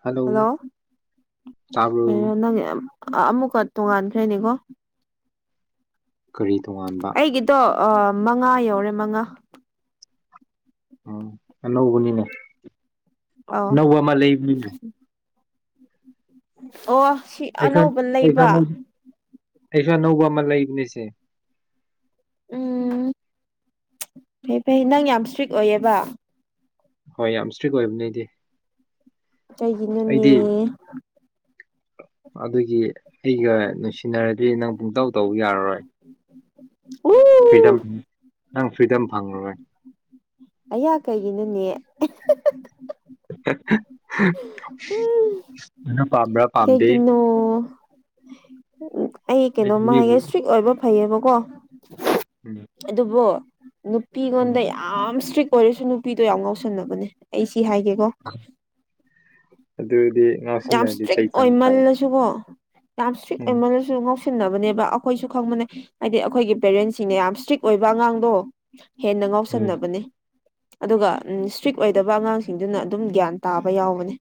Hello ꯍꯜꯂꯣꯔꯣ ꯇꯥꯕ꯭ꯔꯣ ꯅꯪ ꯌꯥꯝ ꯑꯃꯨꯛꯀ ꯇꯣꯡꯉꯥꯟꯈ꯭ꯔꯦꯅꯦꯀꯣ ꯀꯔꯤ ꯇꯣꯉꯥꯟꯕ ꯑꯩꯒꯤꯗꯣ ꯃꯉꯥ ꯌꯧꯔꯦ ꯃꯉꯥ ꯎꯝ ꯑꯅꯧꯕꯅꯤꯅꯦ ꯑꯧ ꯑꯅꯧꯕ ꯑꯃ ꯂꯩꯕꯅꯤꯅꯦ ꯑꯣ ꯁꯤ ꯑꯩꯁꯨ ꯑꯅꯧꯕ ꯑꯩꯁꯨ ꯂꯩꯕ ꯑꯅꯧꯕ ꯑꯩꯁꯨ ꯑꯅꯧꯕ ꯑꯃ ꯂꯩꯕꯅꯤꯁꯦ ꯎꯝ ꯐꯩ ꯐꯩ ꯅꯪ ꯌꯥꯝ ꯏꯁꯇ꯭ꯔꯤꯛ ꯑꯣꯏꯌꯦꯕ ꯍꯣꯏ ꯌꯥꯝ ꯏꯁꯇ꯭ꯔꯤꯛ ꯑꯣꯏꯕ ꯅꯗꯤ ꯀꯩꯒꯤꯅꯅꯦ ꯑꯗꯨꯒꯤ ꯑꯩꯒ ꯅꯨꯡꯁꯤꯅꯔꯗꯤ ꯅꯪ ꯄꯨꯡꯇꯥꯎ ꯇꯧꯕ ꯌꯥꯔꯔꯣꯏ ꯎ ꯐ꯭ꯔꯤꯗꯝ ꯅꯪ ꯐ꯭ꯔꯤꯗꯝ ꯐꯪꯉꯔꯣꯏ ꯑꯌꯥ ꯀꯩꯒꯤꯅꯅꯦ ꯎꯝ [unintelligible] ꯄꯥꯝꯗꯦ ꯀꯩꯒꯤꯅꯣ ꯑꯩ ꯑꯩꯗꯤ ꯀꯩꯅꯣꯝꯃ ꯍꯥꯏꯒꯦ ꯃꯤꯕꯨ ꯏꯁꯇ꯭ꯔꯤꯛ ꯑꯣꯏꯕ ꯐꯩꯌꯦꯕꯀꯣ ꯎꯝ ꯑꯗꯨꯕꯨ ꯎꯝ ꯅꯨꯄꯤꯉꯣꯟꯗ ꯌꯥꯝ ꯏꯁꯇ꯭ꯔꯤꯛ ꯑꯣꯏꯔꯁꯨ ꯅꯨꯄꯤꯗꯣ ꯌꯥꯝ ꯉꯥꯎꯁꯟꯅꯕꯅꯦ ꯑꯩ ꯁꯤ ꯍꯥꯏꯒꯦꯀꯣ ꯑꯗꯨꯗꯤ ꯌꯥꯝ ꯉꯥꯎꯁꯤꯟꯅꯔꯗꯤ ꯏꯁꯇ꯭ꯔꯤꯛ ꯆꯩ ꯆꯪꯕ ꯇꯥꯔꯦ ꯑꯣꯏꯃꯜꯂꯁꯨꯀꯣ ꯌꯥꯝ ꯏꯁꯇ꯭ꯔꯤꯛ ꯎꯝ ꯑꯣꯏꯃꯜꯂꯁꯨ ꯉ ꯁꯤꯟꯅꯕꯅꯦꯕ ꯑꯩꯈꯣꯏꯁꯨ ꯈꯪꯕꯅꯦ ꯍꯥꯏꯗꯤ ꯑꯩꯈꯣꯏꯒꯤ ꯄꯦꯔꯦꯟꯁꯤꯡꯅ ꯌꯥꯝ ꯏꯁꯇ꯭ꯔꯤꯛ ꯑꯣꯏꯕ ꯑꯉꯥꯡꯗꯣ ꯍꯦꯟꯅ ꯎꯝ ꯉꯥꯎꯁꯟꯅꯕꯅꯦ ꯑꯗꯨꯒ ꯏꯁꯇ꯭ꯔꯤꯛ ꯑꯣꯏꯗꯕ ꯑꯉꯥꯡꯁꯤꯡꯗꯨꯅ ꯑꯗꯨꯝ ꯒ꯭ꯌꯥꯟ ꯇꯥꯕ ꯌꯥꯎꯕꯅꯦ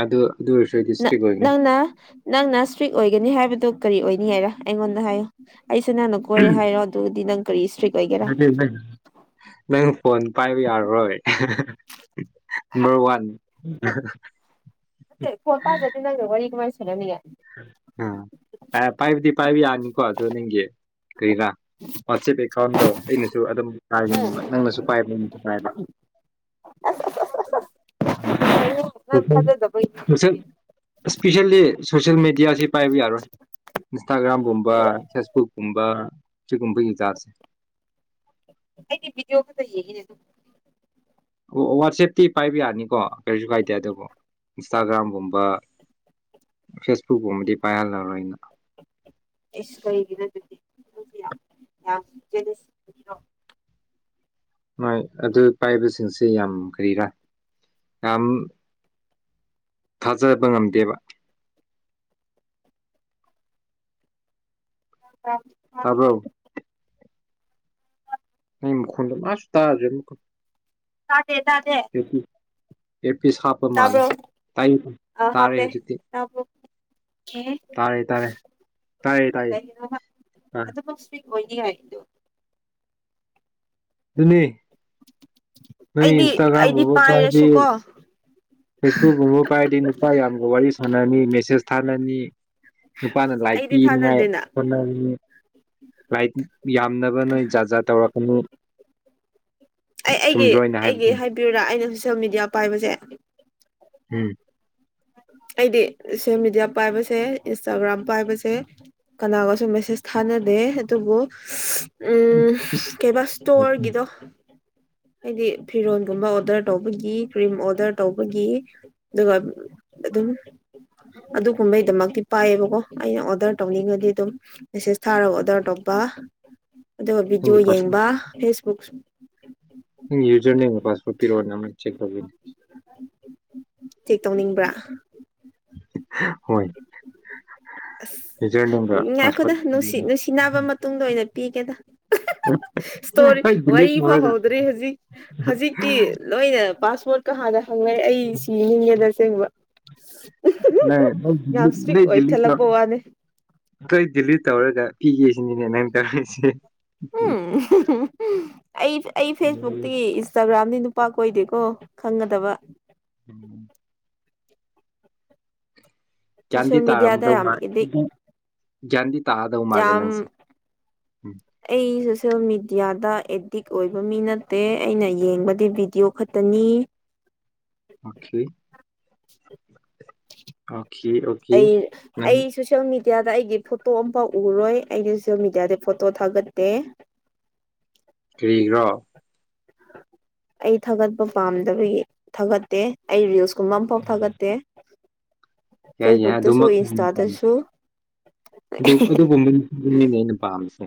ꯑꯗꯨ ꯑꯗꯨ ꯑꯣꯏꯔꯁꯨ ꯅꯪ ꯗꯤꯁꯇ꯭ꯔꯤꯛ ꯑꯣꯏꯅꯤ ꯅꯪꯅ ꯅꯪꯅ ꯏꯁꯇ꯭ꯔꯤꯛ ꯑꯣꯏꯒꯅꯤ ꯍꯥꯏꯕꯗꯨ ꯀꯔꯤ ꯑꯣꯏꯅꯤ ꯍꯥꯏꯔ ꯑꯩꯉꯣꯟꯗ ꯍꯥꯏꯌꯨ ꯑꯩꯁꯦ ꯅꯅ ꯀꯣꯏꯔꯦ ꯍꯥꯏꯔꯣ ꯑꯗꯨꯗꯤ ꯅꯪ ꯀꯔꯤ ꯏꯁꯇ꯭ꯔꯤꯛ ꯑꯣꯏꯒꯦꯔꯥ ꯅꯪ ꯐꯣꯟ ꯄꯥꯏꯕ ꯌꯥꯔꯔꯣꯏ ꯅꯝꯕꯔ ꯋꯥꯟ ꯎ ꯐꯣꯟ ꯄꯥꯏꯗ꯭ꯔꯗꯤ ꯅꯪꯒ ꯋꯥꯔꯤ ꯀꯃꯥꯏꯅ ꯁꯥꯟꯅꯅꯤꯡꯉꯦ ꯄꯥꯏꯕꯗꯤ ꯄꯥꯏꯕ ꯌꯥꯅꯤꯀꯣ ꯑꯗꯨ ꯅꯪꯒꯤ ꯀꯩꯔꯥ ꯋꯥꯆꯦꯞ ꯑꯦꯀꯥꯎꯟꯗꯣ ꯑꯩꯅꯁꯨ ꯑꯗꯨꯝ ꯀꯥꯒꯤ ꯅꯪꯅꯁꯨ ꯄꯥꯏꯕ ꯎꯝ ꯄꯥꯏꯕ ꯎꯝ ꯎꯝ ꯛꯥꯟ ꯈꯖꯦꯗꯕꯩ ꯏꯁꯄꯤꯁꯦꯜꯂꯤ ꯁꯣꯁꯦꯜ ꯃꯦꯗꯤꯌꯥꯁꯤ ꯄꯥꯏꯕ ꯌꯥꯔꯣꯏ ꯏꯟꯁꯇꯥꯒ꯭ꯔꯥꯝꯒꯨꯝꯕ ꯐꯦꯁꯕꯨꯛꯀꯨꯝꯕ ꯁꯤꯒꯨꯝꯕꯒꯤꯖꯥꯁꯦ ꯑꯩꯗꯤ ꯕꯤꯗꯤꯑꯣ ꯀꯗ ꯌꯦꯅꯦꯦꯠꯇꯨ ꯑꯣ ꯋꯥꯆꯦꯞꯇꯤ ꯄꯥꯏꯕ ꯌꯥꯅꯤꯀꯣ ꯀꯔꯤꯁꯨ ꯀꯥꯏꯗꯦ ꯑꯗꯨꯕꯨ ꯏꯟꯁꯇꯥꯒ꯭ꯔꯥꯝꯒꯨꯝꯕ ꯐꯦꯁꯕꯨꯛꯀꯨꯝꯕꯗꯤ ꯄꯥꯏꯍꯜꯂꯔꯣꯏ ꯑꯩꯅ ꯏꯁ ꯀꯒꯤꯗ [unintelligible] ꯍꯣꯏ ꯑꯗꯨ ꯄꯥꯏꯕꯁꯤꯡꯁꯦ ꯌꯥꯝ ꯀꯔꯤꯔꯥ ꯌꯥꯝ ꯊꯥꯖꯕ ꯉꯝꯗꯦꯕ ꯑꯥꯕꯣ ꯨꯟꯗ ꯃꯥꯁ ꯇꯥꯖ ꯗ ꯇꯗꯦ ꯑꯦ ꯄꯤꯁ ꯍꯥꯞꯄ ꯃꯥꯜꯂꯦ ꯇꯥꯏ ꯇꯥꯔꯦ ꯍꯧꯖꯤꯛꯇꯤ ꯇꯥꯔꯦ ꯦ ꯇꯥꯔꯦ ꯇꯥꯔꯦ ꯀ ꯇꯥꯏꯌꯦ ꯀꯃ ꯑꯥ ꯑꯣꯏꯗꯤ ꯍꯥꯏꯗ ꯑꯗꯨ ꯅꯣꯏ ꯑꯩꯗꯤ ꯏꯟꯁꯇꯒ꯭ꯔꯝ ꯑꯩꯗꯤ ꯃꯣꯕ ꯄ ꯍꯥꯏ ꯄꯥꯏꯔꯁꯨꯀꯣ ꯐꯦꯁꯕꯨꯛ ꯄꯥꯏꯗꯤ ꯅꯨꯄꯥ ꯌꯥꯝꯒ ꯋꯥꯔꯤ ꯁꯥꯟꯅꯅꯤ ꯃꯦꯁꯦꯖ ꯊꯥꯅꯅꯤ ꯅꯨꯄꯥꯅ ꯂꯥꯏꯔꯤ ꯑꯩꯗꯤ ꯄꯤꯅꯤꯉꯥꯏ ꯊꯥꯅꯗꯦꯅ ꯍꯣꯠꯅ ꯂꯥꯏꯠ ꯌꯥꯝꯅꯕ ꯅꯣꯏ ꯖꯥꯠ ꯖꯥ ꯇꯧꯔꯛꯀꯅꯨ ꯑꯩ ꯑꯩꯒꯤ ꯑꯩꯒꯤ ꯍꯥꯏꯕꯤꯔꯨꯨꯔꯥ ꯑꯩꯅ ꯁꯣꯁꯦꯜ ꯃꯦꯗꯤꯌꯥ ꯄꯥꯏꯕꯁꯦ ꯎꯝ ꯑꯩꯗꯤ ꯁꯣꯁꯦꯜ ꯃꯦꯗꯤꯌꯥ ꯄꯥꯏꯕꯁꯦ ꯏꯟꯁꯇꯥꯒ꯭ꯔꯥꯝ ꯄꯥꯏꯕꯁꯦ ꯀꯅꯥꯒꯁꯨ ꯃꯦꯁꯦꯁ ꯊꯥꯅꯗꯦ ꯑꯗꯨꯕꯨ ꯎꯝ ꯀꯩꯕꯥ ꯏꯁꯇꯣꯔꯒꯤꯗꯣ [inaudible] ꯍꯥꯏꯗꯤ ꯐꯤꯔꯣꯜꯒꯨꯝꯕ ꯑꯣꯗꯔ ꯇꯧꯕꯒꯤ ꯀ꯭ꯔꯤꯝ ꯑꯣꯗꯔ ꯇꯧꯕꯒꯤ ꯑꯗꯨꯒ ꯑꯗꯨꯝ ꯑꯗꯨꯒꯨꯝꯕꯩꯗꯃꯛꯇꯤ ꯄꯥꯏꯌꯦꯕꯀꯣ ꯑꯩꯅ ꯑꯣꯗꯔ ꯇꯧꯅꯤꯡꯉꯗꯤ ꯑꯗꯨꯝ ꯃꯦꯁꯦꯖ ꯊꯥꯔꯒ ꯑꯣꯔꯗꯔ ꯇꯧꯕ [inaudible] ꯑꯗꯨꯒ ꯚꯤꯗꯤꯑꯣ ꯅꯪꯒꯤ ꯄꯥꯁꯋꯥꯔꯗ ꯌꯦꯡꯕ ꯐꯦꯁꯕꯨꯛ ꯅꯪꯒꯤ ꯌꯨꯖꯔ ꯅꯦꯝꯒ ꯄꯥꯁꯋꯥꯔꯗ ꯄꯤꯔꯛꯑꯣꯅꯦ ꯑꯃꯨꯛ ꯆꯦꯛ ꯇꯧꯒꯦꯅꯦ ꯆꯦꯛ ꯇꯧꯅꯤꯡꯕ꯭ꯔꯥ ꯍꯣꯏ ꯑꯁ ꯌꯨꯖꯔ ꯅꯦꯝꯒ ꯉꯥꯏꯈꯣꯗ ꯅꯨꯡꯁꯤꯠ ꯄꯥꯁꯋꯥꯔꯗ ꯅꯨꯡꯁꯤ ꯅꯥꯕ ꯃꯇꯨꯡꯗ ꯑꯣꯏꯅ ꯄꯤꯒꯦꯗ ꯎ ꯇꯣꯔꯤ ꯋꯥꯔꯤ ꯐꯥꯎꯍꯧꯗ꯭ꯔꯦ ꯍꯧꯖꯤꯛ ꯍꯧꯖꯤꯛꯇꯤ ꯂꯣꯏꯅ ꯄꯥꯁ ꯄꯣꯠ ꯀꯥꯗ ꯍꯪꯅꯩ ꯑꯩ ꯁꯤ ꯅꯤꯡꯉꯦꯅꯆꯦꯡꯕ ꯅ ꯅ ꯄꯋꯥꯅꯤꯦ ꯑꯩꯈꯣꯏ ꯗꯤꯂꯤꯠ ꯇꯧꯔꯒ ꯄꯤꯒꯦꯁꯤꯅꯤꯅꯦ ꯅꯪ ꯇꯧꯔꯛꯁꯦ ꯎꯝ ꯑꯩ ꯑꯩ ꯐꯦꯁꯕꯨꯛꯇꯒꯤ ꯏꯟꯁꯇꯒ꯭ꯔꯥꯝ ꯑꯗꯤ ꯅꯨꯄꯥ ꯀꯣꯏꯗꯦꯀꯣ ꯈꯪꯒꯗꯕ ꯎꯝ ꯁꯣꯁꯦꯜ ꯒ꯭ꯌꯥꯟꯗꯤ ꯃ ꯃꯤꯗꯤꯌꯥꯗ ꯇꯥꯔꯝꯗꯧ ꯃꯥꯜ ꯌꯥꯝꯗꯤ ꯒ꯭ꯌꯥꯟꯗꯤ ꯇꯥꯗꯧ ꯃꯥꯜꯂꯦ ꯌꯥꯝ ꯅꯪꯁꯦ ꯎꯝ ꯑꯩ ꯁꯣꯁꯦꯜ ꯃꯦꯗꯤꯌꯥꯗ ꯑꯦꯗꯤꯛ ꯑꯣꯏꯕ ꯃꯤ ꯅꯠꯇꯦ ꯑꯩꯅ ꯌꯦꯡꯕꯗꯤ ꯚꯤꯗꯤꯑꯣ ꯈꯛꯇꯅꯤ [inaudible] ꯑꯣꯀꯦ ꯑꯩ ꯅꯪ ꯑꯩ ꯁꯣꯁꯜ ꯃꯗꯤ ꯃꯦꯗꯤꯌꯥꯗ ꯑꯩꯒꯤ ꯐꯣꯇꯣ ꯑꯃꯝꯐꯥꯎ ꯎꯔꯣꯏ ꯑꯩꯗꯤꯁꯨ ꯃꯦꯗꯤꯌꯥꯗ ꯐꯣꯇꯣ ꯊꯥꯒꯠꯇꯦ ꯀꯔꯤꯒ꯭ꯔꯣ ꯑꯩ ꯊꯥꯒꯠꯄ ꯄꯥꯝꯗꯕꯒꯤ ꯊꯥꯒꯠꯇꯦ ꯑꯩ ꯔꯤꯜꯁ ꯀꯨꯝꯕ ꯑꯃꯐꯥꯎ ꯊꯥꯒꯠꯇꯦ ꯌꯥꯏ ꯐꯦꯁꯕꯨꯛꯇꯁꯨ ꯑꯗꯨꯃ ꯏꯟꯁꯇꯥꯗꯁꯨ ꯑꯗꯨ ꯑꯗꯨꯒꯨꯝꯕꯅꯤꯅꯦ ꯑꯩꯅ ꯄꯥꯝꯃꯤꯁꯦ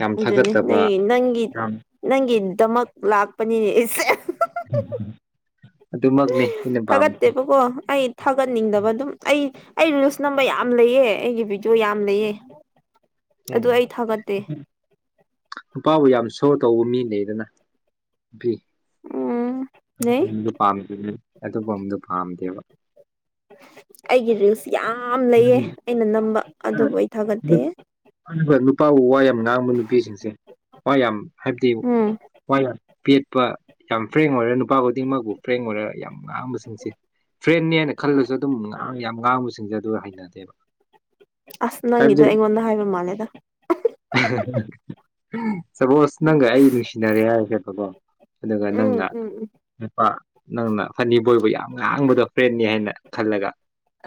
ꯌꯥꯝ ꯑꯗꯨꯅꯤ ꯊꯥꯒꯠꯆꯕ ꯅꯪ ꯅꯪꯒꯤ ꯌꯥꯝ ꯅꯪꯒꯤꯗꯃꯛ ꯂꯥꯛꯄꯅꯤꯅꯦ ꯑꯩꯁꯦ ꯎꯝꯝ ꯊꯥꯒꯠꯇꯦꯕꯀꯣ ꯑꯩ ꯊꯥꯒꯠꯅꯤꯡꯗꯕ ꯑꯗꯨꯝ ꯑꯩ ꯑꯩ ꯔꯤꯜꯁ ꯅꯝꯕ ꯌꯥꯝ ꯂꯩꯑ ꯑꯩꯒꯤ ꯚꯤꯗꯤꯑꯣ ꯌꯥꯝ ꯂꯩꯑ ꯎꯝ ꯄꯥꯎ ꯌꯥꯝ ꯁꯣ ꯀꯧꯕꯧꯕ ꯃꯤꯅꯦꯗꯅ ꯐꯤ ꯎꯝ ꯂꯩ ꯝꯗ ꯑꯗꯨꯗꯨ ꯄꯥꯝꯗꯦꯕ ꯑꯩꯒꯤ ꯔꯤꯜꯁ ꯌꯥꯝ ꯂꯩꯌꯦ ꯑꯩꯅ ꯅꯝꯕ ꯑꯗꯨꯕꯨ ꯑꯩ ꯊꯥꯒꯠꯇꯦ ꯑꯗꯨꯒ ꯅꯨꯄꯥꯕꯨ ꯋꯥ ꯌꯥꯝ ꯉꯥꯡꯕ ꯅꯨꯄꯤꯁꯤꯡꯁꯦ ꯋꯥ ꯌꯥꯝ ꯍꯥꯏꯕꯗꯤ ꯎꯝ ꯋꯥ ꯌꯥꯝ ꯄꯦꯠꯄ ꯌꯥꯝ ꯐ꯭ꯔꯦꯡ ꯑꯣꯏꯔ ꯅꯨꯄꯥ ꯈꯨꯗꯤꯡꯃꯛꯄꯨ ꯐ꯭ꯔꯦꯡ ꯑꯣꯏꯔ ꯌꯥꯝ ꯉꯥꯡꯕꯁꯤꯡꯁꯦ ꯐ꯭ꯔꯦꯦ ꯍꯥꯏꯅ ꯈꯜꯂꯁꯨ ꯑꯗꯨꯝ ꯌꯥꯝ ꯉꯥꯡꯕꯁꯤꯡꯁꯦ ꯑꯗꯨ ꯍꯩꯅꯗꯦꯕ ꯑꯁ ꯅꯪꯒꯤꯗꯣ ꯍꯥꯏꯕꯗꯤ ꯑꯩꯉꯣꯟꯗ ꯍꯥꯏꯕ ꯃꯥꯜꯂꯦꯗ ꯁꯄꯣꯁ ꯅꯪꯒ ꯑꯩ ꯅꯨꯡꯁꯤꯅꯔꯦ ꯍꯥꯏꯔꯁꯦꯕꯀꯣ ꯑꯗꯨꯒ ꯎꯝ ꯅꯪꯅ ꯎꯝ ꯎꯝ ꯅꯪꯅ ꯐꯅꯤꯕꯣꯏꯕꯨ ꯌꯥꯝ ꯉꯥꯡꯕꯗꯣ ꯐ꯭ꯔꯦꯟꯅꯤ ꯍꯥꯏꯅ ꯈꯜꯂꯒ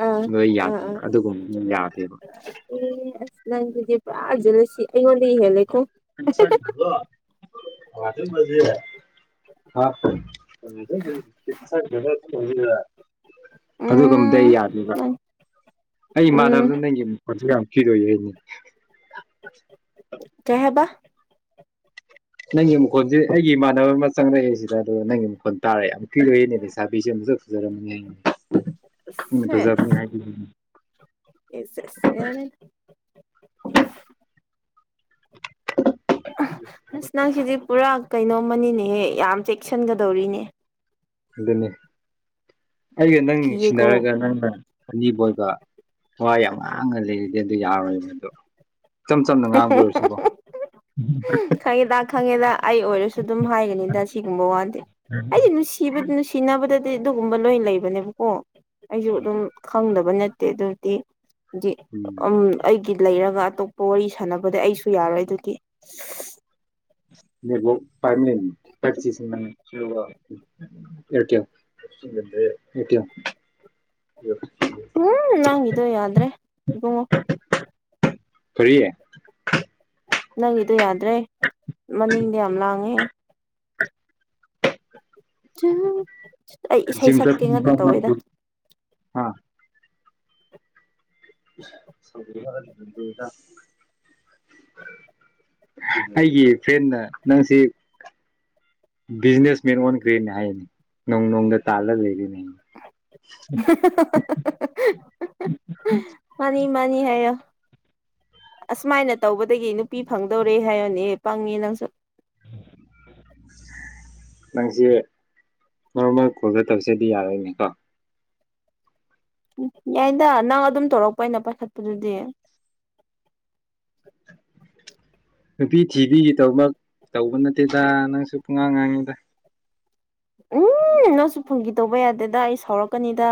ꯑꯥ ꯂꯣꯏ ꯑꯥ ꯌꯥꯗꯦ ꯑꯥ ꯑꯗꯨꯒꯨꯝꯕ ꯌꯥꯗꯦꯕ ꯑꯦ ꯑꯁ ꯅꯪꯁꯤꯗꯤ ꯄꯨꯔꯥ ꯜꯂꯁꯤ ꯑꯩꯉꯣꯟꯗꯒꯤ ꯍꯦꯜꯂꯦꯀꯣ ꯋꯥꯗ ꯃꯖꯦꯤꯁ ꯑꯗꯨꯒꯨꯝꯗ ꯎꯝ ꯌꯥꯗꯕ ꯅꯪ ꯑꯩ ꯎꯝ ꯏꯃꯥꯟꯅꯕꯗꯨ ꯅꯪꯒꯤ ꯃꯈꯠꯁꯨ ꯌꯥꯝ ꯀꯤꯔꯣꯏꯏ ꯑꯩꯅꯤ ꯀ ꯍꯕ ꯅꯪꯒꯤ ꯃꯈꯣꯜꯁꯦ ꯑꯩꯒꯤ ꯏꯃꯥꯟꯅꯕ ꯑꯃ ꯆꯪꯂꯛꯑꯦ ꯁꯤꯗ ꯑꯣ ꯅꯪꯒꯤ ꯃꯈꯣꯜ ꯇꯥꯔꯛꯑꯦ ꯤꯅꯦ ꯄꯩꯁꯥꯕꯤꯁꯦ ꯐꯖꯔ ꯐꯖꯔ ꯑꯦ ꯁꯠ ꯑꯁ ꯅꯪ ꯁꯤꯗꯤ ꯄꯨꯔꯥ ꯀꯩꯅꯣꯝꯃꯅꯤꯅꯦꯍ ꯌꯥꯝ ꯆꯦꯛꯁꯤꯟꯒꯗꯧꯔꯤꯅꯦ ꯑꯗꯨꯅꯤ ꯑꯩꯒ ꯅꯪ ꯀꯤꯌꯦꯀꯣ ꯁꯤꯟꯅꯔꯒ ꯅꯪꯅ ꯑꯅꯤꯕ ꯑꯣꯏꯕ ꯍꯣꯏ ꯌꯥꯝ ꯉꯥꯡꯉꯂꯔꯗꯤ ꯑꯗꯨ ꯌꯥꯔꯣꯏꯕ ꯑꯗꯣ ꯏꯆꯝ ꯆꯝꯅ ꯉꯥꯡꯕ ꯑꯣꯏꯔꯁꯨꯀꯣ ꯎ ꯈꯪꯉꯦꯗ ꯈꯪꯉꯦꯗ ꯑꯩ ꯑꯣꯏꯔꯁꯨ ꯑꯗꯨꯝ ꯍꯥꯏꯒꯅꯤꯗ ꯁꯤꯒꯨꯝꯕ ꯋꯥꯗꯤꯦ ꯑꯩꯅꯨꯡꯁꯤꯕꯅꯨꯡꯁꯤꯅ ꯗꯗꯤ ꯑꯗꯨꯒꯨꯝꯕ ꯂꯣꯏ ꯂꯩꯕꯅꯦꯕꯀꯣ ꯑꯩꯁꯨ ꯑꯗꯨꯝ ꯈꯪꯗꯕ ꯅꯠꯇꯦ ꯑꯗꯨꯗꯤ ꯎꯝ ꯑꯩꯒꯤ ꯂꯩꯔꯒ ꯑꯇꯣꯞꯄ ꯋꯥꯔꯤ ꯁꯥꯟꯅꯕꯗꯤ ꯑꯩꯁꯨ ꯌꯥꯔꯣꯏ ꯑꯗꯨꯗꯤ ꯕꯨꯔꯃꯤꯌꯥ ꯇ ꯎꯝ ꯅꯪꯒꯤꯗꯣ ꯌꯥꯗ꯭ꯔꯦ ꯏꯕꯨꯡꯉꯣ ꯐꯔꯤꯦ ꯅꯪꯒꯤꯗꯨꯣ ꯌꯥꯗ꯭ꯔꯦ ꯃꯅꯤꯡꯗꯤ ꯌꯥꯝ ꯂꯥꯡꯉꯦ ꯑꯩ ꯏꯁꯩ ꯁꯛꯀꯦ ꯉꯗ ꯇꯧꯋꯦꯗ ꯑꯥ ꯁꯗ ꯑꯩꯒꯤ ꯐ꯭ꯔꯦꯟꯅ ꯅꯪꯁꯤ ꯕꯤꯖꯤꯅꯦꯁ ꯃꯦꯟ ꯑꯣꯟꯈ꯭ꯔꯦꯅ ꯍꯥꯏꯅꯤ ꯅꯣꯡ ꯅꯣꯡꯗ ꯇꯥꯜꯂꯒ ꯂꯩꯔꯤꯅꯦ [inaudible] ꯎ ꯃꯅꯤ ꯍꯥꯏ ꯑꯁꯨꯃꯥꯏꯅ ꯇꯧꯕꯗꯒꯤ ꯅꯨꯄꯤ ꯐꯪꯗꯧꯔꯦ ꯍꯥꯏꯌꯣꯅꯦ ꯄꯪꯅꯤ ꯅꯪꯁꯨ ꯎ ꯅꯪꯁꯦ ꯃꯔꯣꯔꯃ ꯀꯣꯜꯗ ꯇꯧꯁꯦꯗꯤ ꯌꯥꯔꯣꯏꯅꯤꯀꯣ ꯎꯝ ꯌꯥꯏꯅ ꯅꯪ ꯑꯗꯨꯝ ꯇꯧꯔꯛꯄ ꯑꯩꯅ ꯄꯥꯏꯈꯠꯄꯗꯨꯗꯤ ꯅꯨꯄꯤ ꯊꯤꯕꯤꯒꯤꯗꯃꯛ ꯇꯧꯕ ꯅꯠꯇꯦꯗ ꯅꯪꯁꯨ ꯄꯨꯡꯉꯥꯡ ꯉꯥꯡꯉꯤꯗ ꯎꯝ ꯅꯪꯁꯨ ꯐꯪꯒꯤꯗꯧꯕ ꯌꯥꯗꯦꯗ ꯑꯩ ꯁꯥꯎꯔꯛꯀꯅꯤꯗ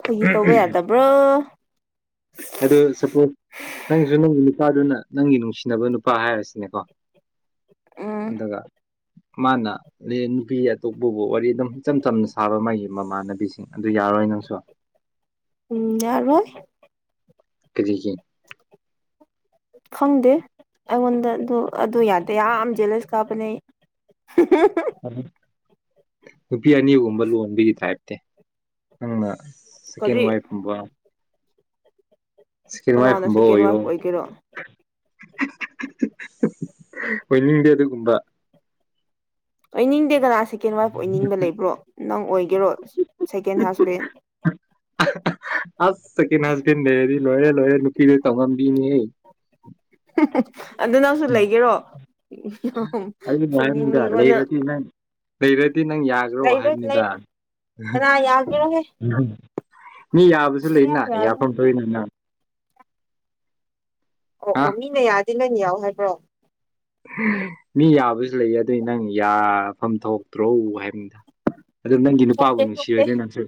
ꯐꯥꯒꯤ ꯇꯧꯕ ꯌꯥꯗꯕ꯭ꯔ‌ꯣ ꯑꯗꯨ ꯁꯄꯣꯁ ꯅꯪꯁꯨ ꯅꯪꯒꯤ ꯅꯨꯄꯥꯗꯨꯅ ꯅꯪꯒꯤ ꯅꯨꯡꯁꯤꯅꯕ ꯅꯨꯄꯥ ꯍꯥꯏꯔꯁꯤꯅꯦꯀꯣ ꯎꯝ ꯑꯗꯨꯒ ꯃꯥꯅ ꯂ‌ꯦ ꯅꯨꯄꯤ ꯑꯇꯣꯞꯄꯕꯨ ꯋꯥꯔꯤ ꯑꯗꯨꯝ ꯏꯆꯝ ꯆꯝꯅ ꯁꯥꯕ ꯃꯥꯒꯤ ꯃꯃꯥꯟꯅꯕꯤꯁꯤꯡ ꯑꯗꯨ ꯌꯥ ꯌꯥꯔꯣꯏ ꯅꯪꯁꯨ ꯎꯝ ꯌꯥꯔ‌ꯣꯏ ꯀꯔꯤꯒꯤ ꯈꯪꯗꯦ ꯑꯩꯉꯣꯟꯗ ꯑꯗꯨ ꯑꯗꯨ ꯌꯥꯗꯦ ꯌꯥꯝ ꯖ‌ꯦꯂꯁ ꯀꯥꯕꯅꯦ ꯑꯩ [inaudible] ꯑ ꯅꯨꯄꯤ ꯑꯅꯤꯒꯨꯝꯕ ꯂꯣꯟꯕꯒꯤ ꯇꯥꯏꯞꯇꯤ ꯅꯪꯅ ꯁꯦꯀ‌ꯦꯟ ꯀꯔꯤ ꯋꯥꯏꯐ ꯒꯨꯝꯕ ꯁ‌ꯦꯀ‌ꯦꯟ ꯋꯥꯏꯐ ꯀꯅꯥꯅ ꯀꯨꯝꯕ ꯁꯦꯀꯦꯟ ꯑꯣꯏꯌ‌ꯣ ꯋꯥꯏꯐ ꯑꯣꯏꯒꯦꯔꯣ ꯑꯣꯏꯅꯤꯡꯗ‌ꯦ ꯑꯗꯨꯒꯨꯝꯕ ꯑꯣꯏꯅꯤꯡꯗꯦꯗ ꯀꯅꯥ ꯁꯦꯀꯦꯟ ꯋꯥꯏꯐ ꯑꯣꯏꯅꯤꯡꯕ ꯂꯩꯕ꯭ꯔꯣ ꯅꯪ ꯑꯣꯏꯒꯦꯔꯣ ꯁꯦꯀꯦꯟ ꯍꯖꯕꯦꯟ ꯑꯁ ꯁ‌ꯦꯀ‌ꯦꯟ ꯍꯖꯕꯦꯟ ꯂꯩꯔꯗꯤ ꯂꯣꯏꯔ‌ꯦ ꯂꯣꯏꯔ‌ꯦ ꯅꯨꯄꯤꯗ ꯇꯧꯉꯝ ꯕꯤꯅ‌ꯦꯍ‌ꯩ ꯑꯗꯨ ꯅꯪꯁꯨ ꯂꯩꯒꯦꯔꯣ ꯎꯝ ꯌꯥꯝ ꯑꯩꯅ ꯍꯥꯏꯕꯅꯤꯗ ꯐꯨꯅꯤꯡꯉꯤꯀ‌ꯣ ꯅꯪ ꯂꯩꯔꯗꯤ ꯂꯩꯔꯗꯤ ꯅꯪ ꯌꯥꯒ꯭ꯔꯣ ꯂꯩꯔꯣꯏ ꯍꯥꯏꯕꯅꯤꯗ ꯂꯩꯔꯣꯏ [unintelligible] ꯀꯅꯥ ꯌꯥꯒ‌ꯦꯔꯣꯍꯦ ꯃꯤ ꯌꯥꯕꯁꯨ ꯂꯩꯅ ꯌꯥꯐꯝ ꯊꯣꯛꯏꯅ ꯅ ꯑꯣ ꯍꯥ ꯑꯣ ꯃꯤꯅ ꯌꯥꯔꯗꯤ ꯅ‌ꯣꯏꯅ ꯌꯥꯎ ꯍꯥꯏꯕ꯭ꯔꯣ ꯍ ꯃꯤ ꯌꯥꯕꯁꯨ ꯂꯩ ꯑꯗꯨꯏ ꯅꯪ ꯌꯥꯐꯝ ꯊꯣꯛꯇ꯭ꯔꯣ ꯍꯥꯏꯕꯅꯤꯗ ꯑꯗꯨ ꯅꯪꯒꯤ ꯅꯨꯄꯥꯕꯨ ꯊꯣꯛꯇꯦ ꯊꯣꯛꯇꯦ ꯅꯨꯡꯁꯤꯔꯣꯏꯗꯔ ꯅꯪꯁꯨ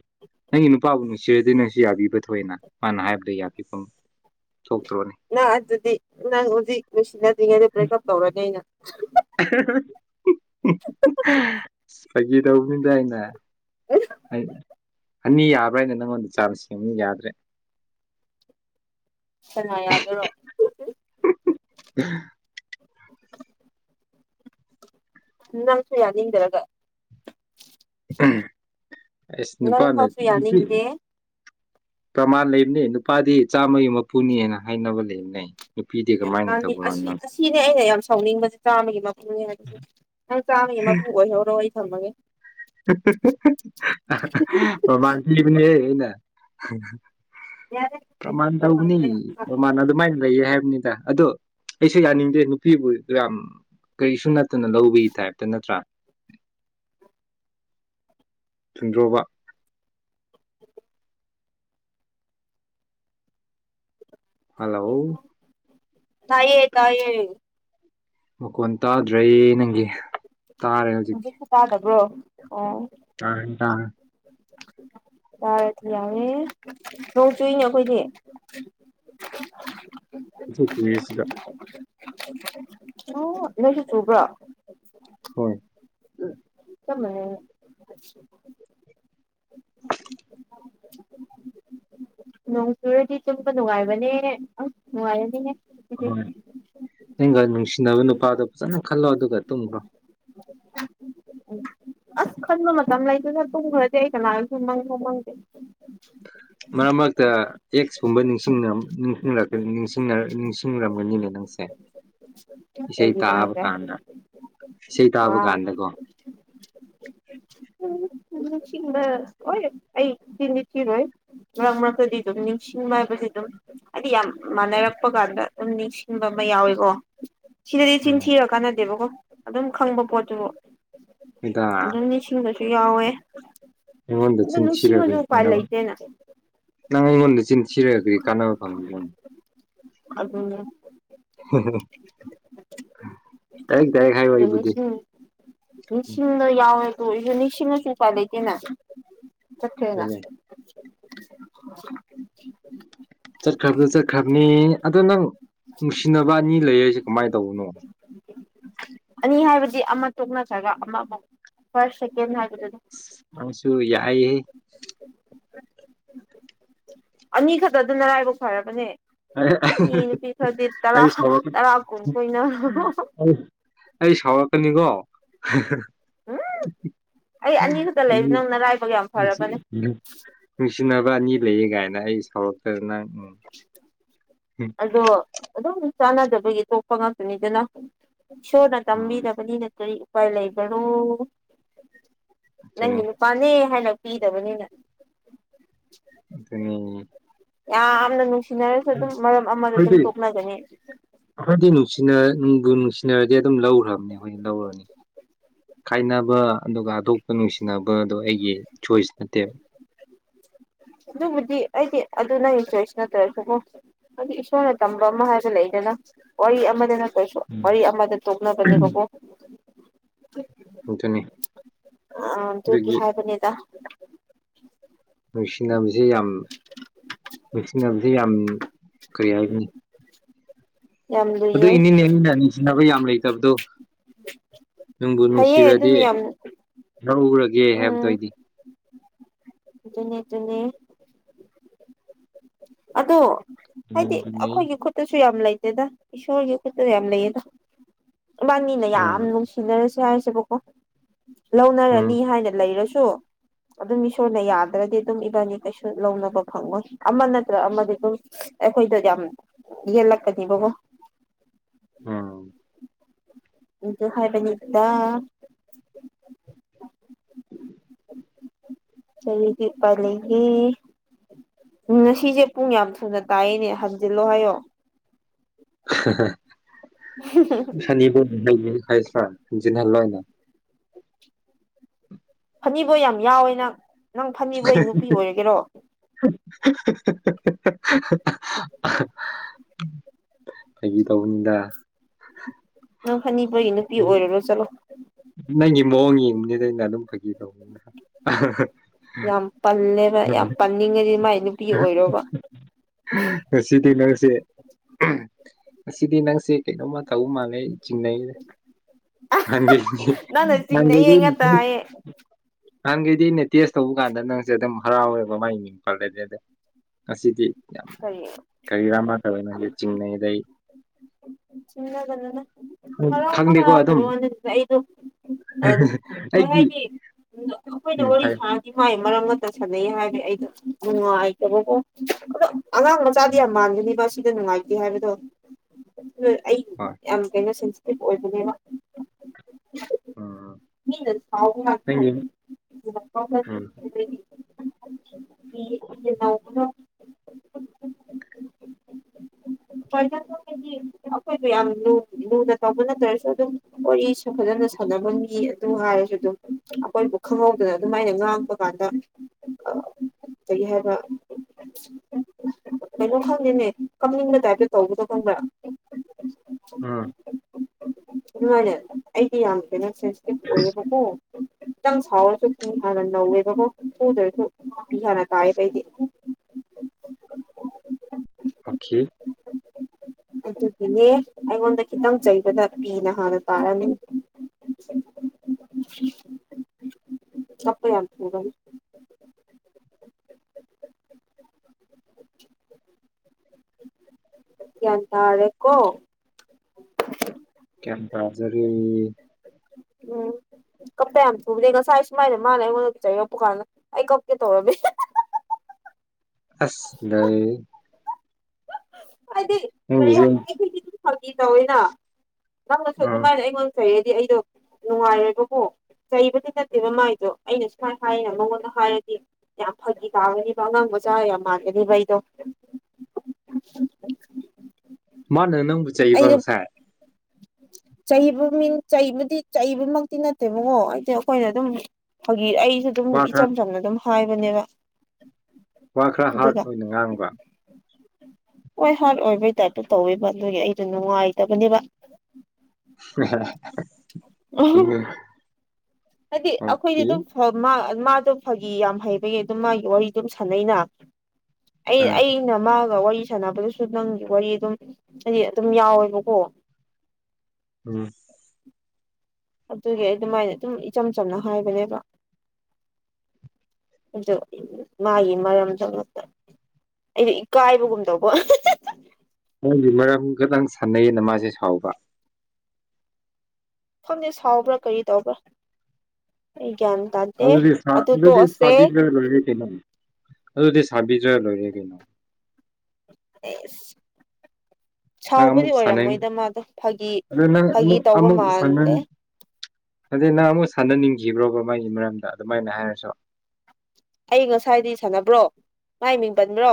ꯅꯪꯒꯤ ꯅꯨꯄꯥꯕꯨ ꯅꯨꯡꯁꯤꯔꯗꯤ ꯅꯪꯁꯨ ꯌꯥꯕꯤꯕ ꯊꯣꯛꯑ‌ꯦꯅ ꯃꯥꯅ ꯍꯥꯏꯕꯗ ꯌꯥꯕꯤꯐꯝ ꯊꯣꯛꯇ꯭ꯔꯣꯅꯦ ꯅꯪ ꯑꯗꯨꯗꯤ ꯅꯪ ꯍꯧꯖꯤꯛ ꯅꯨꯡꯁꯤꯅ ꯗꯔꯤꯉꯩꯗ ꯕꯔ‌ꯦꯛ ꯑꯞ ꯇꯧꯔꯗꯤ ꯑꯩꯅ ꯐꯒꯤ ꯇꯧꯕꯅꯤꯗ ꯑꯩꯅ [unintelligible] ꯑꯅꯤ ꯌꯥꯕ꯭ꯔꯥ ꯍꯥꯏꯅ ꯅꯪꯉꯣꯟꯗ ꯆꯥꯁ ꯌ‌ꯦꯡꯕꯅꯤ ꯌꯥꯗ꯭ꯔꯦ ꯁꯅꯥ ꯌꯥꯗꯣꯏꯔꯣ ꯅꯪꯁꯨ ꯌꯥꯅꯤꯡꯗꯔꯒ ꯑꯁ ꯅꯨꯄꯥꯅ ꯐꯥꯎꯁꯨ ꯅꯨꯄꯤ ꯌꯥꯅꯤꯡꯗꯦ ꯄ꯭ꯔꯃꯥꯟ ꯂꯩꯕꯅꯤ ꯅꯨꯄꯥꯗꯤ ꯆꯥꯝꯃꯒꯤ ꯃꯄꯨꯅꯤꯅ ꯍꯥꯏꯅꯕ ꯂꯩꯕꯅꯩ ꯌꯥꯝ ꯂꯥꯡꯉꯤ ꯑꯁꯤ ꯑꯁꯤꯅꯦ ꯑꯩꯅ ꯌꯥꯝ ꯁ ꯊꯧꯅꯤꯡꯕꯁꯦ ꯆꯥꯝꯃꯒꯤ ꯃꯄꯨꯅꯤ ꯍꯥꯏꯕꯁꯦ ꯅꯪ ꯆꯥꯝꯃꯒꯤ ꯃꯄꯨ ꯑꯣꯏꯍꯧꯔꯣ ꯑꯩ ꯊꯝꯃꯒꯦ [unintelligible] ꯃꯥꯃꯥꯡ ꯊꯤꯕꯅ‌ꯦꯍ‌ꯦ ꯑꯩꯅ ꯄ꯭ꯔꯃꯥꯟ ꯇꯧꯕꯅꯤ ꯄ꯭ꯔꯃꯥꯟ ꯑꯗꯨꯃꯥꯏꯅ ꯂꯩꯌꯦ ꯍꯥꯏ ꯅꯤꯗ ꯑꯗꯣ ꯑꯩꯁꯨ ꯌꯥꯅꯤꯡꯗꯦ ꯅꯨꯄꯤꯕꯨ ꯌꯥꯝ ꯀꯔꯤꯁꯨ ꯅꯠ ꯇꯅ ꯂꯧꯕꯩ ꯇꯥꯏꯞꯇ ꯅꯠꯇ꯭ꯔꯥ ꯊꯨꯡꯗ꯭ꯔꯣꯕ ꯍꯜꯂꯣ ꯇꯥꯏꯌꯦ ꯇꯥꯏꯌꯦ ꯃꯈ‌ꯣꯟ ꯇꯥꯗ꯭ꯔꯦ ꯅꯪꯒꯤ ꯇꯥꯔꯦ ꯍꯧꯖꯤꯛꯇꯤ ꯕ꯭ꯔꯣ ꯑꯣ [unintelligible] ꯇꯥꯔꯦ ꯌꯥꯔꯦ ꯅ‌ꯣꯡ ꯆꯨꯏꯅ ꯈꯣꯏꯗꯤ [unintelligible] ꯁꯤꯗ ꯑꯣ ꯅ‌ꯣꯏꯁꯨ ꯆꯨꯕ꯭ꯔ‌ꯣ ꯍꯣꯏ [unintelligible] ꯅꯣꯡ ꯆꯨꯔꯗꯤ ꯇꯨꯝꯕ ꯅꯨꯡꯉꯥꯏꯕꯅꯦ ꯑꯁ ꯅꯨꯡꯉꯥꯏꯔꯅꯤꯍ‌ꯦ ꯍ‌ꯣꯏ ꯅꯪꯒ ꯅꯨꯡꯁꯤꯅꯕ ꯅꯨꯄꯥꯗꯣ ꯐꯖꯅ ꯈꯜꯂꯣ ꯑꯗꯨꯒ ꯇꯨꯝꯕ꯭ꯔꯣ ꯑꯁ ꯈꯟꯕ ꯃꯇꯝ ꯂꯩꯇꯦꯗ ꯇꯨꯡꯈ꯭ꯔꯗꯤꯦ ꯑꯩ ꯀꯅꯥꯒꯁꯨ ꯃꯪꯕꯥꯎ ꯃꯪꯗꯦ ꯃꯔꯛ ꯃꯔꯛꯇ ꯑꯦꯛꯁꯀꯨꯝꯕ ꯅꯤꯡꯁꯤꯡ ꯅꯤꯡ ꯅꯤꯡ ꯅꯤꯡꯁꯤꯡꯔꯝꯒꯅꯤꯅꯦ ꯅꯪꯁꯦ ꯏꯁꯩ ꯀꯩꯒꯤꯅꯣ ꯇꯥꯕ ꯍꯥꯏꯁꯦ ꯀꯥꯟꯗ ꯏꯁꯩ ꯇꯥꯕ ꯋꯥꯎ ꯀꯥꯟꯗꯀꯣ ꯅꯤꯡꯁꯤꯡꯕ ꯍꯣꯏ ꯑꯩ ꯆꯤꯟꯗꯤ ꯊꯤꯔꯣꯏ ꯃꯔꯛ ꯃꯔꯛꯇꯗꯤ ꯑꯗꯨꯝ ꯅꯤꯡꯁꯤꯡꯕ ꯍꯥꯏꯕꯁ ꯑꯗꯨꯝ ꯍꯥꯏꯗꯤ ꯌꯥꯝ ꯃꯥꯟꯅꯔꯛꯄ ꯀꯥꯟꯗ ꯑꯗꯨꯝ ꯅꯤꯡꯁꯤꯡꯕ ꯑꯃ ꯌꯥꯎꯋꯦꯀꯣ ꯁꯤꯗꯗꯤ ꯎꯝ ꯆꯤꯟꯊꯤꯔ ꯀꯥꯟꯅꯗꯦꯕꯀꯣ ꯑꯗꯨꯝ ꯈꯪꯕ ꯄꯣꯠꯇꯨꯕꯨ ꯏꯇꯥ ꯑꯗꯨ ꯅꯤꯡꯁꯤꯡꯕꯁꯨ ꯌꯥꯎꯋꯦ ꯑꯩꯉꯣꯟꯗ ꯑꯗꯨ ꯆꯤꯟꯁꯤꯔꯈꯣꯏ ꯅꯤꯡꯁꯤꯡꯉꯁꯨ ꯎꯄꯥꯏ ꯂꯩꯇꯦꯅ [unintelligible] ꯅꯪ ꯑꯩꯉꯣꯟꯗ ꯆꯤꯟ ꯊꯤꯔꯒ ꯀꯔꯤ ꯀꯥꯟꯅꯕ ꯐꯪꯒ‌ꯦꯔ ꯑꯗꯨꯅ‌ꯦ [inaudible] ꯗꯥꯏꯔꯦꯛ ꯗꯥꯏꯔꯦꯛ ꯍꯥꯏꯌꯣ ꯑꯩꯕꯨꯗꯤ [unintelligible] ꯎꯝ ꯃꯦꯁꯤꯡꯟꯗ ꯌꯥꯎꯋꯦ ꯌꯨꯅꯤꯛꯁꯤꯅꯁꯨ ꯎꯄꯥ ꯂꯩꯇ‌ꯦꯅ ꯆꯠꯈ꯭ꯔ‌ꯦꯅ [inaudible] ꯑꯗꯨꯅꯦ ꯆꯠꯈ꯭ꯔꯕꯗ ꯆꯠꯈ꯭ꯔꯕꯅꯤ ꯑꯗꯣ ꯅꯪ ꯅꯨꯡꯁꯤꯅꯕ ꯑꯅꯤ ꯂꯩ ꯌ‌ꯦꯁꯦ ꯀꯃꯥꯏꯅ ꯇꯧꯕꯅꯣ ꯃꯤ ꯍꯥꯏꯕꯗꯤ ꯑꯃ ꯇꯣꯛꯅꯈ꯭ꯔꯒ ꯑꯃꯃꯨꯛ ꯐꯥꯔꯁ ꯁꯦꯀꯦꯟ ꯍꯥꯏꯕꯗꯨꯅꯤ ꯑꯁꯨꯨ ꯌꯥꯏꯌꯦ ꯑꯅꯤ ꯈꯛꯇ ꯑꯗꯨ ꯅꯔꯥꯏꯕꯛ ꯐꯔꯕꯅꯦ ꯃꯤ ꯅꯨꯄꯤ ꯈꯔꯗꯤ ꯇꯔꯥ ꯑꯩ ꯁꯥꯎꯔꯛꯀꯅꯤ ꯇꯔꯥ ꯀꯨꯟ ꯀ‌ꯣꯏꯅꯔ ꯑꯩ ꯑꯩ ꯁꯥꯎꯔꯛꯀꯅꯤꯀꯣ ꯎꯝ ꯑꯩ ꯑꯅꯤ ꯈꯛꯇ ꯂꯩꯕ ꯅꯪ ꯅꯔꯥꯏꯕꯛ ꯌꯥꯝ ꯐꯔꯕꯅꯦ ꯅꯨꯡꯁꯤꯅꯕ ꯑꯅꯤ ꯂꯩꯌꯦ ꯀꯥꯏꯅ ꯑꯩ ꯁꯥꯎꯔꯛꯇꯗ ꯅꯪ ꯎꯝ ꯑꯗꯣ ꯑꯗꯨꯝ ꯆꯥꯟꯅꯗꯕꯒꯤ ꯇꯣꯛꯄ ꯉꯥꯛꯇꯅꯤꯗꯅ ꯏꯁ ꯏꯁꯣꯔꯅ ꯎꯝ ꯇꯝꯕꯤꯔꯕꯅꯤꯅ ꯀꯔꯤ ꯎꯄꯥꯏ ꯂꯩꯕꯅꯣ ꯑꯗꯨꯅꯤ ꯅꯪꯒꯤ ꯅꯨꯄꯥꯅꯦ ꯍꯥꯏꯅ ꯄꯤꯗꯕꯅꯤꯅ ꯑꯗꯨꯅꯤ ꯌꯥꯝꯅ ꯅꯨꯡꯁꯤꯅꯔꯁꯨ ꯑꯗꯨꯝ ꯃꯔꯝ ꯑꯃꯗ ꯑꯩꯈ‌ꯣꯏꯗꯤ ꯑꯗꯨꯝ ꯇꯣꯛꯅꯒꯅꯤ ꯑꯩꯈ‌ꯣꯏꯗꯤ ꯅꯨꯡꯁꯤꯅ ꯅꯪꯕꯨ ꯅꯨꯡꯁꯤ ꯁꯤꯟꯅꯔꯗꯤ ꯑꯗꯨꯝ ꯂꯧꯈ꯭ꯔꯕꯅꯦ ꯑꯩꯈꯣꯏꯅ ꯂꯧꯔꯅꯤ ꯈꯥꯏꯅꯕ ꯑꯗꯨꯒ ꯅꯨꯡꯁꯤꯅꯕꯗꯣ ꯑꯩꯒꯤ ꯆꯣꯏꯁ ꯅꯠꯇꯦꯕ ꯑꯗꯨꯕꯨꯗꯤ ꯑꯩꯗꯤ ꯑꯗꯨ ꯅꯪꯒꯤ ꯆꯣꯏꯁ ꯅꯠꯇ꯭ꯔꯁꯨꯀꯣ ꯑꯩꯗꯤ ꯏꯁꯣꯔꯅ ꯇꯝꯕ ꯑꯃ ꯍꯥꯏꯕ ꯂꯩꯗ ꯗꯣ ꯋꯥꯔꯤ ꯑꯃꯗꯅ ꯀꯩꯁꯨ ꯋꯥꯔꯤ ꯑꯃꯗ ꯇꯣꯛꯅꯕꯅꯦꯕꯀꯣ ꯇꯨꯅꯤ ꯑ ꯑꯗꯨꯒꯤ ꯍꯥꯏꯕꯅꯤꯗ ꯅꯨꯡꯁꯤꯅꯕꯁꯤ ꯌꯥꯝ ꯅꯨꯡꯁꯤꯅꯕꯁꯤ ꯌꯥꯝ ꯀꯔꯤ ꯍꯥꯏꯒꯅꯤ ꯌꯥꯝ ꯑꯗꯨ ꯂꯨꯏꯌꯦ ꯏꯅꯦꯅꯦꯅꯤꯟꯅ ꯅꯤꯡꯁꯤꯅꯕ ꯌꯥꯝ ꯂꯩꯇꯕꯗꯣ ꯅꯨꯡꯕꯨ ꯐꯩꯌꯦ ꯅꯨꯡꯁꯤꯔꯗꯤ ꯑꯗꯨꯅ ꯌꯥꯝ ꯂꯧꯔꯒꯦ ꯍꯥꯏꯕꯗꯣ ꯎꯝ ꯑꯣꯏꯗꯤ ꯑꯗꯨꯅꯦ ꯗꯨꯅꯦ ꯑꯗꯣ ꯍꯥꯏꯗꯤ ꯑꯗꯨꯅꯤ ꯑꯩꯈꯣꯏꯒꯤ ꯈꯨꯠꯇꯁꯨ ꯌꯥꯝ ꯂꯩ ꯇꯦꯗ ꯏꯁꯣꯔꯒꯤ ꯈꯨꯠꯇꯁꯨ ꯌꯥꯝ ꯂꯩꯌꯦꯗ ꯏꯕꯥꯅꯤꯅ ꯌꯥꯝ ꯎꯝ ꯅꯨꯡꯁꯤꯅꯔꯁꯨ ꯁ ꯍꯥꯏꯁꯦꯕꯀꯣ ꯎꯝ ꯂꯧꯅꯔꯅꯤ ꯍꯥꯏꯅ ꯂꯩꯔꯁꯨ ꯑꯗꯨꯝ ꯏꯁꯣꯔꯅ ꯌꯥꯗ꯭ꯔꯗꯤ ꯑꯗꯨꯝ ꯏꯕꯥꯅꯤ ꯀꯩꯁꯨ ꯂꯧꯅꯕ ꯐꯪꯉꯣꯏ ꯑꯃ ꯅꯠꯇ꯭ꯔ ꯑꯃꯗꯤ ꯑꯗꯨꯝ ꯑꯩꯈꯣꯏꯗ ꯌꯥꯝ ꯌꯦꯜꯂꯛꯀꯅꯤꯕꯀ‌ꯣ ꯑꯝ [unintelligible] ꯍꯥꯏꯕꯅꯤꯗꯅ [unintelligible] ꯎꯝ ꯉꯁꯤꯁꯦ ꯄꯨꯡ ꯌꯥꯝ ꯊꯨꯅ ꯇꯥꯏꯌ‌ꯦꯅꯦ ꯍꯟꯖꯤꯜꯂꯣ ꯍꯥꯏꯌꯣ ꯑꯟꯏꯟꯇꯦꯜꯂꯤꯖꯦꯕꯜ ꯑꯟꯏꯟꯇꯦꯜꯂꯤꯖꯦꯕꯜ ꯐꯅꯤꯕꯣꯏ ꯌꯥꯝ ꯌꯥꯎꯋꯦ ꯅꯪ ꯅꯪ ꯐꯅꯤꯕꯣꯏ ꯅꯨꯄꯤ ꯑꯣꯏꯔꯒꯦꯔꯣ ꯑꯟꯏꯟꯇꯦꯜꯂꯤꯖꯦꯕꯜ ꯐꯒꯤ ꯇꯧꯕꯅꯤꯗ ꯅꯪ ꯐꯅꯤꯄꯒꯤ ꯅꯨꯄꯤ ꯑꯣꯏꯔꯨꯔꯣ ꯆꯠꯂꯣ ꯅꯪꯒꯤ ꯃꯑꯣꯡ ꯌꯦꯡꯕꯅꯤꯗ ꯑꯩꯅ ꯑꯗꯨꯝ ꯐꯥꯒꯤ ꯇꯧꯕꯅꯤꯅ ꯑꯍꯍꯍ ꯌꯥꯝ ꯄꯜꯂꯦꯕ ꯌꯥꯝ ꯄꯟꯅꯤꯡꯉꯗꯤ ꯃꯥꯏ ꯅꯨꯄꯤ ꯑꯣꯏꯔꯣꯕ ꯉꯁꯤꯗꯤ ꯅꯪꯁꯦ ꯉꯁꯤꯗꯤ ꯅꯪꯁꯦ ꯀꯩꯅꯣꯝꯃ ꯊꯧꯕ ꯃꯥꯜꯂꯦ ꯑꯩ ꯆꯤꯡꯅꯩꯗ ꯅꯪꯅ ꯆꯤꯡꯅꯩꯌꯦ ꯉꯥꯛꯇ ꯑꯟꯏꯟꯇꯦꯜꯂꯤꯖꯦꯕꯜ ꯍꯥꯏꯌꯦ ꯅꯍꯪꯒꯤꯗꯤ ꯅ ꯇꯦꯁ ꯇꯧꯕ ꯀꯥꯟꯗ ꯅꯪꯁꯦ ꯑꯗꯨꯝ ꯍꯔꯥꯎꯋꯦꯕ ꯃꯒꯤ ꯃꯤꯡ ꯄꯜꯂꯗꯤ ꯑꯗ ꯉꯁꯤꯗꯤ ꯌꯥꯝ ꯀꯔꯤ ꯀꯔꯤꯔꯥ ꯃꯥꯗꯧꯋꯦ ꯆꯤꯡꯅꯩꯗ ꯆꯤꯡꯅꯒꯅꯨꯗ ꯍꯔꯥꯎꯕ ꯈꯪꯗꯦꯀꯣ ꯑꯗꯨꯝ ꯍꯔꯥꯎꯗꯅ ꯋꯥ ꯅꯠꯇꯦ ꯑꯩꯗꯣ ꯀꯩ ꯑꯩꯒꯤ ꯍꯥꯏꯅꯤ ꯑꯩꯈꯣꯏꯅ ꯎꯝ ꯋꯥꯔꯤ ꯍꯥꯏꯌꯣ ꯁꯥꯥꯟꯔꯗꯤ ꯃꯥꯥꯏ ꯃꯔꯝ ꯑꯃꯇ ꯁꯥꯟꯅꯩ ꯍꯥꯏꯕ ꯑꯩꯗꯣ ꯅꯨꯡꯉꯥꯏꯇꯕꯀꯣ ꯑꯣ ꯑꯉꯥꯡ ꯃꯆꯥꯗꯤ ꯌꯥꯝ ꯃꯥꯟꯒꯅꯤꯕ ꯁꯣ ꯁꯤꯗ ꯅꯨꯡꯉꯥꯏꯇꯦ ꯍꯥꯏꯕꯗꯣ ꯑꯩ ꯍꯣꯏ ꯌꯥꯝ ꯀꯩꯅꯣ ꯁꯤꯟ ꯑꯣꯏꯕꯅꯦꯕ ꯎꯝ ꯑꯟꯏꯟꯇꯦꯜꯂꯤꯖꯦꯕꯜ ꯅꯪꯒꯤ ꯎꯝ ꯑꯟꯏꯟꯇꯦꯜꯂꯤꯖꯦꯕꯜ ꯗꯤ ꯑꯩꯈꯣꯏꯕꯨ ꯌꯥꯝ ꯂꯨꯅ ꯇꯧꯕ ꯅꯠꯇ꯭ꯔꯁꯨ ꯑꯗꯨꯝ ꯋꯥꯔꯤꯁꯨ ꯐꯖꯅ ꯁꯥꯟꯅꯕ ꯃꯤ ꯑꯗꯨ ꯍꯥꯏꯔꯁꯨ ꯑꯗꯨꯝ ꯑꯩꯈꯣꯏꯕꯨ ꯈꯪꯍꯧꯗꯅ ꯑꯗꯨꯃꯥꯏꯅ ꯉꯥꯡꯕ ꯀꯥꯟꯗ ꯑꯟꯑꯣꯗꯤꯕꯜ ꯀꯩ ꯍꯥꯏꯕ ꯀꯩꯅꯣ ꯈꯪꯗꯦꯅꯦ ꯀꯝꯅꯤꯡꯕ ꯇꯥꯏꯞ ꯇꯧꯕꯗꯣ ꯈꯪꯕ꯭ꯔ ꯑꯝ ꯑꯗꯨꯃꯥꯏꯅ ꯑꯩꯗꯤ ꯌꯥꯝ ꯀꯦꯩꯅ ꯁꯦꯟꯁꯤꯇꯤꯞ ꯑꯣꯏꯌꯦꯕꯀꯣ ꯑꯟꯑꯣꯗꯤꯕꯜ ꯈꯤꯇꯪ ꯁꯥꯎꯔꯁꯨ ꯐꯤ ꯍꯥꯟꯅ ꯅꯧꯋꯦꯕꯀ ꯐꯨꯗ꯭ꯔꯁꯨ ꯐꯤ ꯍꯥꯟꯅ ꯇꯥꯏꯑꯕ ꯑꯩꯗꯤ ꯑꯣꯈꯦ ꯑꯟꯑꯣꯗꯤꯕꯜ ꯑꯗꯨꯒꯤꯅꯦ ꯑꯩꯉꯣꯟꯗ ꯈꯤꯇꯪ ꯆꯩꯕꯗ ꯀꯤꯅ ꯍꯥꯟꯅ ꯇꯥꯔꯝꯃꯤ ꯀꯞꯄꯥ ꯌꯥꯝ ꯊꯨꯕꯒꯤ ꯒ꯭ꯌꯥꯟ ꯇꯥꯔꯦꯀꯣ ꯒ꯭ꯌꯥꯟꯇꯥꯖꯔꯦ ꯑꯝ ꯀꯞꯄ ꯌꯥꯝ ꯊꯨꯕꯅꯦ ꯉꯁꯥꯏ ꯁꯨꯃꯥꯏꯅ ꯃꯥꯅ ꯑꯩꯉꯣꯟꯗ ꯆꯩꯔꯛꯄ ꯀꯥꯟꯗ ꯑꯩ ꯀꯞꯀꯦ ꯇꯧꯔꯝꯃꯤ ꯑꯟꯑꯣꯗꯤꯕꯜ ꯑꯁ ꯂꯩꯏ ꯍꯥꯏꯗꯤ ꯀꯔꯤꯉ ꯑꯩꯈꯩꯗꯤ ꯑꯗꯨꯝ ꯐꯇ ꯇꯧꯋꯤꯅ ꯅꯪꯅꯁꯨ ꯎꯝ ꯑꯗꯨꯃꯥꯏꯅ ꯑꯩꯉꯣꯟꯗ ꯐꯩꯌꯦꯗꯤ ꯑꯩꯗꯣ ꯅꯨꯡꯉꯥꯏꯔꯦꯕꯀꯣ ꯆꯩꯕꯗꯤ ꯅꯠꯇꯦꯕ ꯃꯥꯏꯗꯣ ꯑꯩꯅ ꯁꯨꯃꯥꯏꯅ ꯍꯥꯏꯌꯦꯅ ꯃꯉꯣꯟꯗ ꯍꯥꯏꯔꯗꯤ ꯌꯥꯝ ꯐꯈꯤ ꯇꯥꯕꯅꯦꯕ ꯑꯉꯥꯡ ꯃꯖꯥ ꯌꯥꯝ ꯃꯥꯥꯟꯂꯦꯅꯦ ꯑꯩꯗꯣ ꯃꯥꯅ ꯅꯪ ꯕꯨ ꯆꯩꯕ ꯑꯩꯗꯣ ꯉꯁꯥꯏ ꯆꯩꯕ ꯃꯤ ꯆꯩꯕꯨꯗꯤ ꯆꯩꯕꯃꯛꯇꯤ ꯅꯠꯇꯦꯕꯀꯣ ꯍꯥꯏꯗꯤ ꯑꯩꯈꯣꯏꯅ ꯑꯗꯨꯝ ꯍꯧꯖꯤꯛ ꯑꯩꯁꯨ ꯑꯗꯨꯝ ꯋꯥ ꯏꯆꯝ ꯈꯔ ꯆꯝꯅ ꯑꯗꯨꯝ ꯍꯥꯏꯕꯅꯦꯕ ꯋꯥ ꯈꯔ ꯍꯥꯔꯠ ꯑꯗꯨꯒ ꯑꯣꯏꯅ ꯉꯥꯡꯕ ꯍꯣꯏ ꯍꯥꯔꯠ ꯑꯣꯏꯕꯩ ꯇꯥꯏꯞꯇꯣ ꯇꯧꯋꯦꯕ ꯑꯗꯨꯒꯤ ꯑꯩꯗꯣ ꯅꯨꯡꯉꯥꯏꯇꯕꯅꯦꯕ ꯎꯝ ꯍꯥꯏꯗꯤ ꯑꯈꯣꯏꯗꯤ ꯑꯣꯀꯦ ꯑꯗꯨꯝ ꯐ ꯃꯥ ꯃꯥꯗꯣ ꯐꯒꯤ ꯌꯥꯝ ꯍꯩꯕꯒꯤ ꯑꯗꯨꯝ ꯃꯥꯒꯤ ꯋꯥꯔꯤ ꯑꯗꯨꯝ ꯁꯥꯟꯅꯩꯩꯅ ꯑꯩ ꯑꯥ ꯑꯩꯅ ꯃꯥꯒ ꯋꯥ ꯋꯥꯔꯤ ꯁꯥꯟꯅꯕꯗꯨꯁꯨ ꯅꯪꯒꯤ ꯋꯥꯔꯤ ꯑꯗꯨꯝ ꯍꯥꯏꯗꯤ ꯑꯗꯨꯝ ꯌꯥꯎꯋꯦꯕꯀꯣ ꯎꯝ ꯑꯗꯨꯒꯤ ꯑꯩ ꯑꯗꯨꯃꯥꯏꯅ ꯑꯗꯨꯝ ꯏꯆꯝ ꯆꯝꯅ ꯍꯥꯏꯕꯅꯦꯕ ꯃꯥꯒꯤ ꯃꯔꯝ ꯆ ꯑꯩꯗꯤ ꯏꯀꯥꯏꯕꯒꯨꯝ ꯇꯧꯕ ꯅꯪꯗꯤ ꯃꯔꯝ ꯈꯛꯇꯪ ꯁꯥꯟꯅꯩꯌꯦꯅ ꯃꯥꯁꯦ ꯁꯥꯎꯕ ꯈꯪꯗꯦ ꯁꯥꯎꯕ꯭ꯔꯥ ꯀꯔꯤ ꯇꯧꯕ꯭ꯔꯥ ꯑꯩ ꯒ꯭ꯌꯥꯟ ꯇꯥꯗꯦ ꯑꯗꯨꯗꯤ ꯁꯥ ꯑꯗꯨ ꯑꯗꯨꯗꯤ ꯇꯣꯛꯑꯁꯦ ꯁꯥꯕꯤꯗ꯭ꯔ ꯂꯣꯏꯔꯦ ꯀꯩꯅꯣ ꯑꯗꯨꯗꯤ ꯁꯥꯕꯤꯗ꯭ꯔ ꯂꯣꯏꯔꯦ ꯀꯩꯅꯣ ꯑꯦꯁ ꯅꯪ ꯁꯥꯎꯕꯗꯤ ꯑꯃꯨꯛ ꯁꯥꯟꯅꯩ ꯑꯣꯏꯔꯝꯃꯣꯏꯗ ꯃꯥꯗꯣ ꯐꯥꯒꯤ ꯑꯗꯨ ꯅꯪ ꯐꯥꯒꯤ ꯇꯧꯕ ꯃꯥꯜꯂꯦ ꯑꯗꯨꯗꯤ ꯅꯪ ꯑꯃꯨꯛ ꯁꯥꯟꯅꯅꯤꯡꯈꯤꯕ꯭ꯔꯣꯕ ꯃꯥꯒꯤ ꯃꯔꯝꯗ ꯑꯗꯨꯃꯥꯏꯅ ꯍꯥꯏꯔꯁꯨ ꯑꯩ ꯉꯁꯥꯏꯗꯤ ꯁꯥꯟꯅꯕ꯭ꯔꯣ ꯃꯥꯏ ꯃꯤꯡ ꯄꯟꯕ꯭ꯔꯣ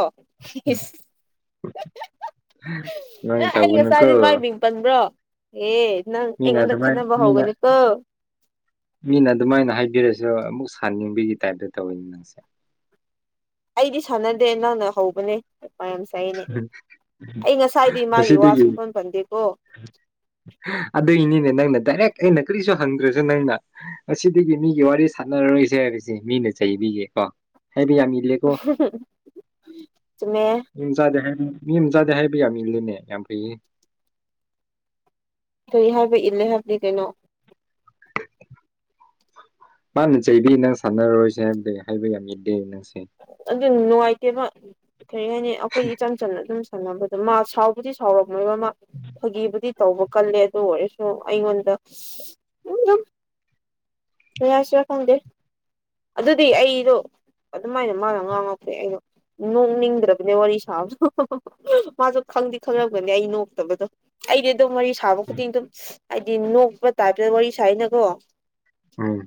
ꯅ ꯅꯪ ꯑꯩ ꯇꯧꯒꯅꯨꯀꯣ ꯉꯁꯥꯏꯗꯤ ꯃꯥꯏ ꯃꯤꯡ ꯄꯟꯕ꯭ꯔꯣ ꯑꯦ ꯅꯪ ꯃꯤꯅ ꯑꯩꯉꯣꯟꯗ ꯑꯗꯨꯃꯥꯏꯅ ꯈꯠꯅꯕ ꯃꯤꯅ ꯍꯧꯒꯅꯤꯀꯣ ꯃꯤꯅ ꯑꯗꯨꯃꯥꯏꯅ ꯍꯥꯏꯕꯤꯔꯁꯨ ꯑꯃꯨꯛ ꯁꯥꯅꯤꯡꯕꯒꯤ ꯇꯥꯏꯞꯇ ꯇꯧꯋꯤꯅꯦ ꯅꯪꯁꯦ ꯑꯩꯗꯤ ꯁꯥꯟꯅꯗꯦ ꯅꯪꯅ ꯍꯧꯕꯅꯦ ꯃꯌꯥꯝ ꯆꯅꯦ ꯑꯩ ꯉꯁꯥꯏꯗꯤ ꯃꯥꯒꯤ ꯉꯁꯤꯗꯒꯤ ꯋꯥꯁꯤꯡ ꯐꯣꯟ ꯐꯪꯗꯦꯀꯣ ꯑꯗꯨꯏꯅꯤꯅꯦ ꯅꯪꯅ ꯗꯥꯏꯔꯦꯛ ꯑꯩꯅ ꯀꯔꯤꯁꯨ ꯍꯪꯗ꯭ꯔꯁꯨ ꯅꯪꯅ ꯉꯁꯤꯗꯒꯤ ꯃꯤꯒꯤ ꯋꯥꯔꯤ ꯁꯥꯟꯅꯔꯔꯣꯏꯁꯦ ꯍꯥꯏꯕꯁꯦ ꯃꯤꯅ ꯆꯩꯕꯤꯒꯦ ꯍ ꯃꯦ ꯃꯤ ꯆꯥꯗꯦ ꯍꯥꯏ ꯃꯤ ꯑꯃ ꯆꯥꯗꯦ ꯍꯥꯏꯕ ꯌꯥ ꯃꯤꯗꯨꯅꯦ ꯌꯥꯝ ꯐꯩꯌꯦ ꯀꯔꯤ ꯍꯥꯏꯕ ꯏꯜꯂꯦ ꯍꯥꯏꯕꯗꯤ ꯀꯩꯅꯣ ꯃꯥꯅ ꯆꯩꯕꯤ ꯅꯪ ꯁꯥꯟꯅꯔꯔꯣꯏꯁꯦ ꯍꯥꯏꯕꯗꯤ ꯍꯥꯏꯕ ꯌꯥꯝ ꯌꯥꯗꯦ ꯅꯪꯁꯦ ꯑꯗꯨ ꯅꯨꯡꯉꯥꯏꯇꯦꯕ ꯀꯔꯤ ꯍꯥꯏꯅꯤ ꯑꯈꯣꯏ ꯏꯆꯝ ꯆꯝꯅ ꯑꯗꯨꯝ ꯁꯥꯟꯅꯕꯗꯣ ꯃꯥ ꯁꯥꯎꯕꯨꯗꯤ ꯁꯥꯎꯔꯝꯃꯣꯏꯕ ꯃꯥ ꯐꯥꯒꯤꯕꯨꯗꯤ ꯇꯧꯕ ꯀꯜꯂꯦ ꯑꯗꯨ ꯑꯣꯏꯔꯁꯨ ꯑꯩꯉꯣꯟꯗ ꯗꯨꯝ ꯀꯩ ꯍꯥꯏꯁꯤꯔꯥ ꯈꯪꯗꯦ ꯑꯗꯨꯗꯤ ꯑꯩꯗꯣ ꯑꯗꯨꯃꯥꯏꯅ ꯃꯥꯅ ꯉꯥꯡꯉꯛꯄꯩ ꯑꯩꯅ ꯅꯣꯛꯅꯤꯡꯗ꯭ꯔꯕꯅꯦ ꯋꯥꯔꯤ ꯁꯥꯕꯗꯣ ꯃꯥꯁꯨ ꯈꯪꯗꯤ ꯈꯪꯉꯝꯒꯅꯤ ꯑꯩ ꯅꯣꯛꯇꯕꯗꯣ ꯑꯩꯗꯤ ꯑꯗꯨꯝ ꯋꯥꯔꯤ ꯁꯥꯕ ꯈꯨꯗꯤꯡ ꯑꯗꯨꯝ ꯍꯥꯏꯗꯤ ꯅꯣꯛꯄ ꯇꯥꯏꯞꯇ ꯋꯥꯔꯤ ꯁꯅꯀꯣ ꯎꯝ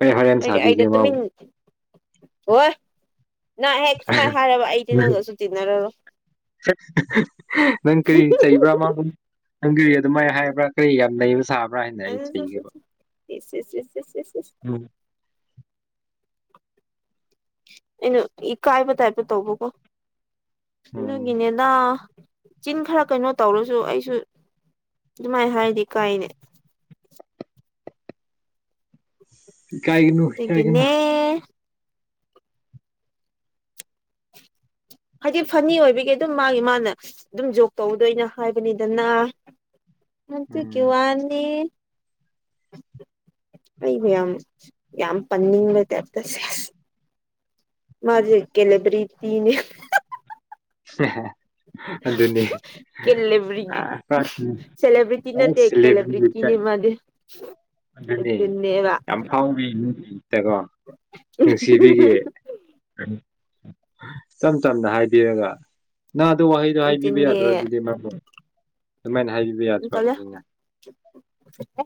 ꯑꯩ ꯍꯣꯔꯦꯟ ꯁꯥꯕꯤꯒꯦ ꯃꯥꯕꯨ ꯋꯣꯏ ꯅꯪ ꯍꯦꯛ ꯁꯨꯃꯥꯏꯅ ꯍꯥꯏꯔꯕ ꯑꯩꯗꯤ ꯅꯪꯒꯁꯨ ꯇꯤꯟꯅꯔꯔꯣꯏ ꯅꯪ ꯀꯔꯤ ꯆꯩꯕ꯭ꯔꯥ ꯃꯥꯕꯨ ꯅꯪꯒꯤ ꯑꯗꯨꯃꯥꯏꯅ ꯍꯥꯏꯕ꯭ꯔꯥ ꯀꯔꯤ ꯌꯥꯝ ꯅꯩꯕ ꯁꯥꯕ꯭ꯔꯥ ꯍꯥꯏꯅ ꯑꯩ ꯆꯩꯒꯦꯕ ꯏꯁ ꯏꯁ ꯏꯁ ꯏꯁ ꯏꯁ ꯏꯁ ꯎꯝ ꯑꯩꯅ ꯏꯀꯥꯏꯕ ꯇꯥꯏꯞꯇ ꯇꯧꯕꯀꯣ ꯎꯝ ꯑꯗꯨꯒꯤꯅꯤꯗ ꯆꯤꯟ ꯈꯔ ꯀꯩꯅꯣ ꯇꯧꯔꯁꯨ ꯑꯩꯁꯨ ꯑꯗꯨꯃꯥꯏꯅ ꯍꯥꯏꯗꯤ ꯀꯥꯏꯅꯦ ꯏꯀꯥꯏꯒꯅꯨ ꯑꯗꯨꯒꯤꯅꯦ ꯏꯀꯥꯏꯒꯅꯨ ꯍꯥꯏꯗꯤ ꯐꯅꯤ ꯑꯣꯏꯕꯒꯤ ꯑꯗꯨꯝ ꯃꯥꯒꯤ ꯃꯥꯅ ꯑꯗꯨꯝ ꯖꯣꯛ ꯇꯧꯗꯣꯏꯅ ꯍꯥꯏꯕꯅꯤꯗꯅ ꯑꯟꯑꯣꯗꯤꯕꯜ ꯑꯇꯨ ꯀꯤ ꯋꯥꯅꯤ ꯑꯟꯑꯣꯗꯤꯕꯜ ꯑꯩꯕꯨ ꯌꯥꯝ ꯌꯥꯝ ꯄꯟꯅꯤꯡꯕ ꯇꯥꯏꯞꯇ ꯁꯦꯁ ꯃꯥꯖꯤ ꯀꯦꯂꯦꯕ꯭ꯔꯤꯇꯤꯅꯦ ꯍꯦꯍꯦ ꯀꯦꯂꯕꯔꯤꯒ ꯑꯁ ꯁꯦꯂꯦꯕ꯭ꯔꯤꯇꯤ ꯅꯠꯇꯦ ꯀꯦꯂꯦꯕ꯭ꯔꯤꯇꯤꯅꯤ ꯑꯗꯦ ꯑꯗꯨ ꯌꯥꯝ ꯐꯥꯎꯔꯤ ꯇꯀꯣ ꯅꯨꯡꯁꯤꯕꯤꯒꯤ ꯏꯝ ꯆꯝꯅ ꯍꯥꯏꯕꯤꯔꯒ ꯅꯅꯥꯗꯣ ꯋꯥꯍꯩꯗꯣ ꯍꯥꯏꯕꯤꯕ ꯅꯨꯡꯊꯤꯟꯅꯦ ꯌꯥꯗ꯭ꯔꯣ ꯑꯗꯨꯗꯤ ꯃ ꯑꯗꯨꯃꯥꯏꯅ ꯍꯥꯏꯕ ꯌꯥꯗ꯭ꯔꯣ ꯑꯗꯨꯒꯤꯅ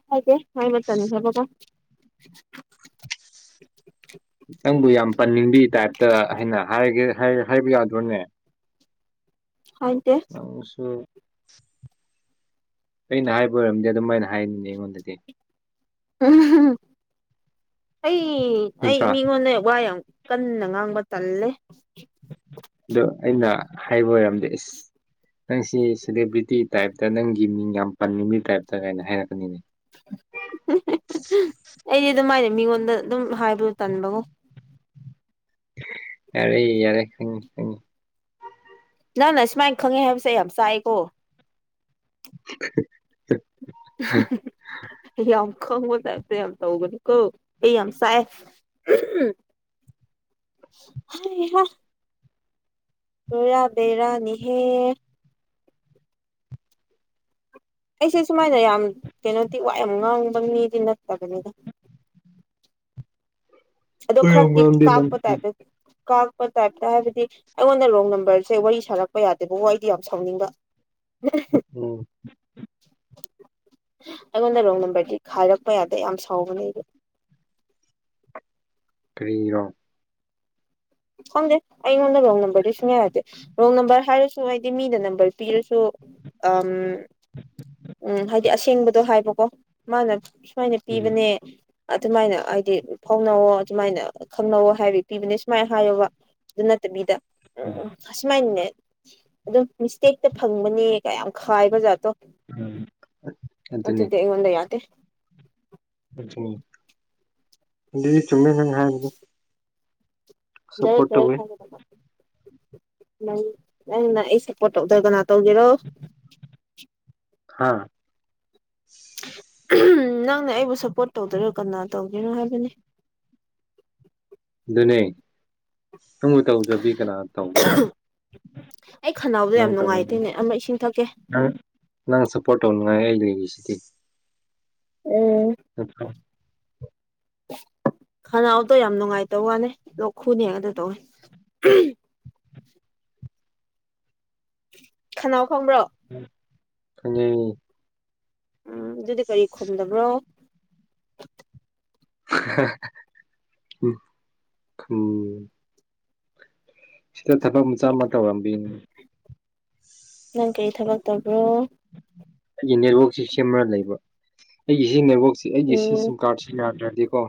ꯍꯥꯏꯦ ꯍꯥꯏꯕꯠꯇꯅꯤ ꯈꯄ ꯀ [inaudible] ꯅꯪꯕꯨ ꯌꯥꯝ ꯄꯟꯅꯤꯡꯕꯤ ꯇꯥꯏꯞꯇ ꯍꯥꯏꯩꯅꯦ ꯍꯥꯏꯕ ꯌꯥꯗꯣꯅꯦ ꯍꯥꯏꯗꯦ ꯃꯥꯡꯁꯨ ꯑꯩꯅ ꯍꯥꯏꯕ ꯑꯣꯏꯔꯝꯗꯤ ꯑꯗꯨꯝꯃꯥꯏꯅ ꯍꯥꯏꯅꯤꯡꯉ ꯑꯩꯉꯣꯟꯗꯗꯤ ꯑꯩ ꯑꯩ ꯅꯠꯇ꯭ꯔꯥ ꯃꯤꯉꯣꯟꯟꯅ ꯋꯥ ꯀꯟꯅ ꯉꯥꯡꯕ ꯇꯜꯂꯦ ꯑ ꯑꯩꯅ ꯍꯥꯏꯕ ꯑꯣꯏꯔꯝꯗꯦ ꯏꯁꯁ ꯅꯪꯁꯤ ꯁꯦꯂꯦꯕ꯭ꯔꯤꯇꯤ ꯇꯥꯏꯞꯇ ꯅꯪꯒꯤ ꯃꯤꯡ ꯌꯥꯝ ꯄꯟꯅꯤꯡꯕ ꯇꯥꯏꯞꯇ ꯀꯥꯏꯅ ꯍꯥꯏꯔꯛꯄꯅꯤꯅꯦ ꯎꯝ ꯑꯩꯗꯤ ꯑꯗꯨꯃꯥꯏꯅ ꯃꯤꯉꯣꯟꯗ ꯑꯗꯨꯝ ꯍꯥꯏꯕ ꯇꯟꯕꯕꯨꯣ ꯑꯔꯦ ꯌꯥꯔꯦ ꯈꯪꯪ ꯅ ꯅ ꯁꯨꯃꯥꯏꯅ ꯈꯪꯉꯦ ꯍꯥꯏꯕꯁꯦ ꯑꯩ ꯌꯥꯝ ꯆꯥꯏꯀꯣ [inaudible] ꯍꯝ ꯈꯪꯕ ꯇꯥꯏ ꯇꯧ ꯀ ꯑꯩ ꯌꯥꯝ ꯁꯥꯏ ꯍ ꯔꯣꯏꯔꯕꯦꯔꯥꯅꯤꯍꯦꯔ ꯑꯩꯁꯦ ꯁꯨꯃꯥꯏꯅ ꯌꯥꯝ ꯀꯩꯅꯣꯗꯤ ꯋꯥꯏ ꯌꯥꯝ ꯉꯥꯡꯕ ꯃꯤꯗꯤ ꯅꯠꯇ꯭ꯔꯕꯅꯤꯗ ꯑꯗꯣ ꯑꯣꯏꯔꯝ ꯈꯔꯤ ꯉꯝꯗꯦ ꯅꯪ ꯀꯥꯄ ꯇꯥꯏ ꯑꯗꯨꯗꯤ ꯀꯥꯛꯄ ꯇꯥꯏꯞꯇ ꯍꯥꯏꯕꯗꯤ ꯑꯩꯉꯣꯟꯗ ꯔꯣꯡ ꯅꯝꯕꯔꯁꯦ ꯋꯥꯔꯤ ꯁꯥꯔꯛꯄ ꯌꯥꯗꯦꯕ ꯋꯥꯗꯤ ꯌꯥꯝ ꯁꯥꯎꯅꯤꯡꯕ ꯎꯝ ꯑꯩꯉꯣꯟꯗ ꯔꯣꯡ ꯅꯝꯕꯔꯗꯤ ꯍꯥꯏꯔꯛꯄ ꯌꯥꯗꯦ ꯌꯥꯝ ꯁꯥꯎꯕꯅꯦꯕ ꯐꯔꯤꯔꯣ ꯈꯪꯗꯦ ꯑꯩꯉꯣꯟꯗ ꯔꯣꯡ ꯅꯝꯕꯔꯗꯤ ꯁꯨꯡꯌꯥ ꯌꯥꯗꯦ ꯔꯣꯡ ꯅꯝꯕꯔ ꯍꯥꯏꯔꯁꯨ ꯍꯥꯏꯗꯤ ꯃꯤꯗ ꯅꯝꯕꯔ ꯄꯤꯔꯁꯨ ꯁꯨ ꯎꯝ ꯍꯥꯏꯗꯤ ꯑꯁꯦꯡꯕꯗꯣ ꯍꯥꯏꯕꯀꯣ ꯃꯥꯅ ꯁꯨꯃꯥꯏꯅ ꯎꯝ ꯄꯤꯕꯅꯦ ꯑꯗꯨꯃꯥꯏꯅ ꯍꯥꯏꯗꯤ ꯐꯥꯎꯅꯋꯣ ꯑꯗꯨꯃꯥꯏꯅ ꯈꯪꯅꯧꯋ ꯍꯥꯏꯕ ꯄꯤꯕꯅꯦ ꯁꯨꯃꯥꯏꯅ ꯍꯥꯏꯌꯣꯕ ꯑꯗꯨ ꯅꯠꯇꯕꯤꯗ ꯎꯝ ꯎ ꯑꯁꯨꯃꯥꯏꯅꯅꯦ ꯑꯗꯨꯝ ꯃꯤꯁꯇꯦꯛꯇ ꯐꯪꯕꯅꯦ ꯀꯌꯥꯝ ꯈꯥꯏꯕ ꯑꯣꯖꯥꯠꯇꯣ ꯎꯝ ꯑꯗꯨ ꯑꯗꯨꯅꯤ ꯑꯗꯨꯗ ꯍꯗ ꯌꯥꯗꯦ ꯆꯨꯝꯃꯦ ꯃ ꯍꯥꯏ ꯦ ꯐꯔꯦ ꯊ [unintelligible] ꯅꯪ ꯅꯪ ꯅꯪ ꯑꯩ ꯁꯞꯄꯣꯔꯠ ꯇꯧꯗꯣꯏ ꯀꯅꯥ ꯇꯧꯒꯦꯔꯣ ꯍꯥꯥ ꯅꯪꯅ ꯑꯩꯕꯨ ꯁꯞꯄꯣꯔꯠ ꯇꯧꯗꯣꯏꯔꯣ ꯀꯅꯥ ꯇꯧꯗꯣꯏꯅꯣ ꯍꯥꯏꯕꯅꯤ ꯅꯦ ꯅꯪꯕꯨ ꯇꯧꯗ꯭ꯔꯕꯤ ꯀꯅꯥ ꯇꯧꯅꯤ ꯑꯩ ꯈꯅꯥꯎꯗꯣ ꯌꯥꯝ ꯅꯪ ꯇꯧ ꯅꯨꯡꯉꯥꯏꯇꯦꯅꯦ ꯑꯃ ꯏꯁꯤꯡ ꯊꯛꯀꯦ ꯪ ꯅꯪ ꯁꯄꯣꯔ ꯑꯣꯁꯤꯇꯤ ꯎꯝ ꯑꯠꯀ [unintelligible] ꯈꯅꯥꯎꯗꯣ ꯌꯥꯝ ꯅꯨꯡꯉꯥꯏꯇꯧ ꯋꯥꯅꯦ ꯂꯣꯛ ꯈꯨꯅꯦꯒꯗ ꯇꯧꯅꯤ ꯈꯅꯥꯎ ꯈꯪꯕ꯭ꯔꯣ ꯑ [inaudible] ꯎꯝ ꯑꯗꯨꯗꯤ ꯀꯔꯤ ꯈꯨꯝꯗꯕ꯭ꯔꯣ ꯎꯝ ꯁꯤꯗ ꯊꯕꯛ ꯃꯆꯥ ꯑꯃ ꯇꯧꯔꯝꯕꯅꯦ ꯅꯪ ꯀꯔꯤ ꯊꯕꯛ ꯇꯧꯕ꯭ꯔꯣ ꯑꯩꯒꯤ ꯅꯦꯠꯋꯥꯛꯛꯁꯤ ꯁꯦꯝꯃꯒ ꯂꯩꯕ ꯑꯩꯒꯤ ꯁꯤ ꯅꯦꯠꯋꯥꯛꯁꯤ ꯑꯩꯒꯤ ꯁꯤ ꯎꯝ ꯁꯤꯝ ꯀꯥꯔꯠꯁꯦ ꯌꯥꯗꯔꯦ ꯗꯤ ꯀꯣ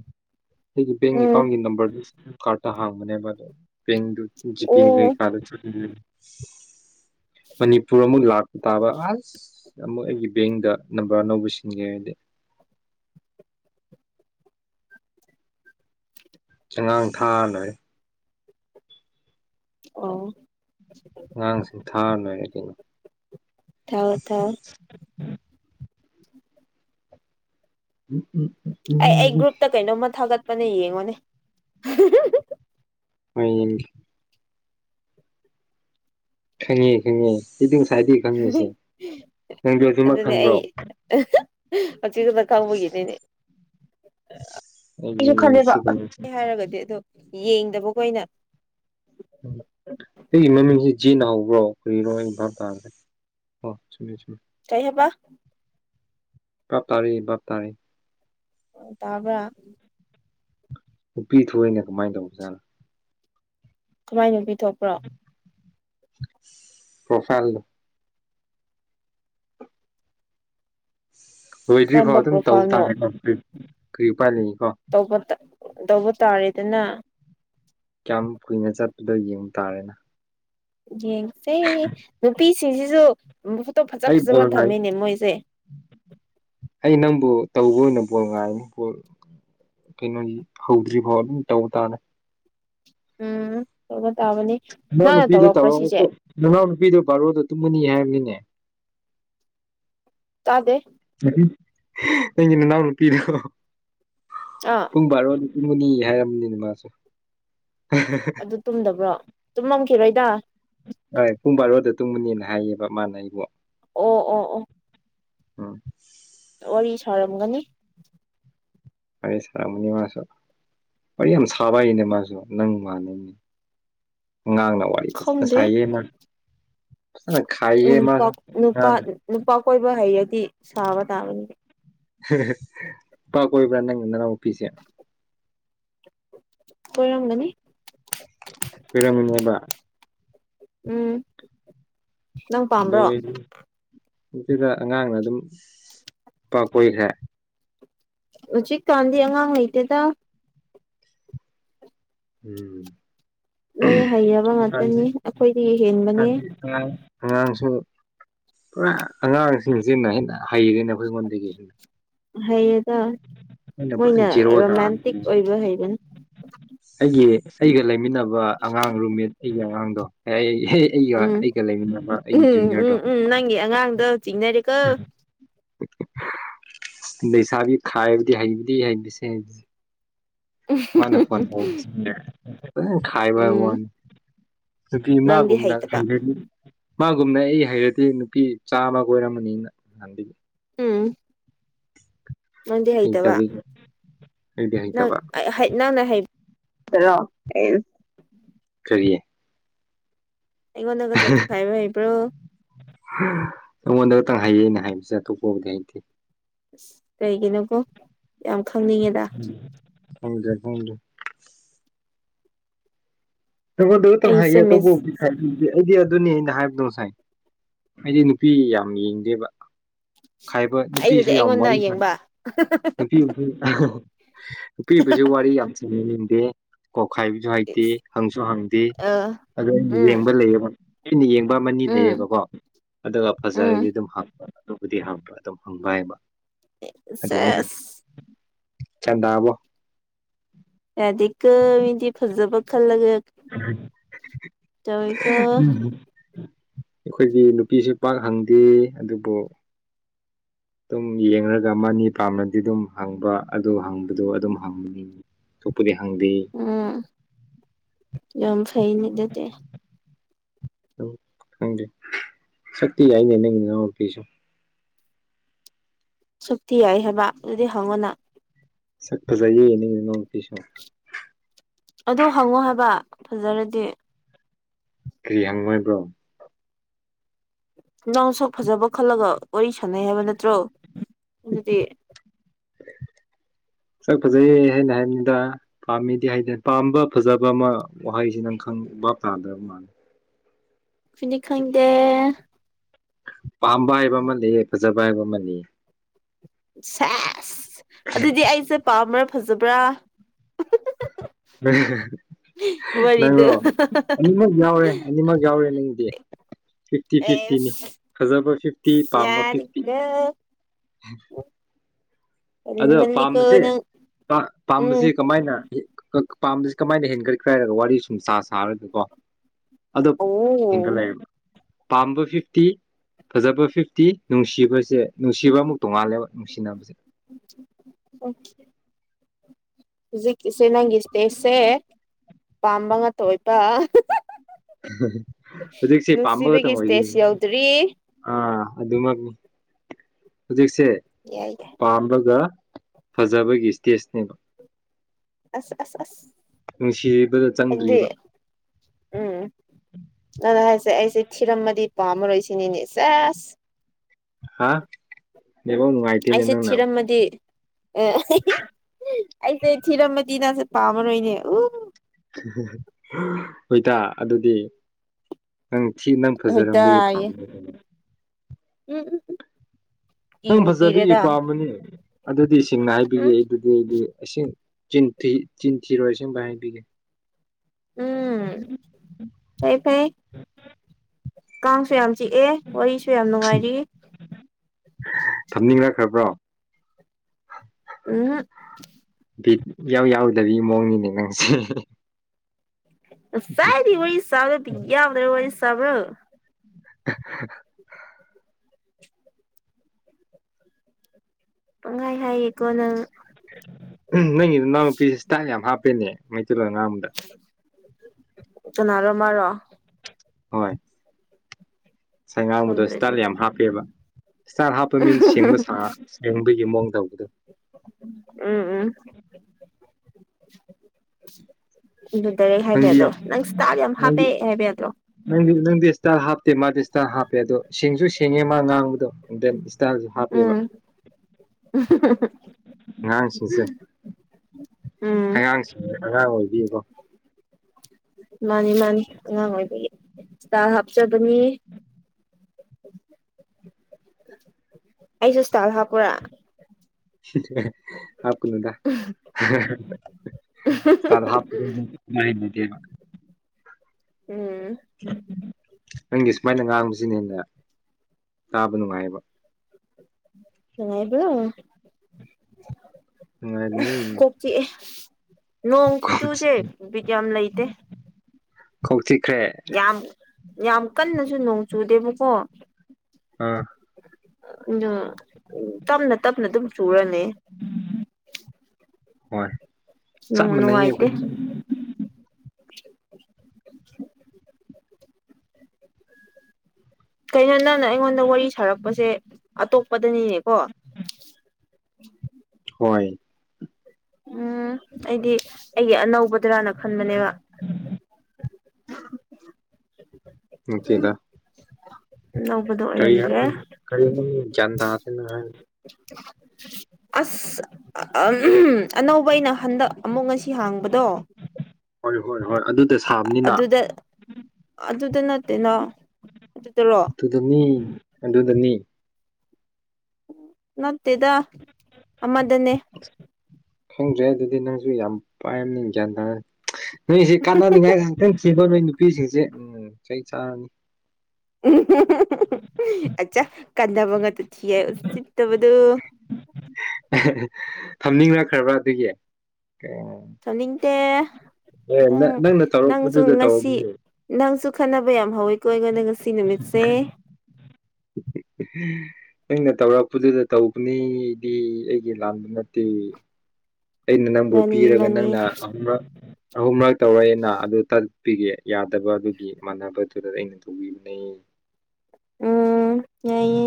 ꯑꯩꯒꯤ ꯕꯦꯡ ꯎꯝ ꯑꯦꯀꯥꯎꯟꯒꯤ ꯅꯝꯕꯔꯗꯣ ꯀꯥꯔꯠꯇ ꯍꯥꯡꯕꯅꯦꯕ ꯑꯗꯣ ꯄꯦꯟꯗꯣ ꯖꯤꯄꯦ ꯑꯣ ꯀꯩꯀ ꯆꯪꯉꯥꯝꯅꯤ ꯃꯅꯤꯄꯨꯔ ꯑꯃꯨꯛ ꯂꯥꯛꯄ ꯇꯥꯕ ꯑꯁ ꯑꯃꯨꯛ ꯑꯩꯒꯤ ꯕꯦꯡꯗ ꯅꯝꯕꯔ ꯑꯅꯧꯕ ꯁꯤꯟꯒꯦ ꯍꯥꯏꯗꯤ ꯑꯉꯥꯡ ꯊꯥ ꯂꯣꯢꯔꯦ ꯑꯣ ꯑꯉꯥꯡꯁꯤꯡ ꯊꯥꯔ ꯂꯣꯢꯔꯦ ꯀꯩꯅꯣ ꯊꯥꯎ ꯊꯥꯎ ꯎꯝ ꯎꯝ ꯑꯩ ꯑꯩ ꯎꯝ ꯒ꯭ꯔꯨꯞꯇ ꯀꯩꯅꯣꯝꯃ ꯊꯥꯒꯠꯄꯅ ꯌꯦꯡꯉꯣꯅꯦ ꯍꯣꯢ ꯌꯦꯡꯀꯦ ꯈꯪꯉꯤ ꯈꯪꯉꯤ ꯑꯩꯗꯤ ꯉꯁꯥꯏꯗꯒꯤ ꯈꯪꯉꯦꯁꯦ ꯅꯪꯗꯦ ꯁꯤꯃꯛ ꯈꯪꯕ꯭ꯔꯣ ꯆꯤꯗ ꯀꯝꯃꯒꯅꯤꯅꯦ [inaudible] ꯑꯩꯒꯤ ꯑꯩꯁꯨ ꯈꯜꯂꯦꯕ ꯃꯤꯡꯁꯤ ꯀꯩꯅꯣꯁꯦ ꯍꯥꯏꯔꯒꯗꯤ ꯑꯗꯣ ꯌꯦꯡꯗꯕ ꯈꯣꯢꯅ ꯎꯝ ꯁꯤꯒꯤ ꯃꯃꯤꯡꯁꯤ ꯖꯤꯅ ꯍꯧꯕ꯭ꯔꯣ ꯀꯔꯤꯔꯣ ꯑꯩ ꯚꯥꯞ ꯇꯥꯗꯔꯦ ꯍꯣ ꯆꯨꯝꯃꯦ ꯆꯨꯝꯃꯦ ꯀꯩ ꯍꯥꯢꯄ ꯕꯥꯞ ꯇꯥꯔꯦ ꯕꯥꯞ ꯇꯥꯔꯦ ꯇꯥꯕꯔ ꯅꯨꯄꯤ ꯊꯣꯛꯏꯅ ꯀꯃꯥꯏꯅ ꯇꯧꯕꯖꯥꯠꯅꯣ ꯀꯃꯥꯏꯅ ꯄꯤ ꯊꯣꯛꯄ꯭ꯔꯣ ꯄ꯭ꯔꯣꯐꯥꯏꯜ ꯂꯣꯏꯗ꯭ꯔꯤ ꯐꯥꯎ ꯀꯔꯝꯕ ꯑꯗꯨꯝ ꯇꯧꯕ ꯇꯥ ꯄ꯭ꯔꯣꯐꯥꯏꯜꯅꯣ ꯀꯔꯤ ꯎꯄꯥꯏ ꯂꯩ ꯇꯧꯕ ꯇꯥꯔꯦꯗꯅ ꯀꯌꯥꯝ ꯀꯨꯏꯅ ꯆꯠꯄꯗꯣ ꯌꯦꯡꯕ ꯇꯥꯔꯦꯅ ꯌꯦꯡꯁꯦ ꯅꯨꯄꯤꯁꯤꯡꯁꯤꯁꯨ ꯐꯣꯇꯣ ꯐꯖ ꯐꯖꯕ ꯊꯝꯃꯤꯅꯦ ꯃꯣꯏꯁꯦ ꯑꯩꯩꯅ ꯇꯧꯕ ꯑꯣꯏꯅ ꯕꯣꯜ ꯉꯥꯏꯔꯅꯤ ꯕꯣꯜ ꯀꯩꯅꯣꯗꯤ ꯍꯧꯗ꯭ꯔꯤ ꯐꯥꯎ ꯑꯗꯨꯝ ꯇꯧꯕ ꯇꯥꯅꯦ ꯎꯝ ꯇꯥꯕꯅꯤ ꯃꯅꯥꯎ ꯅꯪꯅ ꯅꯨꯄꯤꯗꯣ ꯇꯧꯔꯛꯄ꯭ꯔꯥ ꯇꯧꯔ ꯁꯤꯁꯦ ꯅꯅꯥꯎ ꯅꯨꯄꯤꯗꯣ ꯕꯥꯔꯣꯗ ꯇꯨꯝꯒꯅꯤ ꯍꯥꯏꯕꯅꯤꯅꯦ ꯇꯥꯗꯦ ꯅꯪꯒꯤ ꯅꯅꯥꯎ ꯅꯨꯄꯤꯗꯣ ꯑꯥ ꯄꯨꯡ ꯕꯥꯔꯣꯗ ꯇꯨꯝꯒꯅꯤ ꯍꯥꯏꯔꯝꯕꯅꯤꯅꯦ ꯃꯥꯁꯨꯦ ꯑꯗꯨ ꯇꯨꯝꯗꯕ꯭ꯔꯣ ꯇꯨꯝꯃꯝꯈꯤꯔꯣꯏꯗ ꯍꯣꯏ ꯄꯨꯡ ꯕꯥꯔꯣꯗ ꯇꯨꯝꯕꯅꯦꯅ ꯍꯥꯏꯌꯦꯕ ꯃꯥꯅ ꯑꯩꯕꯨ ꯑꯣ ꯑꯣ ꯑꯣ ꯑꯝ ꯋꯥꯔꯤ ꯁꯥꯔꯝꯒꯅꯤ ꯑꯩꯁꯃꯨꯅꯤꯃꯁꯨ [inaudible] ꯋꯥꯔꯤ ꯌꯥꯝ ꯁꯥꯕ ꯍꯥꯏꯅꯦ ꯃꯥꯁꯨ ꯅꯪ ꯃꯥꯟꯕꯅꯦ ꯑꯉꯥꯡꯅ ꯋꯥꯔꯤ ꯐꯖꯅ ꯈꯪꯗꯦ ꯁꯥꯏꯌꯦ ꯃꯥ ꯐꯖꯅ ꯈꯥꯏꯌꯦ ꯅꯨꯄꯥ ꯃꯥꯁꯨ ꯅꯨꯄꯥ ꯑꯉꯥꯡꯅ ꯅꯨꯄꯥ ꯀꯣꯏꯕ ꯍꯩꯌꯦ ꯁꯕꯗꯥꯕꯅꯤ ꯅꯨꯄꯥ ꯀꯣꯏꯕ꯭ꯔ ꯅꯪꯒꯤ ꯅꯅꯥꯎ ꯅꯨꯄꯤꯁꯦ ꯀꯣꯢꯔꯝꯒꯅꯤ ꯀꯣꯏꯔꯝꯒꯅꯦꯕ ꯎꯝ ꯅꯪ ꯄꯥꯝꯕ꯭ꯔꯣ ꯑꯗꯨꯗ ꯑꯉꯥꯡꯅ ꯑꯗꯨꯝ ꯅꯨꯄꯥ ꯀꯣꯢꯈꯔꯦ ꯍꯧꯖꯤꯛ ꯀꯥꯟꯗꯤ ꯑꯉꯥꯡ ꯍꯩꯇꯦꯗ [inaudible] ꯂꯣꯏꯅ ꯍꯩꯔꯕ ꯉꯥꯛꯇꯅꯤ ꯑꯩꯈꯣꯏꯗꯒꯤ ꯍꯦꯟꯕꯅꯤ ꯑꯉꯥꯡꯁꯤꯡ ꯄꯨꯔꯥ ꯑꯉꯥꯡꯁꯤꯡꯁꯤꯟꯅ ꯍꯦꯟꯅ ꯍꯩꯔꯦꯅꯦ ꯑꯩꯈꯣꯏꯉꯣꯟꯗꯒꯤ ꯑꯗꯨꯅ ꯍꯩ ꯑꯗ ꯃꯣꯏꯅ ꯖꯦꯔꯣ ꯇꯥꯔ ꯔꯣꯃꯥꯟꯇꯤꯛ ꯑꯣꯏꯕ ꯍꯩꯕꯅꯤ ꯑꯩꯒꯤ ꯑꯩꯒ ꯂꯩꯃꯤꯟꯅꯕ ꯑꯉꯥꯡ ꯔꯨꯝꯃꯦꯠ ꯑꯩꯒꯤ ꯑꯉꯥꯡꯗꯣ ꯑꯩ ꯑꯦꯍꯦ ꯑꯩꯒ ꯎꯝ ꯑꯩꯒ ꯂꯩꯃꯤꯟꯅꯅꯕ ꯑꯩꯒꯤ ꯎꯝ ꯖꯨꯅꯤꯌꯔꯗꯣ ꯎꯝ ꯎꯝ ꯅꯪꯒꯤ ꯑꯉꯥꯡꯗꯣ ꯆꯤꯡꯅꯔꯦꯀꯣ ꯂꯩꯁꯥꯕꯤ ꯈꯥꯏꯕꯗꯤ ꯍꯩꯕꯗꯤ ꯍꯩꯁꯦ ꯍꯁ ꯃꯥꯅꯦ ꯐꯣꯟ ꯈꯥꯏꯕ ꯋꯥ ꯎꯝ ꯁ ꯅꯪꯗꯤ ꯏꯃꯥꯒꯨꯝꯅ ꯍꯩꯇꯕ ꯍꯥꯏ ꯃꯥꯒꯨꯝꯅ ꯑꯩ ꯍꯩꯔꯗꯤ ꯅꯨꯄꯤ ꯆꯥꯝꯃ ꯀꯣꯏꯔꯝꯕꯅꯤꯅ ꯅꯍꯥꯟꯗꯒꯤ ꯎꯝ ꯅꯪꯗꯤ ꯍ ꯍꯩꯇꯕ ꯇꯕꯤ ꯅꯪ ꯅꯪꯅ ꯍ꯭ꯔꯣ ꯀꯔꯤꯌꯦ ꯑꯩꯉꯣꯟꯗꯒ ꯇꯠꯈꯥꯏꯕ ꯍꯩꯕ꯭ꯔꯣ ꯑꯩꯉꯣꯟꯗ ꯈꯇꯪ ꯍꯥꯏꯌꯦꯩꯅ ꯍꯥꯏꯕꯁꯦ ꯑꯇꯣꯞꯄꯕꯨꯗꯤ ꯍꯥꯏꯇꯦ ꯑꯁ ꯀꯩꯒꯤꯅꯣꯕꯣ ꯌꯥꯝ ꯈꯪꯅꯤꯡꯉꯦꯗ ꯊꯪꯒꯦ ꯍꯪꯗꯦ ꯊꯗꯇꯪ ꯑꯩꯁꯦ ꯍꯥꯏꯌꯦꯦ ꯃꯦꯁ ꯇꯧꯕꯗꯤ ꯑꯩꯗꯤ ꯑꯗꯨꯅꯤ ꯑꯩꯅ ꯍꯥꯏꯕꯗꯣ ꯉꯁꯥꯏ ꯍꯥꯏꯗꯤ ꯅꯨꯄꯤ ꯌꯥꯝ ꯌꯦꯡꯗꯦꯕ ꯈꯥꯏꯕ ꯅꯨꯄꯤꯁꯨ ꯑꯩꯗꯨꯗꯤ ꯌꯥꯝ ꯑꯩꯉꯣꯟꯗ ꯋꯥꯔꯤ ꯁ ꯌꯦꯡꯕ ꯅꯨꯄꯤ ꯅꯨꯄꯤꯕꯁꯤ ꯋꯥꯔꯤ ꯌꯥꯝ ꯆꯉ ꯀꯣꯛꯈꯥꯏꯕꯁꯨ ꯍꯩꯇꯦ ꯍꯪꯁꯨ ꯍꯪꯗꯦ ꯑ ꯑꯗꯨ ꯎꯝ ꯌꯦꯡꯕ ꯂꯩꯌꯦꯕ ꯑꯩꯅ ꯌꯦꯡꯕ ꯑꯃꯅꯤ ꯎꯝ ꯂꯩꯌꯦꯕꯀꯣ ꯑꯗꯨꯒ ꯎꯝ ꯐꯖꯔꯗꯤ ꯑꯗꯨꯝ ꯍꯥꯞꯄ ꯑꯗꯨꯕꯨꯗꯤ ꯍꯄ ꯑꯗꯨꯝ ꯍꯪꯕ ꯍꯥꯏꯕ ꯁꯦꯁ ꯑꯦꯕꯣ ꯌꯥꯗꯤꯀ ꯏꯗꯤ ꯐꯖꯕ ꯈꯜꯂꯒꯦ ꯇꯧꯋꯤꯀꯣ ꯎꯝ ꯑꯩꯈꯣꯏꯗꯤ ꯅꯨꯄꯤꯁꯨ ꯄꯥꯛ ꯍꯪꯗꯦ ꯑꯗꯨꯕꯨ ꯑꯗꯨꯝ ꯌꯦꯡꯒ ꯃꯅꯤ ꯄꯥꯝꯅꯗꯤ ꯑꯗꯨꯝ ꯍꯪꯕ ꯑꯗꯨ ꯍꯪꯕꯗꯣ ꯑꯗꯨꯝ ꯍꯪꯕꯅꯤꯡꯉꯤ ꯀꯄꯗꯤ ꯍꯪꯗꯤ ꯌꯥꯝꯝ ꯐꯩꯅꯤꯗꯠꯇ ꯪꯦ ꯁꯛꯇ ꯍꯥꯏꯏꯅꯦ ꯅꯪꯔ ꯄꯤꯁꯨ ꯁꯨꯛꯇꯤ ꯌꯥꯏ ꯍꯥꯏꯕ ꯑꯗꯨꯗꯤ ꯍꯪꯉꯅ ꯁꯛ ꯐꯖꯌꯦꯅꯤ ꯅꯁꯨ ꯑꯗꯨ ꯍꯪꯉꯣ ꯍꯥꯏꯕ ꯐꯖꯔꯗꯤ ꯀꯔꯤ ꯍꯪꯉꯣꯏꯕ꯭ꯔꯣ ꯏꯅꯥꯎꯁꯛ ꯐꯖꯕ ꯈꯜꯂꯒ ꯋꯥꯔꯤ ꯁꯥꯟꯅꯩ ꯍꯥꯏꯕ ꯅꯠꯇ꯭ꯔꯣ ꯑꯗꯨꯗꯤ [inaudible] ꯁꯛ ꯐꯖꯩ ꯍꯥꯏꯩꯅ ꯍꯥꯏꯅꯤꯡꯗ ꯄꯥꯝꯃꯤꯗꯤ ꯍꯥꯏ ꯄꯥꯝꯕ ꯐꯖꯕ ꯑꯃ ꯋꯥꯍꯩꯁꯤ ꯅꯪ ꯈꯪ ꯎ ꯋꯥꯞ ꯇꯥꯗꯕ ꯃꯥꯅꯤ ꯈꯗꯤ ꯈꯪꯗꯦ ꯄꯥꯝꯕ ꯍꯥꯏꯕ ꯑꯃ ꯐꯖꯕ ꯍꯥꯏꯕ ꯑꯃꯅꯤ ꯁꯦꯁ ꯑꯗꯨꯗꯤ ꯑꯩꯁꯦ ꯄꯥꯝꯕ꯭ꯔꯥ ꯐꯖꯕ꯭ꯔꯥ ꯋꯥꯔꯤꯗꯨ ꯅꯪꯔꯣ ꯑꯅꯤꯃꯛ ꯌꯥꯎꯔꯦ ꯑꯅꯤꯃꯛ ꯌꯥꯎꯔꯦ ꯅꯪꯗꯤ ꯐꯤꯐꯇꯤ ꯐꯤꯐꯇꯤꯅꯤ ꯑꯦꯁ ꯍꯖꯔꯕ ꯐꯤꯐꯇꯤ ꯄꯝꯝꯕ ꯐꯤꯐꯇꯤ ꯌꯥꯔꯦꯀꯣ ꯍ ꯑꯗꯣ ꯍꯦꯟꯃꯜꯂꯤꯀꯣ ꯄꯥꯝꯕꯁꯦ ꯅꯪ ꯎꯝ ꯄꯥꯝꯕꯁꯤ ꯀꯃꯥꯏꯅ ꯄꯥꯝꯕꯁꯤ ꯀꯃꯥꯏꯅ ꯍꯦꯟꯒꯠꯈ꯭ꯔꯦ ꯍꯥꯏꯔꯒ ꯋꯥꯔꯤ ꯁꯨꯝ ꯁꯥꯔꯒꯀꯣ ꯑꯗꯣ ꯑꯣ ꯍꯦꯟꯒꯠꯂꯛꯑꯦꯕ ꯄꯥꯝꯕ ꯐꯤꯐꯇꯤ ꯐꯖꯕ ꯐꯤꯐꯇꯤ ꯅꯨꯡꯁꯤꯕꯁꯦ ꯅꯨꯡꯁꯤꯕ ꯑꯃꯨꯛ ꯇꯣꯡꯉꯥꯜꯂꯦꯕ ꯅꯨꯡꯁꯤꯅꯕꯁꯦ ꯖꯤꯁ ꯅꯪꯒꯤꯁꯁꯦ ꯄꯥꯝꯕ ꯉ ꯇꯣꯋꯄ ꯍꯧꯖꯤꯁꯤꯝꯕꯒ ꯇ ꯑꯣꯏ ꯏꯁꯇꯦꯖ ꯌꯧꯗ꯭ꯔꯤ ꯑ ꯑꯗꯨꯃꯛ ꯍꯧꯖꯤꯛꯁꯦ ꯌꯥꯏ ꯌꯥꯏ ꯄꯥꯝꯕꯒ ꯐꯖꯕꯒꯤ ꯏꯁꯇꯦꯖꯅꯦꯕ ꯑꯁ ꯑꯁ ꯑꯁ ꯅꯨꯡꯁꯤ ꯑꯗꯨꯗꯤ ꯎꯝ ꯑꯗꯨꯅ ꯍꯥꯏꯁꯦ ꯑꯩꯁꯦ ꯊꯤꯔꯝꯃꯗꯤ ꯄ ꯑꯃꯔꯣꯏꯁꯤꯅꯤꯅꯤꯁꯦꯁ ꯍꯥꯥ ꯑꯁꯦ ꯆꯤꯔꯝ ꯃꯗꯤ ꯑꯦ ꯑꯩꯁꯦ ꯊꯤꯔꯝ ꯃꯆꯤꯟꯅꯥꯁꯦ ꯄꯥꯝꯃꯔꯣꯏꯅꯦ ꯎ ꯍꯣꯏꯇꯥ ꯑꯗꯨꯗꯤ ꯅꯪ ꯊꯤ ꯅꯪ ꯐꯖꯔꯝꯕꯒꯤ ꯄꯥ ꯍꯣꯏꯗꯥꯌꯦ ꯎꯝ ꯎꯝ ꯎꯝ ꯅꯪ ꯐꯖꯕꯒꯤ ꯄꯥꯝꯕꯅꯤ ꯑꯗꯨꯗꯤ ꯁꯦꯡꯅ ꯍꯥꯏꯕꯤꯒ ꯎꯝ ꯑꯩ ꯑꯗꯨꯗꯤ ꯑꯩꯗꯤ ꯏꯁꯤꯡ ꯆꯤꯟꯊꯤꯔꯣꯏ ꯁꯦꯝꯕ ꯍꯥꯏꯕꯤꯒꯦ ꯎꯝ ꯐꯩ ꯐꯩ ꯀꯥꯡꯁꯨ ꯌꯥꯝ ꯆꯤꯛꯑꯦ ꯋꯥꯔꯤꯁꯨ ꯌꯥꯝ ꯅꯨꯡꯉꯥꯏꯔꯤ ꯊꯝꯅꯤꯡꯔꯛꯈ꯭ꯔꯕ꯭ꯔꯣ ꯎꯝ ꯌꯥꯎ ꯌꯥꯎꯗꯕꯤꯒꯤ ꯃꯑꯣꯡꯅꯤꯅꯦ ꯅꯪꯁꯦ ꯁꯥꯏꯗꯤ ꯋꯥꯔꯤ ꯁꯕ ꯌꯥꯎꯗ ꯋꯥꯔꯤ ꯁꯥꯕꯔꯣ [unintelligible] ꯄꯪꯍꯥꯏ ꯍꯥꯏꯌꯦꯀꯣ ꯅꯪ ꯅꯪꯒꯤꯗ ꯏꯅꯥꯎꯅꯨꯄꯤꯁꯦ ꯏꯁꯇꯥꯥꯏ ꯌꯥꯝ ꯍꯥꯞꯄꯦꯅꯦ [unintelligible] ꯆꯅꯔꯃꯔꯣ ꯍꯣꯏ ꯉꯥꯁꯥꯏ ꯉꯥꯡꯕꯗꯣ ꯈꯪꯗ꯭ꯔꯦ ꯏꯁꯇꯥꯜ ꯑꯗꯨꯗꯤ ꯌꯥꯝ ꯍꯥꯞꯄꯦꯕ ꯏꯁꯇꯥꯜ ꯍꯥꯞꯄ ꯃꯤꯟ ꯁꯦꯡꯕ ꯁꯥ ꯁꯦꯡꯕꯒꯤ ꯃꯑꯣꯡꯗ ꯎꯝ ꯎꯝ ꯗꯔꯦꯛ ꯍꯥꯏꯕ ꯅꯪꯗꯤ ꯑꯗꯣ ꯌꯥꯝ ꯅꯪ ꯏꯁꯇꯥꯔ ꯌꯥꯝ ꯅꯪꯗꯤ ꯍꯥꯞꯄꯦ ꯍꯥꯏꯕ ꯑꯗ꯭ꯔꯣ ꯅꯪꯗꯤ ꯅꯪꯗꯤ ꯏꯁꯇꯥꯔ ꯍꯥꯞꯇꯦ ꯃꯥꯗꯤ ꯏꯁꯇꯥꯔ ꯍꯥꯞꯄꯦ ꯑꯗꯣ ꯁꯤꯡꯁꯨ ꯁꯦꯡꯉꯦ ꯃꯥ ꯉꯥꯡꯕꯗꯣ ꯗꯦꯟ ꯏꯁꯇꯥꯜꯁꯨ ꯍꯥꯞꯄꯦꯕ ꯎꯝ ꯉꯥꯡ ꯁꯤꯡꯁꯦ ꯎꯝ ꯑꯉꯥꯡ ꯑꯉꯥꯡ ꯑꯣꯏꯕꯤ ꯀꯣ ꯃꯥꯅꯤ ꯃꯥꯅꯤ ꯑꯉꯥꯡ ꯑꯣꯏꯕꯒꯤ ꯏꯁꯇꯥꯏ ꯍꯥꯞꯆꯕꯅꯤ ꯑꯩꯁꯨ ꯁꯇꯥꯜ ꯍꯥꯥꯞꯄꯣꯔ ꯁꯤ [unintelligible] ꯍꯥꯞ ꯀꯥꯅꯨꯗ [unintelligible] ꯎꯝ [unintelligible] ꯅꯪꯒꯤ ꯁꯨꯃꯥꯏꯅ ꯉꯥꯡꯕꯁꯤꯅ ꯍꯦꯟꯅ ꯇꯥꯕ ꯅꯨꯡꯉꯥꯏꯌꯦꯕ ꯅꯨꯡꯉꯥꯏꯕꯔꯣ ꯅꯨꯡꯉꯥꯏꯕꯅꯦ ꯅꯣꯡ ꯈꯨꯆꯨꯁꯦ ꯕꯤꯠ ꯌꯥꯝ ꯂꯩꯇꯦ ꯀꯧꯊꯤꯈ꯭ꯔꯦ ꯌꯥꯝ ꯌꯥꯝ ꯀꯟꯅꯁꯨ ꯅꯣꯡ ꯆꯨꯗꯦꯕꯀꯣ ꯑꯥ ꯑꯗꯣ ꯇꯞꯅ ꯇꯞꯅ ꯑꯗꯨꯝ ꯆꯨꯔꯅꯤ ꯍꯣꯏ ꯆꯞ ꯅꯨꯡꯉꯨ ꯃꯥꯟꯅꯩꯌꯦ ꯅꯨꯡꯉꯥꯏꯇꯦ [inaudible] ꯀꯩꯅꯣ ꯅꯪꯅ ꯑꯩꯉꯣꯟꯗ ꯋꯥꯔꯤ ꯁꯥꯔꯛꯄꯁꯦ ꯑꯇꯣꯞꯄꯗꯅꯤꯅꯦꯀꯣ [inaudible] ꯍꯣꯏ ꯎꯝ ꯑꯩꯗꯤ ꯑꯩꯒꯤ ꯑꯅꯧꯕꯗꯔꯥꯅ ꯈꯟꯕꯅꯦꯕ ꯅꯠꯇꯦꯗ ꯑꯅꯧꯕꯗꯣ ꯀꯔꯤ ꯑꯣꯏꯔꯝꯗ꯭ꯔꯦ ꯍꯥꯏ ꯀꯔꯤ ꯒꯔꯥꯟ ꯇꯗꯔꯦ ꯅꯪ ꯍꯥꯏꯗꯣ ꯑꯁ ꯑꯅꯧꯕ ꯑꯩꯅ ꯍꯟꯗꯛ ꯑꯃꯨꯛ ꯉꯁꯤ ꯍꯥꯡꯕꯗꯣ ꯍꯣꯏ ꯍꯣꯏ ꯍꯣꯏ ꯑꯗꯨꯗ ꯁꯥꯕꯅꯤꯅ ꯑꯗꯨꯗ ꯑꯗꯨꯗ ꯅꯠꯇꯦꯅ ꯑꯗꯨꯗꯔꯣ ꯇꯨꯗꯅꯤ ꯃꯤ ꯑꯗꯨꯗꯅꯦ ꯅꯠꯇꯦꯗ ꯑꯃꯗꯅꯦ ꯈꯪꯗ꯭ꯔꯦ ꯑꯗꯨꯗꯤ ꯅꯪꯁꯨ ꯌꯥꯝ ꯄꯥꯏꯕꯅꯤ ꯒ꯭ꯌꯥꯟ ꯇꯥꯗ꯭ꯔ‌ꯦ ꯅꯣꯏꯁꯤ ꯀꯥꯟꯅꯅꯤꯡꯉꯥꯏ ꯉꯥꯛꯇꯪ ꯅꯣꯏ ꯅꯨꯄꯤꯁꯤꯡꯁꯦ ꯎꯝ ꯆꯩ ꯆꯥꯔꯅꯤ ꯑꯆꯥ ꯀꯟꯗꯕꯉꯛ ꯊꯦꯌꯦ ꯎꯁꯤꯠꯇꯕꯗꯣ ꯊꯝꯅꯤꯡꯂꯈ꯭ꯔꯕ꯭ꯔꯥ ꯑꯗꯨꯒꯤ ꯊꯝꯅꯤꯡꯇꯦ ꯅꯪ ꯅꯪꯅ ꯅꯪꯁꯨ ꯇꯧꯔꯛꯄꯗꯨꯗ ꯉꯁꯤ ꯇꯧꯔꯛꯄꯅꯦ ꯅꯪꯁꯨ ꯈꯟꯅꯕ ꯌꯥꯝ ꯍꯧꯋꯤꯀꯣ ꯑꯩꯉꯣꯟꯗ ꯉꯁꯤ ꯅꯨꯃꯤꯠꯁꯦ [inaudible] ꯑꯩꯅ ꯇꯧꯔꯛꯄꯗꯨꯗ ꯇꯧꯕꯅꯤꯗꯤ ꯑꯩꯒꯤ ꯂꯥꯟꯕ ꯅꯠꯇꯦ ꯑꯩꯅ ꯅꯪꯕꯨ ꯃꯥꯅꯤ ꯄꯤꯔꯒ ꯃꯥꯅꯤ ꯅꯪꯅ ꯑꯍꯨꯝꯔꯛ ꯑꯍꯨꯝꯔꯛ ꯇꯧꯔ‌ꯛꯑꯦꯅ ꯑꯗꯨ ꯇꯠ ꯄꯤꯒꯦ ꯌꯥꯗꯕ ꯑꯗꯨꯒꯤ ꯃꯥꯟꯅꯕꯗꯨꯗ ꯑꯩꯅ ꯇꯧꯕꯤꯕꯅꯦ ꯎꯝ ꯌꯥꯏꯌꯦ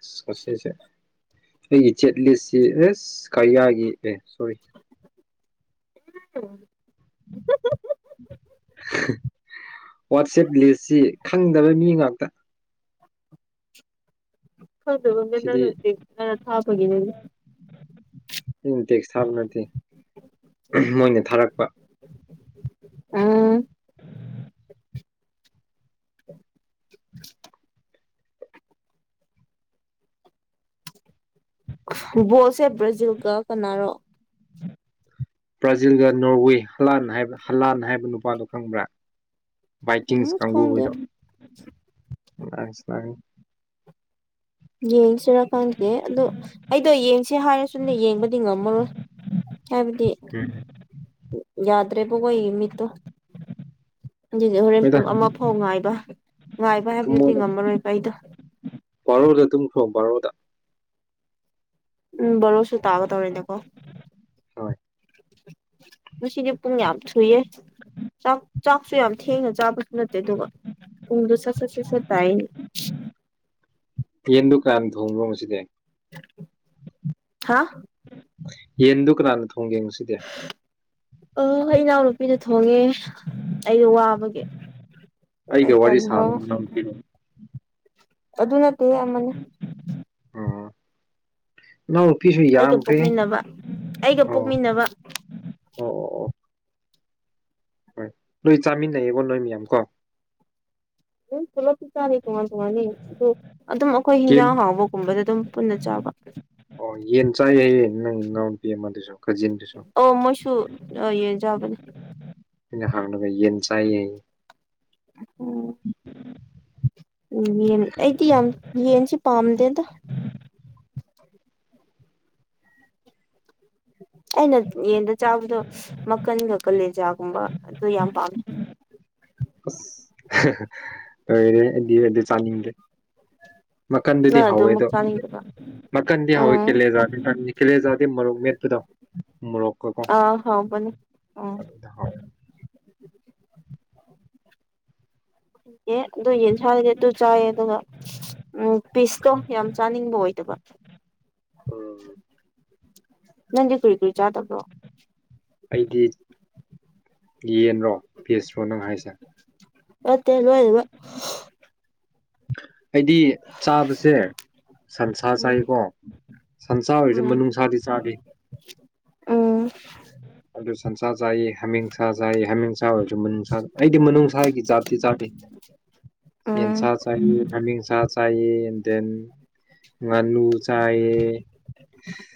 ꯑꯁ ꯉꯁꯤꯁꯦ ꯑꯩꯒꯤ ꯆꯦꯠ ꯂꯤꯁꯁꯤ ꯑꯦꯁ ꯀꯔꯤꯌꯥꯒꯤ ꯑꯦ ꯁꯣꯔꯤ [inaudible] ꯋꯥꯠꯆꯦꯞ ꯂꯤꯁꯁꯤ ꯈꯪꯗꯕ ꯃꯤ ꯉꯥꯛꯇ [inaudible] ꯈꯪꯗꯕ ꯃꯤ ꯁꯤꯗꯤ ꯅꯤ ꯉꯅ ꯊꯥꯕꯒꯤꯅꯦ ꯇꯦꯛꯁ ꯊꯥꯕ ꯅꯠꯇꯦ ꯃꯣꯏꯅ ꯊꯥꯔꯛꯄ ꯑꯪꯪ [inaudible] [inaudible] ꯕꯣꯜꯁꯦ ꯕ꯭ꯔꯥꯖꯤꯜꯒ ꯀꯅꯥꯔꯣ ꯕ꯭ꯔꯥꯖꯤꯜꯒ ꯅꯣꯔꯋꯦ ꯍꯂꯥꯟ ꯍꯂꯥꯟ ꯍꯥꯏꯕ ꯅꯨꯄꯥꯗ‌ꯣ ꯈꯪꯕ꯭ꯔꯥ ꯕꯥꯏꯀꯤꯡꯁ ꯎꯝ ꯀꯥꯡꯕꯨ ꯈꯪꯗꯦ ꯍ‌ꯣꯏꯗꯣ ꯂꯁꯤ ꯌꯦꯟꯁꯤꯔ ꯈꯪꯗ‌ꯦ ꯑꯗꯨ ꯑꯩꯗ‌ꯣ ꯌ‌ꯦꯡ ꯁꯤ ꯍꯥꯏꯔꯁꯨ ꯌꯦꯡꯕꯗꯤ ꯉꯝꯃꯔꯣꯏ ꯍꯥꯏꯕꯗꯤ ꯌꯥꯗ꯭ꯔꯦꯕ ꯈ‌ꯣꯏ ꯃꯤꯠꯇꯨ ꯖꯤꯗꯤ ꯍꯣꯔꯦꯟ ꯍꯣꯏꯗ ꯄꯨꯡ ꯑꯃ ꯐꯥꯎ ꯉꯥꯏꯕ ꯉꯥꯏꯕ ꯍꯥꯏꯕꯗꯨꯗꯤ ꯇꯨꯝꯃꯣꯗ ꯉꯝꯃꯔꯣꯏꯕ ꯑꯩꯗꯣ ꯕꯥꯔꯣꯗ ꯇꯨꯝꯈ꯭ꯔꯣ ꯕꯥꯔꯣꯗ ꯎꯝ ꯕꯔꯣꯁꯨ ꯇꯥꯒꯗꯧꯔ‌ꯦꯗꯀꯣ ꯍꯣꯏ ꯉꯁꯤꯗꯤ ꯄꯨꯡ ꯌꯥꯝ ꯊꯨꯏꯌꯦ ꯆꯥꯛ ꯆꯥꯛꯁꯨ ꯌꯥꯝ ꯊꯦꯡꯅ ꯆꯥꯕꯁꯨ ꯅꯠꯇꯦ ꯑꯗꯨꯒ ꯎꯗꯨꯁ ꯁꯠ ꯁꯠ ꯁꯠ ꯁꯠ ꯇꯥꯏꯌ‌ꯦ ꯄꯦꯟ ꯗꯨꯀꯥꯟ ꯊꯣꯡꯕꯣ ꯉꯁꯤꯗꯤ ꯍꯥ ꯌꯦꯟꯗꯨ ꯀꯅꯥꯅ ꯊꯣꯡ ꯌꯦꯡꯨꯁꯤꯗꯦ ꯑ ꯏ ꯏꯅꯥꯎꯅꯨꯄꯤꯗ ꯊꯣꯡꯉꯦ ꯑꯩꯗꯣ ꯋꯥꯕꯒꯤ ꯑꯩꯒ ꯑꯩꯁꯨ ꯋꯥꯔꯤ ꯁꯥꯕ ꯑꯅꯚꯕ ꯏꯅꯥꯎꯅꯨꯄꯤꯔꯣ ꯑꯗꯨ ꯅꯠꯇꯦ ꯌꯥꯝꯃꯅꯤ ꯑꯣ ꯏꯅꯥꯎꯅ ꯅꯨꯄꯤꯁꯨ ꯑꯩꯒ ꯌꯥꯝꯈ꯭ꯔꯦ ꯄꯣꯛꯃꯤꯟꯅꯕ ꯑꯩꯒ ꯑꯣ ꯄꯣꯛꯃꯤꯟꯅꯕ ꯑꯣ ꯑꯣ ꯍꯣꯏ ꯅꯣꯏ ꯆꯥꯃꯤꯟꯅꯩꯌꯦꯕꯣ ꯅꯣꯏ ꯃꯌꯥꯝ ꯀꯣ ꯎꯝ ꯄꯨꯂꯞ ꯆꯥꯗꯦ ꯇꯣꯉꯥꯟ ꯇꯣꯉꯥꯟꯅꯤ ꯑꯗꯨꯗ ꯑꯗꯨꯝ ꯑꯩꯈꯣꯏ ꯌꯦꯟ ꯍꯤꯟꯖꯥꯡ ꯍꯥꯎꯕꯒꯨꯝꯕꯗ ꯑꯗꯨꯝ ꯄꯨꯟꯅ ꯆꯥꯕꯦ ꯑꯣ ꯌꯦꯟ ꯆꯥꯏꯌꯦꯪ ꯏꯥꯎꯟ ꯄꯤ ꯃꯗꯁꯨ ꯑꯣ ꯃꯣꯏꯁꯨ ꯌꯦ ꯌꯥꯕꯅꯤ ꯍ ꯌꯦꯟ ꯆ ꯎꯝ ꯌꯦꯟ ꯑꯩꯗꯤ ꯌꯥꯝ ꯌꯦꯟꯁꯦ ꯄꯥꯝꯗꯦꯗ [inaudible] ꯑꯩꯅ ꯌꯦꯟꯗ ꯆꯥꯕꯗꯣ ꯃꯈꯀꯟꯒ ꯀꯥꯂꯦꯟꯖꯥꯒꯨꯝꯕ ꯑꯗꯨ ꯌꯥꯝ ꯄꯥꯝꯃꯦ ꯑꯣꯏꯔꯦꯗꯤ ꯑꯗꯨ ꯆꯥꯅꯤꯡꯗ꯭ꯔꯦ ꯃꯈꯟꯗꯨꯗꯤ ꯅꯪ ꯑꯗꯨꯃꯛ ꯍꯧꯋꯦꯗꯣ ꯆꯥꯅꯤꯡꯗꯕ꯭ꯔꯥ ꯃꯈꯟꯗꯤ ꯍꯧꯋꯦ ꯎꯝ ꯀꯤꯂꯦꯖꯥ ꯑ ꯃꯣꯔꯣꯛ ꯃꯦꯠꯄꯗꯣ ꯃꯣꯔꯣꯛꯀꯀꯣ ꯑꯥ ꯍꯥꯎꯕꯅꯦ ꯎꯝ ꯑꯦ ꯑꯗꯨ ꯌꯦꯟꯁꯔꯤꯦ ꯑꯗꯨ ꯆꯥꯏꯌꯦ ꯑꯗꯨꯒ ꯎꯝ ꯄꯤꯁꯇꯣ ꯌꯥꯝ ꯆꯥꯅꯤꯡꯕ ꯑꯣꯏꯗꯕ ꯎꯝ ꯅꯪꯗꯤ ꯀꯨꯔꯤ ꯀꯨꯔꯤ ꯆꯥꯗꯕ꯭ꯔꯣ ꯑꯩꯗꯤ ꯌꯦꯟꯔꯣ ꯄꯦꯁ꯭ꯔꯣ ꯅꯪ ꯍꯥꯏꯁꯦ ꯃꯦ ꯅ ꯑꯣꯏꯣꯏ ꯑꯩꯗꯤ ꯆꯥꯕꯁꯦ ꯁꯟꯁꯥ ꯎꯝ ꯆꯥꯏꯀꯣ ꯁꯟꯁꯥ ꯑꯣꯏꯔꯤꯁꯦ ꯃꯅꯨꯡꯅꯨꯡꯁꯥꯗꯤ ꯆꯥꯗ ꯑ ꯑꯗꯨ ꯁꯟꯁꯥ ꯆꯥꯏꯌꯦ ꯍꯥꯃꯤꯡꯁꯥ ꯆꯥꯏꯌꯦ ꯍꯥꯃꯤꯡꯁꯥ ꯑꯣꯏꯔꯁꯨ ꯃꯅꯨꯡꯅꯨꯡꯁꯥ ꯑꯩꯗꯤ ꯃꯅꯨꯡꯅꯨꯡꯁꯥꯒꯤ ꯖꯥꯇꯤ ꯆꯥꯠꯅꯤ ꯎꯝ ꯌꯦꯟꯁꯥ ꯆꯥꯏ ꯍꯥꯃꯤꯡꯁꯥ ꯆꯥꯏ ꯑꯦꯟ ꯗꯦꯟ ꯉꯥꯅꯨ ꯆꯥꯏꯑ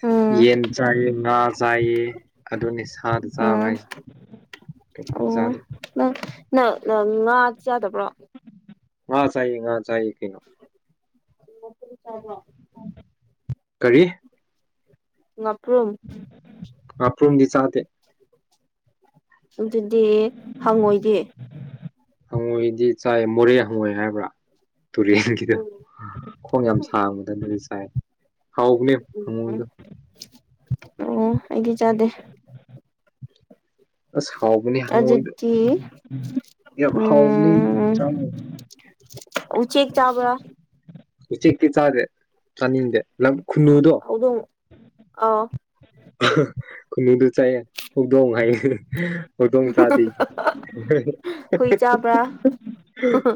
ꯎꯝ ꯌꯦꯟ ꯆꯥꯏꯌꯦ ꯉꯥ ꯆꯥꯏꯌꯦ ꯑꯗꯨꯅꯤ ꯁꯥꯗ ꯆꯥꯕ ꯎꯝ ꯍꯥꯏꯁꯦ ꯑꯣ ꯆꯥꯗꯦ ꯅꯪ ꯅꯪ ꯅꯪ ꯉꯥ ꯆꯥꯗꯕ꯭ꯔꯣ ꯑ ꯆꯥꯏꯌꯦ ꯆꯌꯦ ꯀꯩꯅꯣ ꯆꯣ ꯀꯔꯤ ꯑꯄ꯭ꯔꯝ ꯍꯥꯄꯔꯨꯝꯒꯤ ꯆꯗꯦ ꯑꯗꯨꯗꯤ ꯍꯪꯉꯣꯏꯗꯤ ꯍꯪꯉꯣꯏꯗꯤ ꯆꯥꯏ ꯃꯣꯔꯦ ꯍꯪꯉꯣꯏ ꯍꯥꯏꯕ꯭ꯔꯥ ꯇꯨꯔꯦꯟꯒꯤꯗ ꯎꯝ ꯈꯣꯡ ꯌꯥꯝ ꯁꯥꯡꯕꯗ ꯅ ꯍꯥꯎꯒꯅꯦꯪꯨꯗ ꯑꯣ ꯑꯩꯒꯤ ꯆꯥꯗꯦ ꯑꯁ ꯍꯥꯎꯕꯅꯦ ꯍꯪꯉꯏꯗꯣ ꯑꯗꯨꯗꯤ ꯌꯥꯝ ꯍꯥꯎꯅꯤ ꯎꯝ ꯆ ꯎꯆꯦꯛ ꯆꯥꯕ꯭ꯔ ꯎꯆꯦꯛꯛꯇ ꯆꯥꯥꯁꯦ ꯆꯥꯅꯤꯡꯗꯦ ꯈꯨꯟꯅꯨꯗꯣ ꯑ ꯈꯨꯅꯨꯡꯨꯗꯨ ꯆꯥꯏꯑꯦ ꯍꯧꯗꯣꯡ ꯍꯥꯏ ꯍ ꯇꯣꯝ ꯆꯗ ꯍꯨꯏ ꯆꯥꯕ꯭ꯔꯥ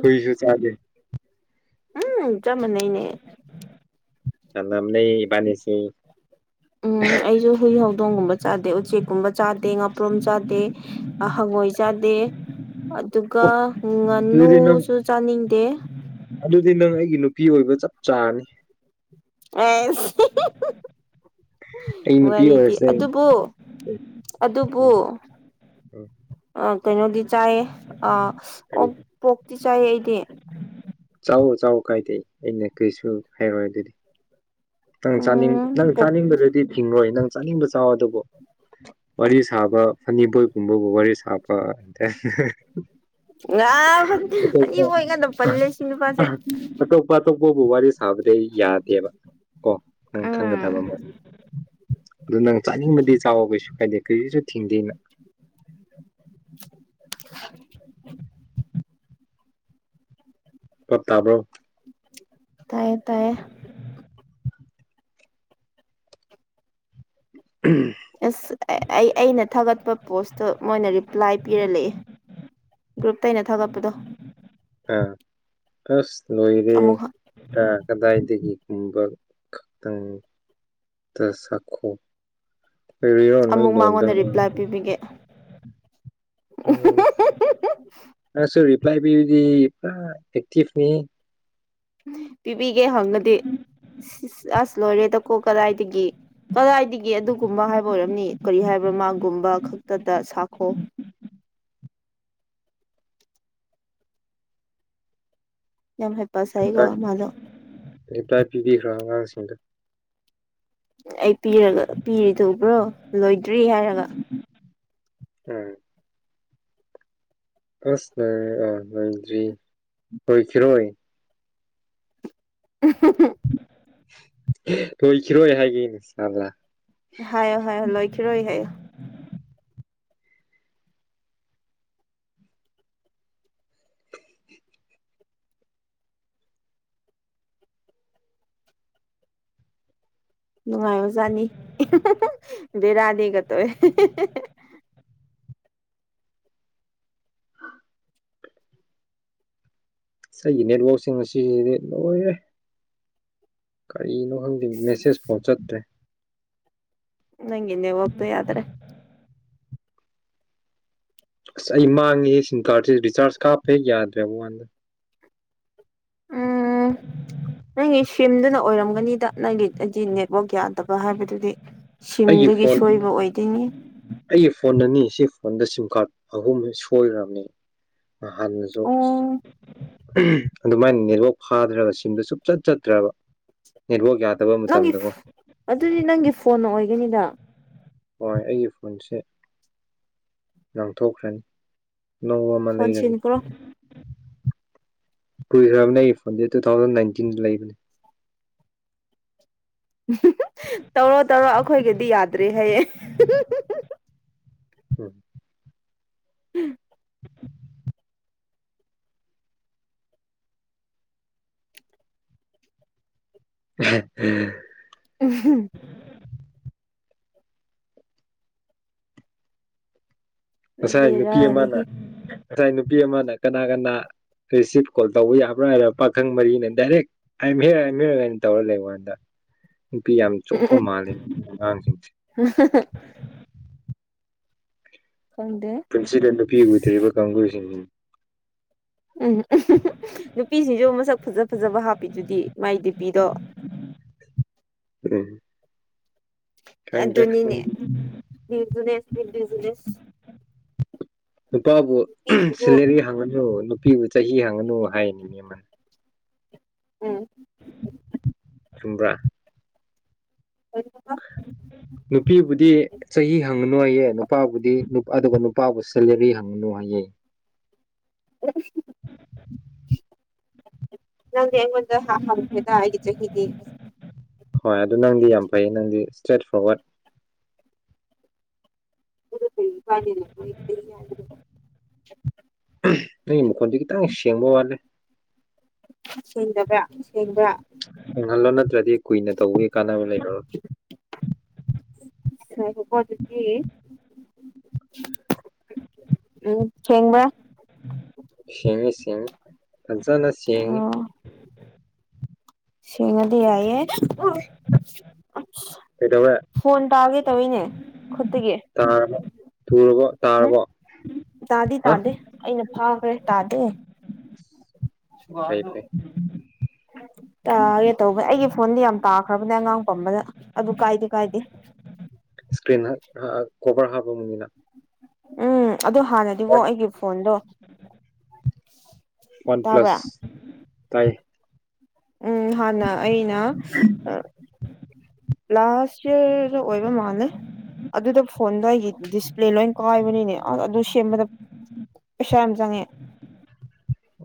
ꯍꯣꯏꯁꯨꯨ ꯆꯂꯦ ꯑꯝ ꯆꯝ ꯂꯩꯕꯥꯅꯤꯁꯤ ꯎꯝ [inaudible] ꯑꯩꯁꯨ ꯍꯨꯏ ꯍꯧꯗꯣꯡꯒꯨꯝꯕ ꯆꯥꯗꯦ ꯎꯆꯦꯛꯀꯨꯝꯕ ꯆꯥꯗꯦ ꯉꯥꯄ꯭ꯔꯣꯝ ꯆꯥꯗꯦ ꯍꯪꯒꯣꯏ ꯆꯥꯗꯦ ꯑꯗꯨꯒ ꯑꯣ ꯑꯗꯨꯗꯤ ꯅꯪ ꯉꯥꯅꯨꯁꯨ ꯆꯥꯅꯤꯡꯗꯦ ꯑꯗꯨꯗꯤ ꯅꯪ ꯑꯩꯒꯤ ꯅꯨꯄꯤ ꯑꯣꯏꯕ ꯆꯞ ꯆꯥꯔꯅꯤ ꯑ ꯎꯝ ꯋꯥꯔꯤꯗꯤ ꯑꯗꯨꯕꯨ ꯑꯗꯨꯕꯨ ꯎ ꯑ ꯀꯩꯅꯣꯗꯤ ꯆꯥꯏꯌꯦ ꯑ ꯑꯣ ꯄꯣꯛꯇꯤ ꯆꯥꯏꯌꯦ ꯑꯩꯗꯤ ꯆꯥꯎ ꯆꯥꯎ ꯀꯥꯏꯗꯦ ꯑꯩꯅ ꯀꯔꯤꯁꯨ ꯍꯥꯏꯔꯣꯏ ꯑꯗꯨꯗꯤ ꯅꯪ ꯆꯥꯅꯤꯡ ꯎꯝ ꯅꯪ ꯄꯣꯛ ꯆꯥꯅꯤꯡꯕꯗꯨꯗꯤ ꯊꯤꯡꯔꯣꯏ ꯅꯪ ꯆꯥꯅꯤꯡꯕ ꯆꯋ ꯑꯗꯨꯕꯨꯣ ꯋꯥꯔꯤ ꯁꯥꯕ ꯐꯅꯤꯕꯣꯏꯒꯨꯝꯕꯕꯨ ꯋꯥꯔꯤ ꯁꯥꯕ ꯑꯇ ꯉꯥ ꯐꯅꯤꯕ ꯑꯣꯏꯀꯥꯟꯗ ꯄꯜꯂꯦ ꯁꯤ ꯅꯨꯄꯥꯁꯦ ꯑꯇꯣꯞꯄꯥꯇꯞ ꯑꯩꯕꯣꯕꯨ ꯋꯥꯔꯤ ꯁꯥꯕꯗꯤ ꯑꯩ ꯌꯥꯗꯦꯕ ꯀꯣ ꯅꯪ ꯈꯪꯒꯗꯕ ꯎꯝ ꯑꯃ ꯑꯗꯨ ꯅꯪ ꯆꯥꯅꯤꯡꯕꯗꯤ ꯆꯥꯎꯑꯣ ꯀꯩꯁꯨ ꯀꯥꯏꯗꯦ ꯀꯩ ꯀꯩꯁꯨ ꯊꯤꯡꯗꯦ ꯅꯪ [inaudible] [inaudible] ꯄꯠꯇꯥꯕ꯭ꯔꯣ ꯇꯥꯏꯌꯦ ꯇꯥꯏꯌꯦ ꯑꯁ ꯑꯩ ꯑꯩꯅ ꯊꯥꯒꯠꯄ ꯄꯣꯁꯇꯣ ꯃꯣꯏꯅ ꯔꯤꯄ꯭ꯂꯥꯏ ꯄꯤꯔꯂꯛꯑꯦ ꯒ꯭ꯔꯨꯞꯇꯩꯅ ꯊꯥꯒꯠꯄꯗꯣ ꯑ ꯑꯁ ꯑꯃꯨꯛ ꯂꯣꯏꯔꯦꯀꯗꯏꯗ ꯨꯝꯕ [unintelligible] ꯈꯛꯇꯪꯗ ꯆꯈꯣ ꯐ ꯍꯅꯣ ꯑꯃꯨꯛ ꯇ ꯃꯉꯣꯟꯗ ꯔꯤꯄ꯭ꯂꯥꯏ ꯄꯤꯕꯤꯒꯦ ꯑ ꯁꯔꯤ ꯂꯥꯏꯕ꯭ꯔꯦꯔꯤ ꯄꯨꯔꯥ ꯑꯦꯛꯇꯤꯚꯅꯤ ꯄꯤꯕꯤꯒꯦ ꯍꯪꯉꯗꯤ ꯑꯁ ꯂꯣꯏꯔꯦꯗꯀꯣ ꯀꯗꯥꯏꯗꯒꯤ ꯀꯗꯥꯏꯗꯒꯤ ꯑꯗꯨꯒꯨꯝꯕ ꯍꯥꯏꯕ ꯑꯣꯏꯔꯝꯅꯤ ꯀꯔꯤ ꯍꯥꯏꯕ꯭ꯔꯥ ꯃꯥꯒꯨꯝꯕ ꯈꯛꯇꯗ ꯁꯥꯈꯣ ꯎꯝ ꯌꯥꯝ ꯍꯩꯄꯥ ꯁꯥꯏꯀꯣ ꯃꯥꯗꯣ ꯇꯥꯏ ꯄꯤꯕꯤꯈ꯭ꯔꯣ ꯑꯉꯥꯡꯁꯤꯡꯗ ꯑꯩ ꯄꯤꯔꯒ ꯄꯤꯔꯤ ꯇꯧꯕ꯭ꯔꯣ ꯂꯣꯏꯗ꯭ꯔꯤ ꯍꯥꯏꯔꯒ ꯎꯝ ꯑꯁ ꯅ ꯑꯣꯏꯗ꯭ꯔꯤ ꯍꯣꯏ ꯈꯔꯣꯏ [inaudible] ꯂꯣꯏꯈꯤꯔꯣꯏ ꯍꯥꯏꯒꯦ ꯏꯁꯥꯜꯂꯥ ꯍꯥꯏꯌꯣ ꯍꯥꯏꯌꯣ ꯂꯣꯏꯈꯤꯔꯣꯏ ꯍꯥꯏꯌꯣ ꯅꯨꯡꯉꯥꯏꯖꯥꯅꯤ ꯕꯔꯥꯅꯤꯒ ꯇ ꯁ ꯅꯦꯠꯕꯛꯁꯤꯡ ꯌꯥ ꯀꯔꯤꯅꯣ ꯈꯪꯗꯦ ꯃꯦꯁꯦꯁ ꯐꯥꯎ ꯆꯠꯇ꯭ꯔꯦ ꯅꯪ ꯏꯅꯦ ꯑꯣꯄ ꯌꯥꯗ꯭ꯔꯦ ꯑꯁ ꯑꯩ ꯃꯥꯡꯉꯤ ꯁꯤꯝ ꯀꯥꯔꯗꯁꯦ ꯔꯤꯆꯥꯔꯖ ꯀꯥꯞꯄ ꯍꯦꯛ ꯌꯥꯗ꯭ꯔꯦꯕ ꯋꯥꯟꯗ ꯎꯝ ꯎ ꯅꯪꯒꯤ ꯁꯤꯝꯗꯨꯅ ꯑꯣꯏꯔꯝꯒꯅꯤꯗ ꯅꯪꯒꯤ ꯍꯥꯏꯗꯤ ꯅꯦꯠꯋꯥꯛ ꯌꯥꯗꯕ ꯍꯥꯏꯕꯗꯨꯗꯤ ꯑꯩꯒꯤ ꯁꯤꯝꯗꯒꯤ ꯐꯣꯟ ꯁꯣꯏꯕ ꯑꯣꯏꯗꯣꯏꯅꯤ ꯑꯩꯒꯤ ꯐꯣꯟ ꯑꯅꯤ ꯁꯤ ꯑꯩꯉꯣꯟꯗ ꯁꯤꯝ ꯀꯥꯔꯗ ꯑꯍꯨꯝ ꯁꯣꯏꯈꯔꯕꯅꯤ ꯍꯥꯟꯅꯁꯨ ꯑꯣ ꯑꯁ ꯑꯗꯨꯃꯥꯏꯅ ꯅꯦꯠꯋꯥꯛ ꯐꯥꯗ꯭ꯔꯒ ꯁꯤꯝꯗ ꯁꯨꯞꯆꯠ ꯆꯠꯇ꯭ꯔꯕ ꯅꯦꯠꯋꯥꯛ ꯌꯥꯗ ꯅꯪꯒꯤ ꯑꯗꯨꯗꯤ ꯅꯪꯒꯤ ꯐꯣꯟ ꯑꯣꯏꯒꯅꯤꯗ ꯍꯣꯏ ꯑꯩꯒꯤ ꯐꯣꯟꯁꯦ ꯂꯪꯊꯣꯛꯈ꯭ꯔꯅꯤ ꯑꯅꯧꯕ ꯑꯃ ꯐꯣꯟ ꯂꯩꯔꯒꯦ ꯁꯤꯟꯈ꯭ꯔꯣ ꯀꯨꯏꯈ꯭ꯔꯕꯅꯦ ꯑꯩ ꯐꯣꯟꯖꯦ ꯇꯨ ꯊꯥꯎꯖꯟ ꯅꯥꯏꯟꯇꯤꯟ ꯗ ꯂꯩꯕꯅꯦ ꯎ ꯍꯨꯝ ꯍꯨꯝ ꯇꯧꯔꯣ ꯇꯧꯔꯣ ꯑꯈꯣꯏꯒꯤꯗꯤ ꯌꯥꯗ꯭ꯔꯦ ꯍꯥꯏꯌꯦ ꯑꯍꯦ ꯍꯨꯝ ꯍꯨꯝ ꯍꯨꯝ ꯎꯝ ꯎꯝ [inaudible] ꯂꯧꯁꯤꯟꯕ ꯉꯝꯗꯕ ꯎꯍꯨꯝ ꯉꯁꯥꯏ ꯅꯨꯄꯤ ꯑꯃꯅ ꯕꯦꯔꯥꯅꯤꯍꯦ ꯉꯁꯥꯏ ꯅꯨꯄꯤ ꯑꯃꯅ ꯀꯅꯥ ꯀꯅꯥ ꯔꯤꯁꯤꯚ ꯀꯣꯜ ꯇꯧꯕ ꯌꯥꯕ꯭ꯔꯥ ꯍꯥꯏꯗ ꯄꯥꯈꯪ ꯃꯔꯤꯅ ꯗꯥꯏꯔꯦꯛ ꯑꯥꯏꯝ ꯍꯤꯌꯔ ꯑꯥꯏꯝ ꯍꯤꯌꯔꯒꯥꯏꯅ ꯇꯧꯔ ꯂꯩꯍꯧꯕ ꯋꯥꯅꯤꯗ ꯅꯨꯄꯤ ꯌꯥꯝ ꯆꯣꯞꯄ ꯃꯥꯜꯂꯦ ꯑꯉꯥꯡꯁꯤꯡꯁꯦ ꯈꯪꯗꯦ ꯄꯨꯟꯁꯤꯗ ꯅꯨꯄꯤ ꯎꯗ꯭ꯔꯤꯕ ꯀꯥꯡꯕꯨꯁꯤꯡꯅꯤ ꯎꯝ ꯎꯝ ꯍꯨꯝ ꯍꯨꯝ ꯅꯨꯄꯤꯁꯤꯡꯁꯨ ꯃꯁꯛ ꯐꯖ ꯐꯖꯕ ꯍꯥꯞꯄꯤꯗꯨꯗꯤ ꯃꯥꯏ ꯗꯤꯄꯤꯗꯣ ꯎꯝ ꯈꯪꯗ꯭ꯔꯦ ꯑꯗꯨꯅꯤꯅꯦ ꯕꯤꯖꯤꯅꯦꯁꯅꯦ ꯕꯤꯖꯤꯅꯦꯁ ꯅꯨꯄꯥꯕꯨ ꯅꯨꯄꯤꯁꯤꯡꯁꯨ ꯁꯦꯂꯔꯤ ꯍꯡꯉꯅꯨ ꯅꯨꯄꯤꯕꯨ ꯆꯍꯤ ꯍꯡꯉꯅꯨ ꯍꯥꯏꯅꯤꯅꯦ ꯑꯃꯅ ꯎꯝ ꯆꯨꯝꯕ꯭ꯔꯥ ꯅꯨꯄꯤꯕꯨꯗꯤ ꯆꯍꯤ ꯍꯪꯉꯅꯨꯌꯦ ꯅꯨꯄꯥꯕꯨꯗꯤ ꯅꯨꯞ ꯑꯗꯨꯒ ꯅꯨꯄꯥꯕꯨ ꯁꯦꯂꯔꯤ ꯍꯪꯉꯅꯨ ꯍꯥꯏꯌꯦ ꯎ ꯍ ꯅꯪꯗꯤ ꯑꯩꯉꯣꯟꯗ ꯍꯥ ꯍꯪꯈ꯭ꯔꯦꯗ ꯑꯩꯒꯤ ꯆꯍꯤꯗꯤ ꯍꯣꯏ ꯑꯗꯨ ꯅꯪꯗꯤ ꯌꯥꯝ ꯐꯩꯌꯦ ꯅꯪꯗꯤ ꯏꯁꯇ꯭ꯔꯦꯠ ꯐꯣꯔꯋꯥꯔꯗ ꯂꯧꯁꯤꯟꯕ ꯉꯝꯗꯕ ꯎꯝ ꯅꯪꯒꯤ ꯃꯈꯣꯟꯗꯤ ꯈꯤꯇꯪ ꯁꯦꯡꯕ ꯋꯥꯠꯂꯦ ꯁꯦꯡꯗꯕ꯭ꯔꯥ ꯁꯦꯡꯕ꯭ꯔꯥ ꯎꯡꯍꯜꯂꯣ ꯅꯠꯇ꯭ꯔꯗꯤ ꯀꯨꯏꯅ ꯇꯧꯕꯒꯤ ꯀꯥꯟꯅꯕ ꯂꯩꯔꯔꯣꯏ ꯏꯁ ꯉꯥꯏꯈꯣꯀꯣ ꯑꯗꯨꯗꯤ ꯎꯝ ꯁꯦꯡꯕꯥ ꯁꯦꯡꯉꯦ ꯁꯦꯡꯉꯤ ꯐꯖꯅ ꯁꯦꯡꯉꯤ ꯑꯣ ꯁꯦꯡꯉꯗꯤ ꯌꯥꯏꯌꯦ ꯀꯩꯗꯧꯔꯦ ꯐꯣꯟ ꯇꯥꯒꯦ ꯇꯧꯋꯤꯅꯦ ꯈꯨꯠꯇꯒꯤ ꯇꯥꯔꯕꯣ ꯊꯨꯔꯕꯣ ꯎꯝ ꯇꯥꯔꯕꯣ ꯇꯥꯗꯤ ꯍꯥ ꯇꯥꯗꯦ ꯑꯩꯅ ꯐꯥꯈ꯭ꯔꯦ ꯇꯥꯗꯦ ꯐꯩ ꯐꯩ ꯇꯥꯒꯦ ꯇꯧꯕꯅꯦ ꯑꯩꯒꯤ ꯐꯣꯟꯗꯤ ꯌꯥꯝ ꯇꯥꯈ꯭ꯔꯕꯅꯦ ꯑꯉꯥꯡ ꯄꯝꯕꯗ ꯑꯗꯨ ꯀꯥꯏꯗꯤ ꯀꯥꯏꯗꯦ ꯕꯝꯅꯤꯅ ꯎꯝ ꯑꯗꯨ ꯍꯥꯟꯅꯗꯤꯕꯣ ꯑꯩꯒꯤ ꯐꯣꯟꯗꯣ ꯋꯥꯟ ꯇꯥꯕ꯭ꯔꯥ ꯄ꯭ꯂꯁ ꯇꯥꯏ ꯎꯝ ꯍꯥꯟꯅ ꯑꯩꯅ ꯑ ꯂꯥꯁ ꯏꯌꯔꯗ ꯑꯣꯏꯕ ꯃꯥꯟꯂꯦ ꯑꯗꯨꯗ ꯐꯣꯟꯗꯣ ꯑꯩꯒꯤ ꯗꯤꯁꯄ꯭ꯂꯦ ꯂꯣꯏ ꯀꯥꯏꯕꯅꯤꯅꯦ ꯑ ꯑꯗꯨ ꯁꯦꯝꯕꯗ ꯄꯩꯁꯥ ꯌꯥꯝ ꯆꯪꯉꯦ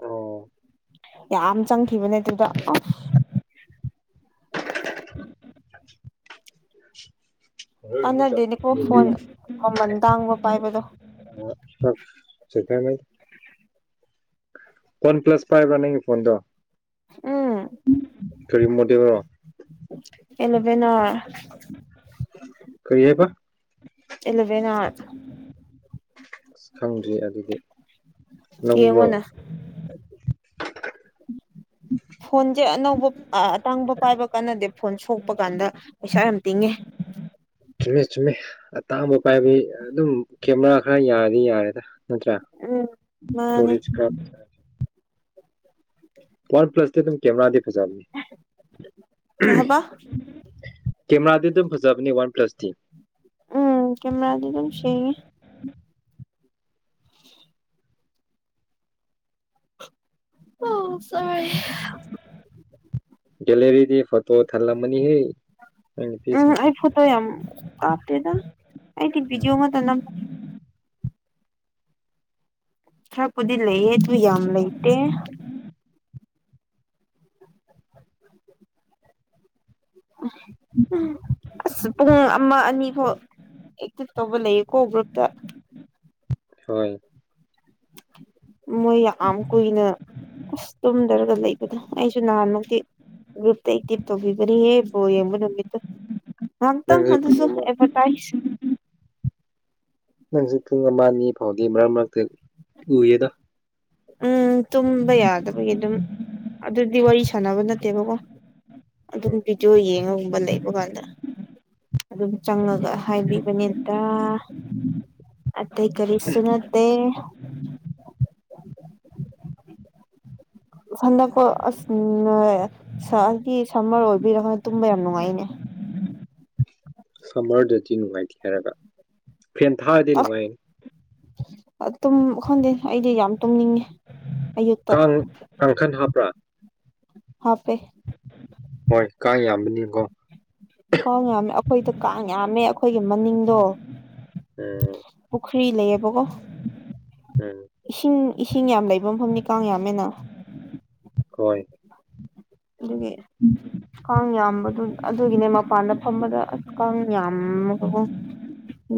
ꯑꯣ ꯌꯥꯝ ꯆꯪꯈꯤꯕꯅꯦ ꯑꯗꯨꯗ ꯑꯁ [unintelligible] ꯂꯧꯁꯤꯟꯕ ꯀꯥꯟꯅꯗꯦꯅꯦꯀꯣ ꯐꯣꯟ ꯃꯃꯜ ꯇꯥꯡꯕ ꯄꯥꯏꯕꯗꯣ ꯉꯝꯗꯕ ꯁꯤꯈꯥꯏ ꯃꯗꯤ ꯋꯥꯟ ꯄ꯭ꯂꯁ ꯄꯥꯏꯕ꯭ꯔꯥ ꯅꯪꯒꯤ ꯐꯣꯟꯗꯣ ꯎꯝ ꯀꯔꯤ ꯃꯣꯗꯦꯜ ꯔꯣ ꯑꯦꯂꯣꯚꯟ ꯅ ꯀꯔꯤ ꯍꯥꯏꯕ ꯏꯂꯕꯅꯒ ꯑꯁ ꯈꯪꯗ꯭ꯔꯤ ꯑꯗꯨꯗꯤ ꯂꯧꯕ꯭ꯔꯣ ꯌꯦꯡꯉꯣꯅ ꯐꯣꯟꯁꯦ ꯑꯅꯧꯕ ꯑꯇꯥꯡꯕ ꯄꯥꯏꯕ ꯀꯥꯟꯅꯗꯦ ꯐꯣꯟ ꯁꯣꯛꯄ ꯀꯥꯟꯗ ꯄꯩꯁꯥ ꯌꯥꯝ ꯇꯤꯡꯉꯦ ꯆꯨꯝꯃꯦ ꯆꯨꯝꯃꯦ ꯑꯇꯥꯡꯕ ꯄꯥꯏꯕꯩ ꯑꯗꯨꯝ ꯀꯦꯃꯦꯔꯥ ꯈꯔ ꯌꯥꯔꯗꯤ ꯌꯥꯔꯦꯗ ꯅꯠꯇ꯭ꯔꯥ ꯎꯝ ꯃꯥꯅꯤ ꯇꯔꯤ ꯋꯥꯟ ꯄ꯭ꯂꯁ ꯇꯤ ꯑꯗꯨꯝ ꯀꯦꯃꯦꯔꯗꯤ ꯐꯖꯥꯕꯅꯦ ꯀꯩ ꯍꯥꯏꯕ ꯀꯦꯃꯦꯔꯥꯗꯤ ꯑꯗꯨꯝ ꯐꯖꯕꯅꯤ ꯋꯥꯟ ꯄ꯭ꯂꯁꯇꯤ ꯎꯝ ꯀꯦꯃꯦꯔꯗꯤ ꯑꯗꯨꯝ ꯁꯦꯡꯒꯦ ꯆꯔꯦ꯫ ꯒꯦꯂꯔꯤꯗꯤ ꯐꯣꯇꯣ ꯊꯜꯂꯝꯃꯅꯤ ꯍꯦ ꯎꯝ ꯑꯩ ꯐꯣꯇꯣ ꯌꯥꯝ ꯀꯞꯇꯦꯗ ꯑꯩꯗꯤ ꯕꯤꯗꯤꯌꯣ ꯎꯝ ꯃꯇꯥ ꯅꯝ ꯈꯔꯄꯨꯗꯤ ꯂꯩꯌꯦ ꯑꯗꯨ ꯌꯥꯝ ꯂꯩꯇꯦ ꯑꯁ ꯄꯨꯡ ꯑꯃ ꯑꯅꯤ ꯐꯥꯎ ꯇꯧꯕ ꯂꯩꯌꯦꯀꯣ ꯒ꯭ꯔꯨꯞꯇ ꯍꯣꯏ ꯃꯣꯏ ꯑꯝ ꯀꯨꯏꯅ ꯑꯁ ꯇꯨꯝꯗꯔꯒ ꯂꯩꯕꯗꯣ ꯑꯩꯁꯨ ꯅꯍꯥꯟꯃꯛꯇꯤ ꯒ꯭ꯔꯨꯞꯇ ꯇꯩ ꯇꯕꯅꯤꯍꯦ ꯕꯥꯜ ꯌꯦꯡꯕ ꯅꯃꯤꯠꯇ ꯉꯇꯪ ꯅꯪꯁꯨ ꯄꯨꯡ ꯑꯗꯨꯁꯨ ꯑꯃ ꯑꯦꯗꯚꯔꯇꯥꯏꯁ ꯅꯪꯁꯨ ꯄꯨꯡ ꯑꯃ ꯑꯅꯤ ꯐꯥꯎꯗꯤ ꯃꯔꯛ ꯃꯔꯛꯇ ꯎꯏꯌꯦꯗ ꯎꯝ ꯇꯨꯝꯕ ꯌꯥꯗꯕꯒꯤ ꯑꯗꯨꯝ ꯑꯗꯨꯗꯤ ꯋꯥꯔꯤ ꯁꯥꯟꯅꯕ ꯅꯠꯇꯦꯕꯀꯣ ꯑꯗꯨꯝ ꯎꯝ ꯚꯤꯗꯤꯑꯣ ꯌꯦꯡꯉꯕ ꯂꯩꯕ ꯀꯥꯟꯗ ꯑꯗꯨꯝ ꯆꯪꯉꯒ ꯍꯥꯏꯕꯤꯕꯅꯦꯗ ꯑꯇꯩ ꯀꯔꯤꯁꯨ ꯅꯠꯇꯦ ꯍꯤ ꯍꯟꯗꯛꯄꯣ ꯑꯁ ꯁꯥꯒꯤ ꯁꯝꯃꯔ ꯑꯣꯏꯕꯩꯔ ꯇꯨꯝꯕ ꯌꯥꯝ ꯅꯨꯡꯉꯥꯏꯅꯦ ꯁꯝꯃꯔꯗꯗꯤ ꯅꯨꯡꯉꯥꯏꯇꯦ ꯍꯥꯏꯔꯒ ꯐꯦꯟ ꯊꯥꯔꯗꯤ ꯅꯨꯡꯉꯥꯏꯌꯦ ꯑꯥꯇꯨꯝ ꯈꯪꯗꯦ ꯑꯩꯗꯤ ꯌꯥꯝ ꯇꯨꯝꯅꯤꯡꯉꯦ ꯑꯌꯨꯛꯇ ꯀꯥꯡ ꯀꯪꯈꯥꯟ ꯍꯞꯄꯔꯥ ꯍꯞꯄꯦ ꯍꯣꯏ ꯀꯥꯡ ꯌꯥꯝꯕꯅꯤꯀꯣ ꯀꯥꯡ ꯌꯥꯝꯃꯦ ꯑꯩꯈꯣꯏꯗ ꯀꯥꯡ ꯌꯥꯝꯃꯦ ꯑꯩꯈꯣꯏꯒꯤ ꯃꯅꯤꯡꯗꯣ ꯎꯝ ꯄꯨꯈꯔꯤ ꯂꯩꯌꯦꯕꯣ ꯀꯣ ꯎꯝ ꯏꯁꯤꯡ ꯏꯁꯤꯡ ꯌꯥꯝ ꯂꯩꯕ ꯃꯐꯝꯗꯤ ꯀꯥꯡ ꯌꯥꯝꯃꯦꯅ ꯍꯣꯏ ꯑꯗꯨꯒꯤ ꯀꯥꯡ ꯌꯥꯝꯕꯗꯨ ꯑꯗꯨꯒꯤꯅꯦ ꯃꯄꯥꯟꯗ ꯐꯝꯕꯗ ꯀꯥꯡ ꯌꯥꯝꯃꯒ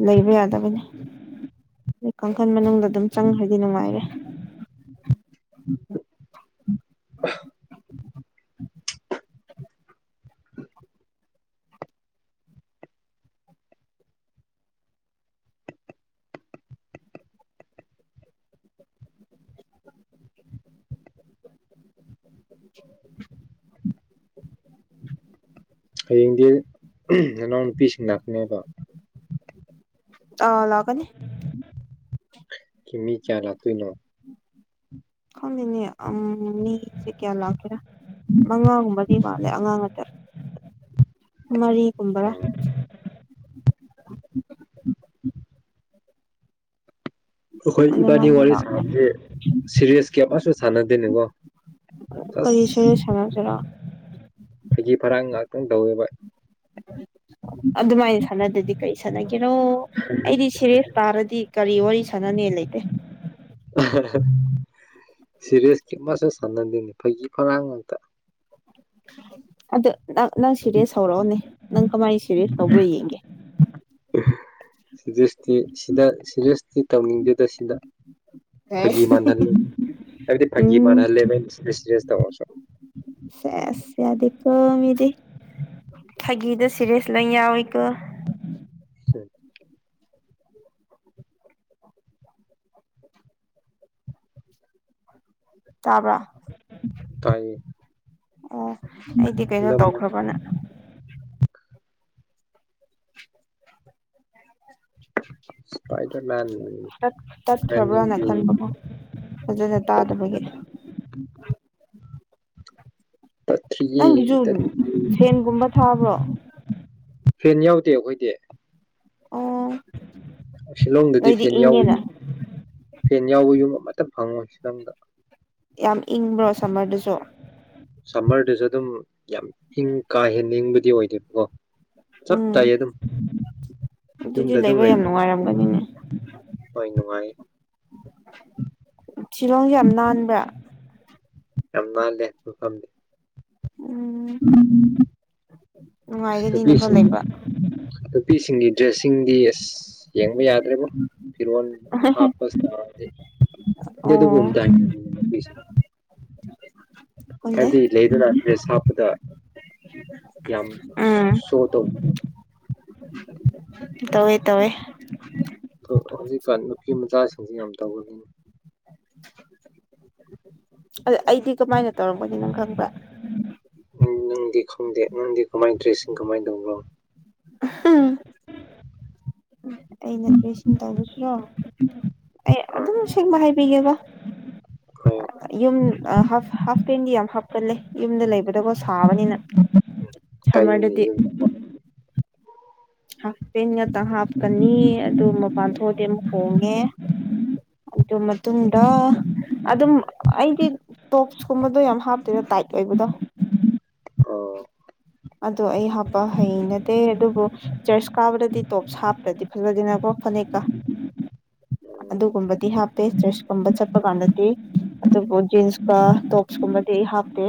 ꯂꯩꯕ ꯌꯥꯗꯕꯅꯤ ꯑ ꯀꯥꯡꯈꯜ ꯃꯅꯨꯡꯗ ꯑꯗꯨꯝ ꯆꯪꯈ꯭ꯔꯗꯤ ꯅꯨꯡꯉꯥꯏꯔꯦ ꯎꯝ ꯗ ꯍꯌꯦꯡꯗꯤ ꯅꯅꯥꯎ ꯅꯨꯄꯤꯁꯤꯡ ꯂꯥꯛꯀꯅꯦꯕ ꯑ ꯂꯥꯛꯀꯥꯅꯤ ꯃꯤ ꯀꯌꯥ ꯂꯛꯇꯣꯏꯅꯣ ꯈꯪꯗꯦꯅꯦ ꯎꯝ ꯃꯤ ꯗꯤ ꯀꯌꯥ ꯂꯥꯛꯀꯦꯔ ꯃꯉꯥꯒꯨꯝꯕꯗꯤ ꯃꯥꯜꯂꯦ ꯑꯉꯥꯡ ꯉꯥꯛꯇ ꯃꯔꯤꯒꯨꯝꯕꯔꯥ [inaudible] ꯑꯩꯈꯣꯏ ꯏꯕꯥꯅꯤ ꯑꯗꯨꯃꯥꯏꯅ ꯋꯥꯔꯤ ꯂꯥꯛꯈ꯭ꯔꯦ ꯁꯥꯟꯅꯕꯁꯦ ꯁꯤꯦꯔꯤꯌꯥꯁ ꯀꯌꯥꯁꯨ ꯁꯥꯟꯅꯗꯦꯅꯤꯀꯣ ꯀꯔꯤ ꯁꯔꯦ ꯁꯥꯟꯅꯁꯤꯔꯣ ꯐꯒꯤ ꯐꯔꯥ ꯉꯍꯥꯛꯇꯪ ꯇꯧꯋꯦꯕ ꯑꯗꯨꯃꯥꯏꯅ ꯁꯥꯟꯅꯗꯗꯤ ꯀꯔꯤ ꯁꯥꯟꯅꯒꯦ ꯀꯩꯅꯣ ꯑꯩꯗꯤ ꯁꯤꯔꯦꯁ ꯇꯥꯔꯗꯤ ꯀꯔꯤ ꯋꯥꯔꯤ ꯁꯥꯟꯅꯅꯦ ꯂꯩꯇꯦ [unintelligible] ꯁꯤꯔꯤꯁ ꯀ ꯑꯃꯁꯁꯨ ꯁꯥꯟꯅꯗꯦꯅꯤ ꯐꯩꯒꯤ ꯐꯔꯥꯡ ꯉꯥꯛꯇ ꯑꯗ ꯅꯪ ꯅꯪ ꯁꯤꯔꯦ ꯍꯧꯔꯛꯑꯣꯅꯦ ꯅꯪ ꯀꯃꯥꯏꯅ ꯁꯤꯔꯦ ꯇꯧꯕ꯭ꯔ ꯌꯦꯡꯒꯦ ꯁꯤꯔꯤꯁꯇꯤ ꯁꯤꯗ ꯁꯤꯦꯔꯤꯁꯇꯤ ꯇꯧꯅꯤꯡꯗꯦꯗ ꯁꯤꯗ ꯐꯥꯒꯤ ꯃꯥꯟꯍꯜꯂꯤ ꯍꯥꯏꯕꯗꯤ ꯐꯥꯒꯤ ꯎꯝ ꯃꯥꯟꯍꯜꯂꯦꯕꯁꯤꯁ ꯇꯧꯔꯁꯨ ꯁꯦ ꯌꯥꯗꯦꯀꯣ ꯃꯤꯗꯤ ꯐꯥꯒꯤꯗ ꯁꯤꯦꯔꯦꯁ ꯂꯪ ꯌꯥꯎꯏꯤꯀꯣ [inaudible] ꯇꯥꯕ꯭ꯔ ꯇꯥꯏꯌꯦ ꯑꯣ ꯑꯩꯗꯤ ꯀꯩꯅꯣ ꯇꯧꯈ꯭ꯔꯕꯅ ꯏꯁꯄꯥꯏꯗꯔ ꯃꯦꯟ ꯇ ꯇꯥꯛ ꯕ꯭ꯔꯥꯟ ꯈꯕ ꯅ꯭ꯌꯨ ꯗꯦ ꯅꯅꯥꯈꯥꯟꯕ ꯐꯖꯅ ꯇꯥ ꯑꯗꯨꯕ [unintelligible] ꯇꯊ꯭ꯔꯤ ꯌꯦꯦ ꯇ ꯅꯪꯒꯤꯁꯨ ꯐꯦꯟꯒꯨꯝꯕ ꯊꯥꯕ꯭ꯔꯣ ꯐꯦꯟ ꯌꯥꯎꯗꯦ ꯑꯩꯈꯣꯏꯗꯤ ꯑꯣ ꯁꯤꯂꯣꯡꯗꯗꯤ ꯅꯣꯏꯗꯤ ꯐꯦꯟ ꯌꯥꯎꯕ ꯏꯪꯉꯦꯅ ꯌꯨꯝ ꯐꯦꯟ ꯌꯥꯎꯕ ꯌꯨꯝ ꯑꯃꯇ ꯐꯪꯉꯣꯏꯁꯤꯗꯪꯗ ꯌꯥꯝ ꯏꯪꯕ꯭ꯔꯣ ꯁꯝꯃꯔꯗꯨꯁꯨ ꯁꯝꯃꯔꯗꯨꯁꯨ ꯑꯗꯨꯝ ꯌꯥꯝ ꯏꯪ ꯀꯥꯍꯦꯟ ꯅꯤꯡꯕꯗꯤ ꯑꯣꯏꯗꯦꯕꯀꯣ ꯆꯞ ꯎꯝ ꯇꯥꯏꯌꯦ ꯑꯗꯨꯝ ꯑꯗꯨꯗꯤ ꯌꯨꯝꯗ ꯑꯗꯨꯝ ꯂꯩꯕ ꯂꯩꯕꯅꯦ [unintelligible] ꯎꯝ ꯁꯤꯂꯣꯡꯁꯦ ꯌꯥꯝ ꯅꯥꯟꯕ꯭ꯔꯥ ꯌꯥꯝꯝꯅ ꯂꯩꯦꯍꯦ ꯎꯝ ꯎꯝ ꯅꯨꯡꯉꯥꯏꯒꯅꯤꯅꯦꯀꯣ ꯅꯨꯁ ꯂꯩꯕ ꯅꯨꯄꯤꯁꯤꯡꯒꯤ ꯗ꯭ꯔꯦꯁꯁꯤꯡꯗꯤ ꯑꯦꯁ ꯌꯦꯡꯕ ꯌꯥꯗ꯭ꯔꯦꯕ ꯐꯤꯔꯣꯜ ꯍꯥꯞꯄꯁꯤ ꯑꯣ ꯑꯗꯨ ꯨꯝꯃꯗꯥ ꯈꯪꯗꯦ ꯍꯥꯏꯕꯗꯤ ꯂꯩꯗꯨꯅ ꯗ꯭ꯔꯦꯁ ꯍꯥꯞꯄꯗ ꯌꯥꯝꯌꯥꯝ ꯎꯝ ꯁꯣꯇꯧ ꯇꯋꯦ ꯇꯋꯦ ꯑ ꯍꯧꯖꯤꯛꯀꯥꯟ ꯅꯨꯄꯤ ꯃꯆꯥꯁꯤꯡꯁ ꯌꯥꯝ ꯇꯧꯧꯕꯒꯤꯅꯦ ꯑꯗ ꯑꯩꯗꯤ ꯀꯃꯥꯏꯅ ꯇꯧꯔꯝꯒꯅꯤ ꯅꯪ ꯈꯪꯕ꯭ꯔ ꯅꯪꯗꯤ ꯈꯪꯗꯦ ꯅꯪꯗꯤ ꯀꯃꯥꯏ ꯗ꯭ꯔꯦꯁꯁꯤꯡ ꯀꯃꯥꯏꯅ ꯇꯧꯕꯕ꯭ꯔꯣ ꯑꯝ ꯇꯧꯁꯤꯔꯣ ꯑꯩ ꯍꯣꯏ ꯑꯗꯨꯝ ꯁꯦꯡꯕ ꯍꯥꯏꯕꯤꯒꯦꯕ ꯍꯥꯏꯌꯣ ꯌꯨꯝ ꯍꯥ ꯍꯥꯐ ꯄꯦꯟꯗꯤ ꯌꯥꯝ ꯍꯥꯞꯀꯜꯂꯦ ꯌꯨꯝꯗ ꯂꯩꯕꯗꯀꯣ ꯁꯥꯕꯅꯤꯅ ꯀꯩ ꯅ ꯁꯝꯃꯔꯗꯗꯤ ꯄꯦꯟ ꯉꯥꯛꯇ ꯍꯥꯞꯀꯅꯤ ꯑꯗꯨ ꯃꯄꯥꯟ ꯊꯣꯛꯑꯗꯤ ꯑꯃꯨꯛ ꯍꯣꯡꯉꯦ ꯑꯗꯨ ꯃꯇꯨꯡꯗ ꯑꯗꯨꯝ ꯑꯩꯗꯤ ꯇꯣꯞꯁꯀꯨꯝꯕꯗꯣ ꯌꯥꯝ ꯍꯥꯞꯇꯦꯅ ꯇꯥꯏꯠ ꯑꯣꯏ ꯕꯨꯗ ꯑꯣ ꯑꯗꯣ ꯑꯩ ꯍꯥꯞꯄ ꯍꯩꯅꯗꯦ ꯑꯗꯨꯕꯨ ꯆꯔꯁ ꯀꯥꯕꯗꯗꯤ ꯇꯣꯞꯁ ꯍꯥꯞꯇ꯭ꯔꯗꯤ ꯐꯖꯗꯦꯅꯀꯣ ꯐꯅꯦꯛꯀ ꯎ ꯑꯗꯨꯒꯨꯝꯕꯗꯤ ꯍꯥꯞꯄꯦ ꯆꯔꯁꯀꯨꯝꯕ ꯆꯠꯄ ꯀꯥꯟꯗꯗꯤ ꯑꯗꯨꯕꯨ ꯖꯤꯟꯁꯀ ꯇꯣꯞꯁ ꯀꯨꯝꯕ ꯑꯩ ꯍꯥꯞꯇꯦ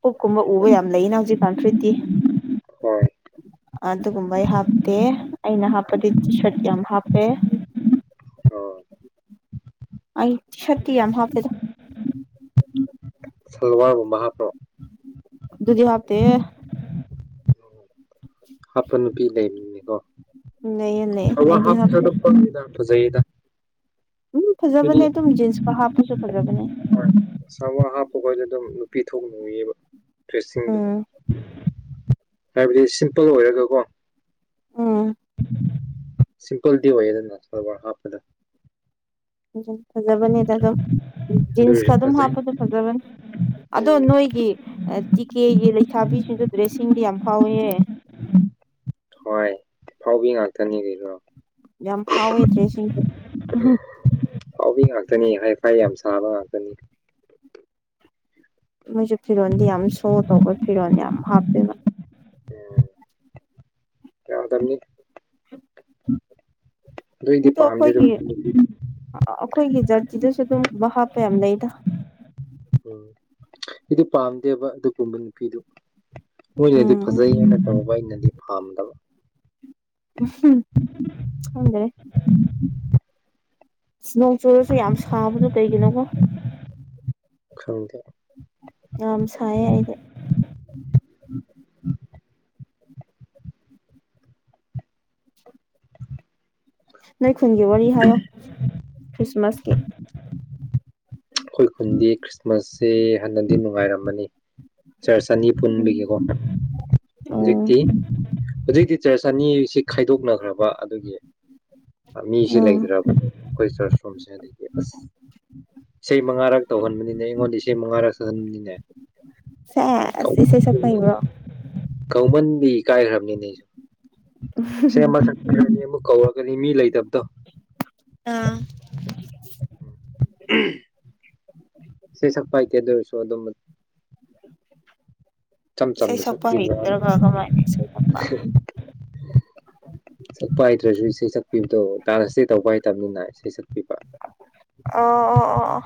ꯄꯨꯛꯀꯨꯝꯕ ꯎꯕ ꯎꯝ ꯌꯥꯝ ꯂꯩꯅ ꯍꯧꯖꯤꯛ ꯄꯥꯟꯊ꯭ꯔꯤꯠꯇꯤ ꯍꯣꯏ ꯑꯗꯨꯒꯨꯝꯕꯩ ꯍꯥꯞꯇꯦ ꯑꯩꯅ ꯍꯥꯞꯄꯗꯤ ꯇꯤ ꯁꯔꯠ ꯀ ꯌꯥꯝ ꯍꯥꯞꯄꯦ ꯑꯣ ꯑꯩ ꯁꯇꯤ ꯌꯥꯝ ꯍꯥꯐꯤ ꯁꯜꯋꯥꯔꯒꯨꯝꯕ ꯍꯥꯞꯄ꯭ꯔꯣ ꯑꯗꯨꯗꯨꯗꯤ ꯍꯥꯞꯇ ꯍꯥꯞꯄ ꯅꯨꯄꯤ ꯂꯩꯃꯤꯅꯦꯀꯣ ꯂꯩꯌꯦ ꯂꯩꯌꯦ ꯊꯋꯥ ꯑꯩꯗꯤ ꯍꯥꯞꯇ ꯍꯥꯞꯇꯦ ꯐꯗ ꯖꯩꯗ ꯎꯝ ꯐꯖꯕꯅꯦ ꯑꯗꯨꯗꯤ ꯑꯗꯨꯝ ꯖꯤꯟꯁꯀ ꯍꯥꯞꯄꯁꯨ ꯐꯖꯕꯅꯦ ꯍꯣꯏ ꯁꯥꯃ ꯍꯥꯞꯄꯈꯣꯏꯁꯨ ꯑꯗꯨꯝ ꯅꯨꯄꯤ ꯊꯣꯛꯅ ꯎꯏꯌꯦꯕ ꯗ꯭ꯔꯦꯁꯁꯤꯡꯗꯣ ꯎꯝ ꯍꯥꯏꯕꯗꯤ ꯁꯤꯝꯄꯜ ꯑꯣꯏꯔꯒꯀꯣ ꯎꯝ ꯁꯤꯝꯄꯜꯗꯤ ꯑꯣꯏꯌꯦ ꯑꯗꯨꯅ ꯁꯔꯋꯥꯔ ꯍꯥꯞꯄꯗ ꯐꯖꯕꯅꯤꯗ ꯑꯗꯨꯝ ꯑꯗꯨ ꯖꯤꯟꯁꯀ ꯑꯣꯏꯔꯁꯨ ꯑꯗꯨꯝ ꯐꯖꯩ ꯍꯥꯞꯄꯗꯣ ꯐꯖꯕꯅꯤ ꯑꯗꯣ ꯎꯝ ꯅꯣꯏ ꯇꯤꯀꯦꯒꯤ ꯂꯩꯁꯥꯕꯤꯁꯤꯡꯁꯨ ꯗ꯭ꯔꯦꯁꯁꯤꯡꯗꯤ ꯌꯥꯝ ꯐꯥꯎꯋꯦꯍꯦ ꯍꯣꯏ ꯐꯥꯎꯕꯤ ꯉꯥꯛꯇꯅꯦ ꯀꯗ꯭ꯔꯣ ꯌꯥꯝ ꯐꯥꯎꯋꯦ ꯗ꯭ꯔꯦꯁꯁꯤꯡꯁꯦ ꯍꯥꯎꯕꯤ ꯉꯥꯛꯇꯅꯤ ꯍꯥꯏ ꯐꯥꯏ ꯌꯥꯝ ꯆꯠ ꯊꯕ ꯀꯅꯤ ꯃꯣꯏꯁꯨ ꯐꯤꯔꯣꯜꯗꯤ ꯌꯥꯝ ꯁꯣ ꯇꯧꯕ ꯐꯤꯔꯣ ꯌꯥꯝ ꯍꯥꯞꯇꯦꯕ ꯎꯝ ꯌꯥꯗꯅꯤ ꯑꯗꯨꯏꯗꯤ ꯑꯣ ꯄꯥꯝꯗꯦ ꯑꯗꯨꯝ ꯑꯩꯈꯣꯏꯒꯤ ꯑꯩꯈꯣꯏꯒꯤ ꯖꯥꯇꯤꯗꯨꯁꯨ ꯑꯗꯨꯝ ꯥꯞ ꯌꯥꯝ ꯅꯗ ꯎꯝ ꯏꯗꯤ ꯄꯥꯝꯗꯦꯕ ꯑꯗꯨꯒꯨꯝꯕ ꯅꯨꯄꯤꯗꯨ ꯃꯣꯏꯅꯗꯤ ꯎꯝ ꯐꯖꯩ ꯍꯥꯏꯅ ꯇꯧꯕ ꯑꯩꯅꯗꯤ ꯄꯥꯝꯗꯕ ꯎꯝ ꯐꯗ꯭ꯔꯦ ꯅꯣꯡ ꯆꯨꯔꯁꯨ ꯌꯥꯝ ꯁꯥꯕꯗꯨꯣ ꯀꯩꯒꯤꯅꯣꯀꯣ ꯈꯪꯗꯦ ꯌꯥꯝ ꯁꯥꯏꯌꯦ ꯑꯩꯅ ꯅꯣꯏ ꯈꯨꯨꯟꯒꯤ ꯋꯥꯔꯤ ꯍꯥꯏꯌꯣ ꯈ꯭ꯔꯤꯁꯃꯥꯁꯀꯤ ꯑꯩꯈꯣꯏ ꯈꯨꯟꯗꯤ ꯈ꯭ꯔꯤꯁꯃꯥꯁꯁꯦ ꯍꯥꯟꯟꯅꯗꯤ ꯅꯨꯡꯉꯥꯏꯔꯝꯃꯅꯤ ꯁꯥꯔ ꯆꯅꯤ ꯎꯝ ꯄꯨꯟꯕꯒꯤꯀꯣ ꯎꯝ ꯍꯧꯖꯤꯛꯇꯤ ꯍꯧꯖꯤꯛꯛꯇꯤꯆꯔꯁꯅꯤꯁꯤ ꯈꯥꯏꯗꯣꯛꯅꯈ꯭ꯔꯕ ꯑꯗꯨꯒꯤ ꯃꯤꯁꯤꯦ ꯎꯝ ꯂꯩꯗ꯭ꯔꯕ ꯑꯩꯈꯣꯏ ꯆꯔꯁ ꯔꯣꯝꯁꯦꯗꯒꯤ ꯑꯁ ꯏꯁꯩ ꯃꯉꯥꯔꯛ ꯇꯧꯍꯟꯕꯅꯤꯅꯦ ꯑꯩꯉꯣꯟꯗ ꯏꯁꯩ ꯃꯉꯥꯔꯛ ꯁꯛꯍꯟꯕꯅꯤꯅꯦ ꯁꯦꯁ ꯏꯁꯩ ꯁꯛꯄ ꯍꯩꯕ꯭ꯔꯣ ꯀꯧꯃꯟ ꯑꯩ ꯀꯥꯏꯈ꯭ꯔꯕꯅꯤꯅꯦ ꯑꯩꯁꯨ ꯁꯦ ꯃꯊꯛ ꯃꯌꯥꯅꯤ ꯑꯃꯨꯛ ꯀꯧꯔꯒꯅꯤ ꯃꯤ ꯂꯩꯇꯕꯗꯣ ꯑꯥ ꯎꯝ ꯎꯝ ꯁꯤ ꯁꯛꯄꯥꯏꯇꯦꯗꯁꯨꯣ ꯑꯗꯨꯣꯝꯝꯕ ꯏꯆꯝ ꯏꯁꯩ ꯆꯝꯅ ꯁꯛꯄ ꯆꯛꯄꯤꯕ ꯍꯩꯇ꯭ꯔꯒ ꯀꯃꯥꯏꯅ ꯏꯁꯩ ꯁꯛꯄ ꯁꯛꯄ ꯍꯇ꯭ꯔꯁꯨ ꯏꯁꯩ ꯁꯛꯄꯤꯕꯗꯣ ꯗꯥꯟꯁꯇꯦ ꯇꯧꯕ ꯍꯇꯕꯅꯤꯅ ꯏꯁꯩ ꯁꯛꯄꯤꯕ ꯑꯣ ꯑꯣ ꯑꯣ ꯑꯣ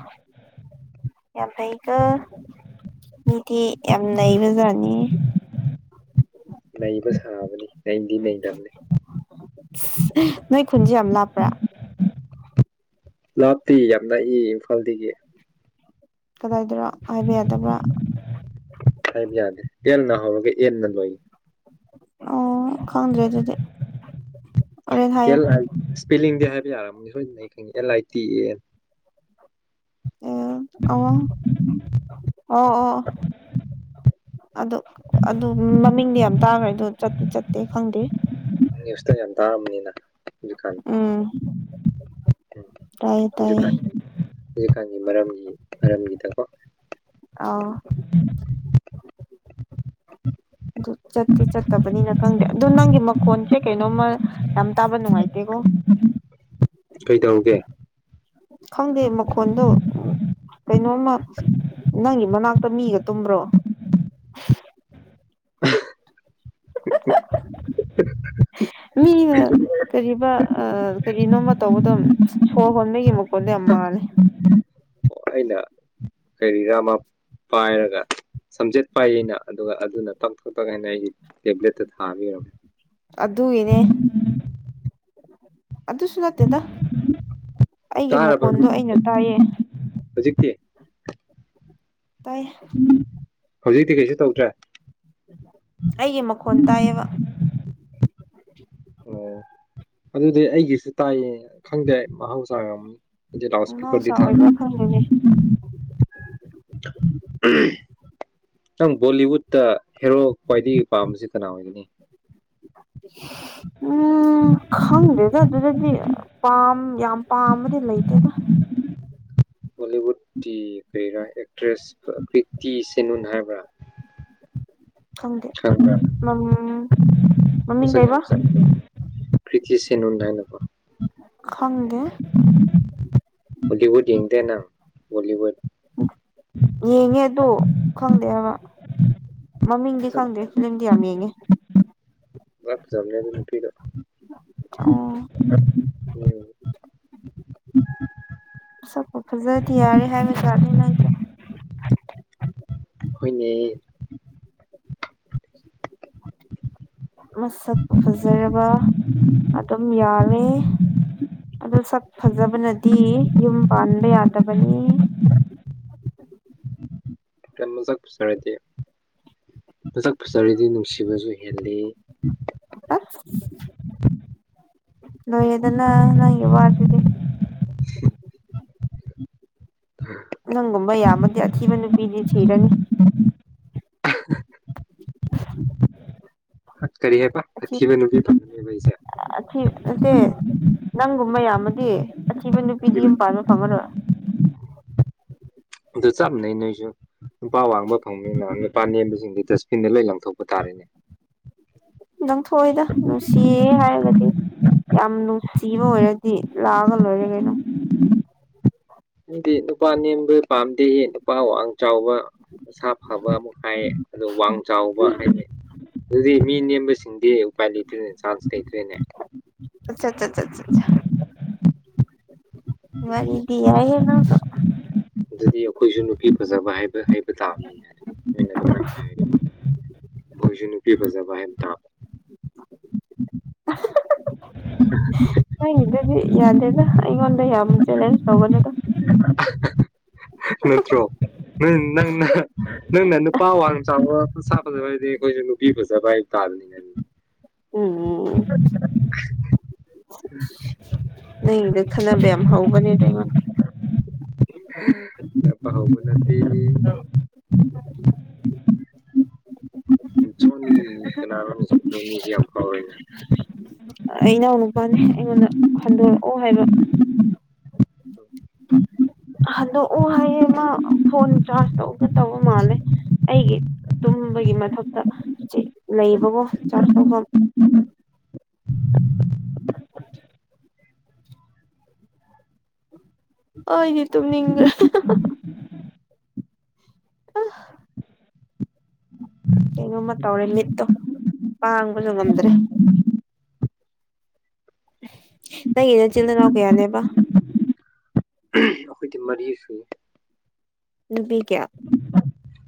ꯌꯥꯝꯀ ꯃꯤꯗꯤ ꯌꯥꯝ ꯂꯩꯩꯕꯖꯥꯔꯅꯤ ꯂꯩꯕ ꯁꯥꯕꯅꯤ ꯅꯗꯤ ꯂꯩꯇꯕꯅꯦ ꯅꯣꯏ ꯈꯨꯟꯁꯤ ꯌꯥꯝ ꯑꯃ ꯂꯥꯛꯞꯄ꯭ꯔꯥ ꯂꯥꯞꯇꯤ ꯌꯥꯝ ꯂꯥꯛꯏ ꯏꯝꯐꯥꯜꯗꯒꯤ ꯀꯗꯥꯏꯗ꯭ꯔꯥ ꯍꯥꯏꯗꯤ ꯌꯥꯗꯦ ꯑꯦꯟꯅ ꯍꯧꯔꯒ ꯑꯦꯟꯅ ꯂꯣꯏꯌꯦ ꯑꯣ ꯀꯥꯟꯗ꯭ꯔꯦꯗꯗꯤ ꯑꯦꯜ ꯑꯥꯏ ꯏꯁꯄꯦꯂꯤꯡꯗꯤ ꯍꯥꯏꯕ ꯌꯥꯔꯅꯤ ꯁꯣꯏꯗꯅ ꯑꯩ ꯈꯪꯉꯦ ꯑꯦꯜ ꯑꯥꯏ ꯇꯤ ꯑꯦ ꯑꯣ ꯑ ꯑꯣ ꯑꯣ ꯑꯗ ꯑꯗꯨ ꯃꯃꯤꯡꯗꯤ ꯌꯥꯝ ꯇꯥꯡꯈ꯭ꯔꯦ ꯑꯗꯨ ꯆꯠꯇꯤ ꯆꯠꯇꯦ ꯈꯪꯗꯦ ꯈꯤꯇ ꯌꯥꯝ ꯇꯥꯑꯕꯅꯤꯅ ꯍꯧꯖꯤꯀꯥꯟ ꯎꯝ ꯇꯥꯏꯌꯦ ꯇꯥꯏꯌꯦ ꯍꯧꯖꯤꯥꯟ ꯍꯧꯖꯤꯛꯀꯥꯟꯒꯤ ꯃꯔꯝꯒꯤ ꯃꯔꯝꯒꯤꯗꯀꯣ ꯑ [inaudible] ꯑꯗꯨ ꯆꯠꯇꯤ ꯆꯠꯇꯕꯅꯤꯅ ꯈꯪꯗꯦ ꯑꯗꯨ ꯅꯪꯒꯤ ꯃꯈꯣꯟꯁꯦ ꯀꯩꯅꯣꯝꯃ ꯌꯥꯝ ꯇꯥꯕ ꯅꯨꯡꯉꯥꯏꯇꯦꯀꯣ ꯀꯩ ꯇꯔꯧꯒꯦ ꯈꯪꯗꯦ ꯃꯈꯣꯟꯗꯣ ꯀꯩꯅꯣꯝꯃ ꯅꯪꯒꯤ ꯃꯅꯥꯛꯇ ꯇ ꯃꯤꯒ ꯇꯨꯝꯕ꯭ꯔꯣ [inaudible] ꯃꯤ ꯀꯔꯤ ꯀꯔꯤꯅꯣꯃ ꯇꯧꯕꯗꯣ ꯁꯣꯔ ꯍꯣꯟꯕꯒꯤ ꯃꯀꯣꯟꯗꯣ ꯌꯥꯝ ꯃꯥꯜꯂꯦ ꯑꯣ ꯑꯩꯅ ꯀꯔꯤꯔꯥ ꯑꯃ ꯄꯥꯏꯔꯒ ꯁꯝꯆꯦꯠ ꯄꯥꯏ ꯑꯩꯅ ꯑꯗꯨꯒ ꯑꯗꯨꯅ ꯇꯛ ꯇ ꯇ ꯍꯥꯏꯅ ꯑꯩꯒꯤ ꯇꯦꯕ꯭ꯂꯦꯠꯇ ꯊꯥꯕꯤꯔꯒ ꯑꯗꯨꯗ ꯏꯅꯦ ꯑꯗꯨ ꯑꯗꯨꯁꯨꯂꯠꯇꯦꯗ ꯑꯩꯒꯤ ꯇꯥꯔꯕ ꯃꯈꯣꯟꯗꯣ ꯑꯩꯅ ꯇꯥꯏꯌꯦ ꯀꯦ ꯇꯥꯏ ꯍꯧꯖꯤꯛꯇꯤ ꯀꯩꯁꯨ ꯇꯧꯗ꯭ꯔꯦ ꯑꯩꯒꯤ ꯃꯈꯣꯟ ꯇꯥꯏꯌꯦꯕ ꯑꯣ ꯑꯗꯨꯗꯤ ꯑꯩꯒꯤꯁꯨ ꯇꯥꯏꯌꯦ ꯈꯪꯗꯦ ꯃꯍꯧꯁꯥꯒ ꯂꯥꯎ ꯁꯄꯀꯔ ꯃꯍꯧꯁꯥ ꯊꯝ ꯑꯣꯏꯕ꯭ꯔꯥ ꯈꯪꯗꯦꯅꯦ ꯎꯝ ꯅꯪ ꯕꯣꯂꯤꯋꯨꯠꯇ ꯍꯦꯔꯣ ꯈ꯭ꯋꯥꯏꯗꯒꯤ ꯄꯥꯝꯕꯁꯤ ꯀꯅꯥ ꯑꯣꯏꯒꯅꯤ ꯎꯝ ꯈꯪꯗꯦꯗ ꯑꯗꯨꯗꯗꯤ ꯄꯥꯝ ꯌꯥꯝ ꯄꯥꯝꯕꯗꯤ ꯂꯩꯇꯗ ꯍꯣꯂꯤꯋꯨꯠꯀꯤ ꯀꯩꯔꯥ ꯑꯦꯛꯇ꯭ꯔꯦꯁ ꯇꯤ ꯁꯦꯅꯨꯟ ꯍꯥꯏꯕ꯭ꯔꯥ ꯪꯗꯤ ꯃꯝ ꯃꯁ ꯀꯦ ꯃꯁ ꯀꯔꯤꯇ ꯆ ꯅꯥꯏꯅꯀ ꯈꯪꯒꯦ ꯀꯦꯡꯗꯦꯟ ꯑꯪ ꯣꯂꯤꯋꯨꯠ ꯌꯦꯡꯉꯦ ꯑꯗ ꯈꯪꯗꯦ ꯍꯥꯏꯕ ꯃꯃꯤꯡꯗꯤ ꯈꯪꯗꯦ ꯐꯤꯂꯝꯗꯤ ꯌꯥꯝ ꯌꯦꯡꯉꯦ ꯂ ꯆꯝꯅꯗ ꯂꯨꯄꯤꯗ ꯑꯣ ꯎꯝ ꯛꯄ ꯐꯖꯗꯤ ꯌꯥꯔꯦ ꯍꯥꯏꯕꯁꯨꯥꯠꯅꯤ ꯅꯁ ꯍꯅꯦ ꯎꯝ [inaudible] ꯃꯁꯛꯄꯨ ꯐꯖꯔꯕ ꯑꯗꯨꯝ ꯌꯥꯔꯦ ꯑꯣ ꯁꯛ ꯐꯖꯕꯅꯗꯤ ꯌꯨꯝ ꯄꯥꯟꯕ ꯌꯥꯗꯕꯅꯤ [unintelligible] ꯃꯁꯛꯖꯔꯦ ꯃꯁꯛ ꯐꯖꯔꯗꯤ ꯅꯨꯡꯁꯤꯕꯁꯨ ꯑꯦꯜꯂꯤ ꯂꯣꯏꯦꯗꯅ ꯅꯪ ꯋꯥꯔꯗꯗꯤ ꯅꯪꯒꯨꯝꯕ ꯌꯥꯝꯃꯗꯤ ꯑꯀꯤꯕ ꯅꯨꯄꯤꯗꯤ ꯁꯤꯔꯅꯤ [inaudible] ꯀꯔꯤ ꯍꯥꯏꯦ ꯄ ꯑꯊꯤ ꯑꯊꯕ ꯅꯨ ꯄꯁꯦ ꯑꯊꯤ ꯑꯀꯤꯕ ꯅꯨꯄꯤꯗꯤ ꯌꯨꯝ ꯄꯥꯟꯕ ꯐꯪꯒꯅ ꯑꯗꯨ ꯆꯞ ꯃꯥꯟꯅꯩ ꯅꯣꯏꯁꯨ ꯅꯨꯄꯥ ꯋꯥꯡꯕ ꯐꯪꯅꯤꯅ ꯅꯨꯄꯥ ꯅꯦꯝꯕꯁꯨ ꯁꯤꯡꯗꯤ ꯗꯁꯕꯤꯟꯗ ꯂꯩ ꯂꯪꯊꯣꯛꯄ ꯇꯥꯔꯅꯦ ꯅꯪꯊꯣꯛꯏꯗ ꯅꯨꯡꯁꯤꯌꯦ ꯍꯥꯏꯔꯒꯗꯤ ꯌꯥꯝ ꯅꯨꯡꯁꯤꯕ ꯑꯣꯏꯔꯗꯤ ꯂꯥꯛꯑꯒ ꯂꯣꯏꯔꯦ ꯀꯩꯅꯣ ꯅꯪꯗꯤ ꯅꯨꯄꯥ ꯅꯦꯝꯕ ꯄꯥꯝꯗꯦ ꯅꯨꯄꯥ ꯋꯥꯋꯥꯡ ꯆꯥꯎꯕ ꯃꯁꯥ ꯐꯕ ꯑꯃꯨꯛ ꯍꯥꯏ ꯑꯗꯣ ꯋꯥꯡ ꯆꯥꯎꯕ ꯍꯥꯏꯗꯤ ꯑꯗꯨꯗꯤ ꯃꯤ ꯅꯦꯝꯕꯁꯤꯡꯗꯤ ꯎꯄꯥꯏ ꯂꯩꯇ꯭ꯔꯦꯅꯦ ꯆꯥꯟꯁ ꯂꯩꯇ꯭ꯔꯦꯅꯦ [unintelligible] ꯃꯔꯤꯗꯤ ꯌꯥꯏꯍꯦ ꯅꯪꯁꯨ ꯑꯗꯨꯗꯤ ꯑꯩꯈꯣꯏꯁꯨ ꯅꯨꯄꯤ ꯐꯖꯕ ꯍꯥꯏꯕ ꯍꯥꯏꯕ ꯇꯥꯕꯅꯤꯅꯦ ꯑꯗꯨꯗꯤ ꯅꯪꯅ ꯑꯗꯨꯃꯥꯏꯅ ꯍꯥꯏꯔꯗꯤ ꯈꯣꯏꯁꯨ ꯅꯨꯄꯤ ꯐꯖꯕ ꯍꯥꯏ [unintelligible] ꯅꯪꯒꯤꯗꯨꯗꯤ ꯌꯥꯗꯦꯗ ꯑꯩꯉꯣꯟꯗ ꯌꯥꯝ ꯆꯦꯂꯦꯟꯖ ꯇꯧꯕꯅꯤꯗ ꯅꯠꯇ꯭ꯔꯣ ꯅꯪꯅ ꯅꯪꯅ ꯅꯨꯄꯥ ꯋꯥꯡ ꯆꯥꯎꯕ ꯃꯁꯥ ꯐꯥꯕ ꯍꯥꯏꯗꯤ ꯑꯩꯈꯣꯏꯁꯨ ꯅꯨꯄꯤ ꯐꯖꯕ [unintelligible] ꯎꯝ ꯎꯝ ꯎꯝ ꯅꯪꯒꯤꯗꯣ ꯈꯠꯅꯕ ꯌꯥꯝ ꯍꯧꯕꯅꯤꯗ ꯑꯩꯉꯣꯟꯗꯥ [unintelligible] ꯁꯣꯅꯤ ꯀꯅꯥꯅꯣ ꯁꯣꯅꯤꯁꯤ ꯌꯥꯝ ꯀꯥꯎꯔꯦꯅꯦ ꯑꯩ ꯅꯥꯎ ꯅꯨꯄꯥꯅꯦ ꯑꯩꯉꯣꯟꯗ ꯍꯟꯗꯣꯔꯛꯑꯣ ꯍꯥꯏꯕ [unintelligible] ꯑꯗꯣ ꯑꯣ ꯍꯥꯏꯌꯦ ꯃꯥ ꯐꯣꯟ ꯆꯥꯥꯔꯖ ꯇꯧꯒꯗꯕꯥ ꯃꯥꯜꯂꯦ ꯑꯩꯒꯤ ꯇꯨꯝꯕꯒꯤ ꯃꯊꯛꯇ ꯂꯩꯕꯥꯀꯣ ꯆꯥꯔꯖ ꯇꯧꯐꯝ [unintelligible] ꯍ ꯇꯅꯤ ꯑ ꯀꯩꯅꯣꯝꯃ ꯇꯧꯔꯦ ꯃꯤꯠꯇꯣ ꯄꯥꯡꯕꯁꯨ ꯉꯝꯗ꯭ꯔꯦ ꯅꯪꯒꯤ ꯅꯆꯤꯜ ꯅꯅꯥꯎ ꯀꯌꯥꯅꯦꯕꯥ ꯑꯩꯈꯣꯏꯗꯤ ꯃꯔꯤ ꯁꯨꯏꯌꯦ ꯅꯨꯄꯤ ꯀꯌꯥ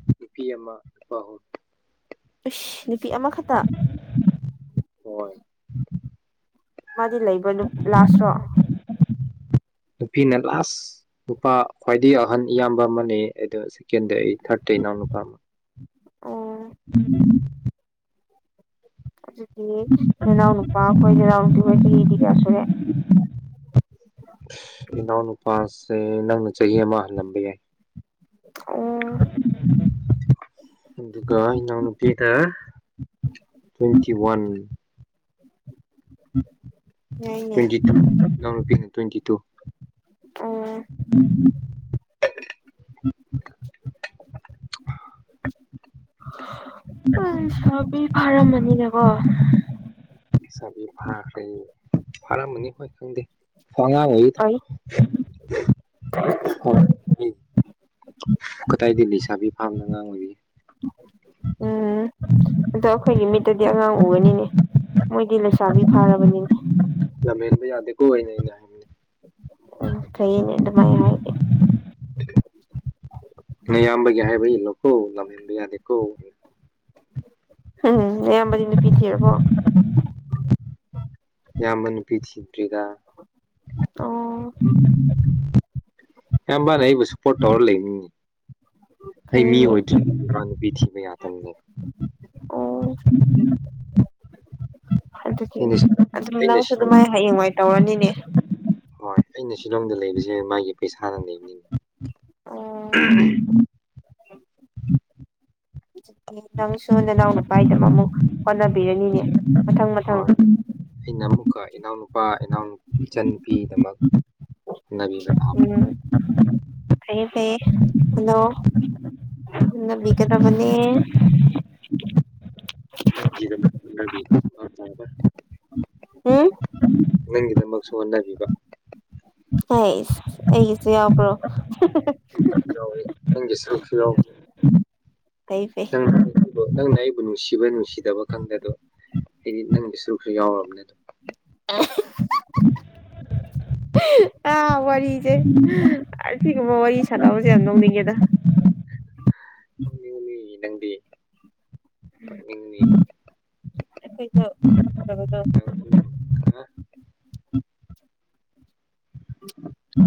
ꯅꯨꯄꯤ ꯑꯃꯥ [unintelligible] ꯑꯁ ꯅꯨꯄꯤ ꯑꯃꯈꯛꯇ ꯍꯣꯏ ꯃꯥꯗꯤ ꯂꯩꯕ꯭ꯔ ꯅꯨ ꯂꯥꯁꯔꯣ ꯅꯨꯄꯤꯅ ꯂꯥꯁ ꯅꯨꯄꯥ ꯈ꯭ꯋꯥꯏꯗꯒꯤ ꯑꯍꯟ ꯏꯌꯥꯝꯕ ꯑꯃꯥꯅꯦ [unintelligible] ꯅꯎ ꯅꯨꯄꯥ ꯑꯣ [unintelligible] ꯑꯗꯨꯗꯤ ꯅꯅꯥꯎ ꯅꯨꯨꯄꯥꯈꯣꯏ ꯏꯅꯥꯎ ꯅꯨꯨꯄꯤ ꯍꯣꯏ ꯆꯍꯤꯗꯤ ꯀꯌꯥ ꯁꯨꯔꯦ ꯏꯅꯥꯎ ꯅꯨꯄꯥꯁꯦ ꯅꯪꯅꯥ ꯆꯥꯍꯤ ꯑꯃꯥ ꯍꯜꯂꯝꯕꯥ ꯌꯥꯏ ꯎꯝ ꯑꯗꯨꯒ ꯏꯅꯥꯎ ꯅꯨꯨꯄꯤꯗ ꯇ꯭ꯋꯦꯟꯇꯤ ꯋꯥꯟ ꯌꯥꯏꯅꯦ ꯇ꯭ꯋꯦꯟꯇꯤ ꯇꯨ ꯏꯅꯥꯎꯅꯨꯄꯤꯅ ꯇ꯭ꯋꯦꯟꯇꯤ ꯇꯨ ꯑꯣ [unintelligible] ꯎ ꯁꯕꯤ ꯐꯥꯔꯝ ꯃꯅꯤꯅꯦꯀꯣ ꯏꯁꯁꯥꯕꯤ ꯐꯈ꯭ꯔꯦ ꯐꯔꯝꯃꯅꯤ ꯈꯣꯏ ꯈꯪꯗꯦ [unintelligible] ꯐꯩ [unintelligible] ꯀꯗꯥꯏꯗꯒꯤ ꯂꯩꯁꯥꯕꯤ ꯐꯥꯕꯅꯣ ꯑꯉꯥꯡꯑꯣꯏꯔꯤꯌꯦ ꯎꯝ ꯑꯗꯣ ꯑꯩꯈꯣꯏꯒꯤ ꯎꯝ ꯗꯤꯂꯩꯁꯥꯕꯤ ꯐꯥꯔꯕꯅꯤꯅꯦ ꯂꯝꯍꯦꯟꯕ ꯌꯥꯗꯦꯀꯣ ꯑꯩꯅ ꯑꯩꯅ ꯍꯥꯏꯕꯅꯦ ꯎꯝ ꯐꯩꯌꯦꯅꯦ ꯑꯗꯨꯃꯥꯏ ꯍꯥꯏꯔꯗꯤ [unintelligible] ꯅꯌꯥꯝꯕꯒꯤ ꯍꯥꯏꯕ ꯏꯜꯂꯨꯀꯣ ꯂꯝꯍꯟꯕ ꯌꯥꯗꯦꯀꯣ ꯎꯝ ꯅꯌꯥꯝꯕꯗꯤ ꯅꯨꯄꯤ ꯊꯤꯔꯕꯣ ꯏꯌꯥꯝꯕ ꯅꯤꯄꯤ ꯊꯤꯗ꯭ꯔꯤꯗꯥ ꯑꯣ [unintelligible] ꯑꯦꯝꯕ [unintelligible] ꯑꯣꯏꯔ ꯂꯩꯅꯤ ꯑꯩ ꯃꯤ ꯐꯩꯅꯦ ꯑꯣꯏꯗ꯭ꯔꯤ ꯃꯤ ꯅꯨꯄꯤ ꯊꯤꯕ ꯌꯥꯗꯕꯅꯦ [unintelligible] ꯑꯗꯨꯗꯤ ꯑꯩꯅ ꯑꯗꯨꯝ ꯑꯩꯅ ꯅꯪꯁꯨ ꯁꯤꯂꯣꯡ ꯑꯗꯨꯃꯥꯏ ꯍꯌꯦꯡꯋꯥꯏ ꯇꯧꯔꯅꯤꯅꯦ ꯍꯣꯏ ꯑꯩꯅ ꯁꯤꯂꯣꯡꯗ ꯂꯩꯕꯁꯦ ꯃꯥꯒꯤ ꯄꯩꯁꯥꯅ ꯑꯣ [unintelligible] [inaudible] ꯅꯪꯁꯨ ꯅꯅꯥꯎ ꯅꯨꯄꯥꯗꯃꯛ ꯑꯃꯨꯛ ꯍꯣꯠꯅꯕꯤꯔꯅꯤꯅꯦ ꯃꯊꯪ ꯃꯊꯪ ꯍꯣꯏ ꯑꯩꯅ ꯑꯃꯨꯛꯀ ꯏꯅꯥꯎꯅꯨꯄꯥ ꯏꯅꯥꯎꯄ ꯏꯆꯟ ꯅꯨꯄꯤꯒꯤꯗꯃꯛ ꯎꯝ ꯐꯩꯌꯦ [unintelligible] ꯍ‌ꯣꯠꯅꯕꯤꯒꯗꯕꯅꯤ ꯎꯝ [unintelligible] ꯅꯪꯒꯤꯗꯃꯛꯁꯨ ꯍꯣꯠꯅꯕꯤꯕ ꯍꯁ ꯑꯩꯒꯤꯁꯨ ꯌꯥꯎꯕ꯭ꯔꯣ ꯌꯥꯎꯋꯤ ꯅꯪꯒꯤ ꯁꯔꯨꯛꯁꯨ ꯌꯥꯎꯕꯅꯤ ꯐꯩ ꯐꯩ ꯅꯪꯅ ꯑꯩꯕꯨ ꯅꯨꯡꯁꯤꯕ ꯅꯨꯡꯁꯤꯗꯕ ꯈꯪꯗꯗꯣ ꯑꯩꯗꯤ ꯅꯪꯒꯤ ꯁꯔꯨꯛꯁꯨ ꯌꯥꯎꯔꯕꯅꯦ ꯑꯗꯨꯣ ꯑꯥ ꯋꯥꯔꯤ ꯋꯥꯔꯤꯁꯦ ꯑꯁꯤꯒꯨꯝꯕ ꯋꯥꯔꯤ ꯁꯥꯟꯅꯕꯁꯦ ꯌꯥꯝ ꯂꯧꯅꯤꯡꯉꯦꯗ ꯅꯪꯗꯤ ꯄꯛꯅꯤꯡꯅꯤ [unintelligible]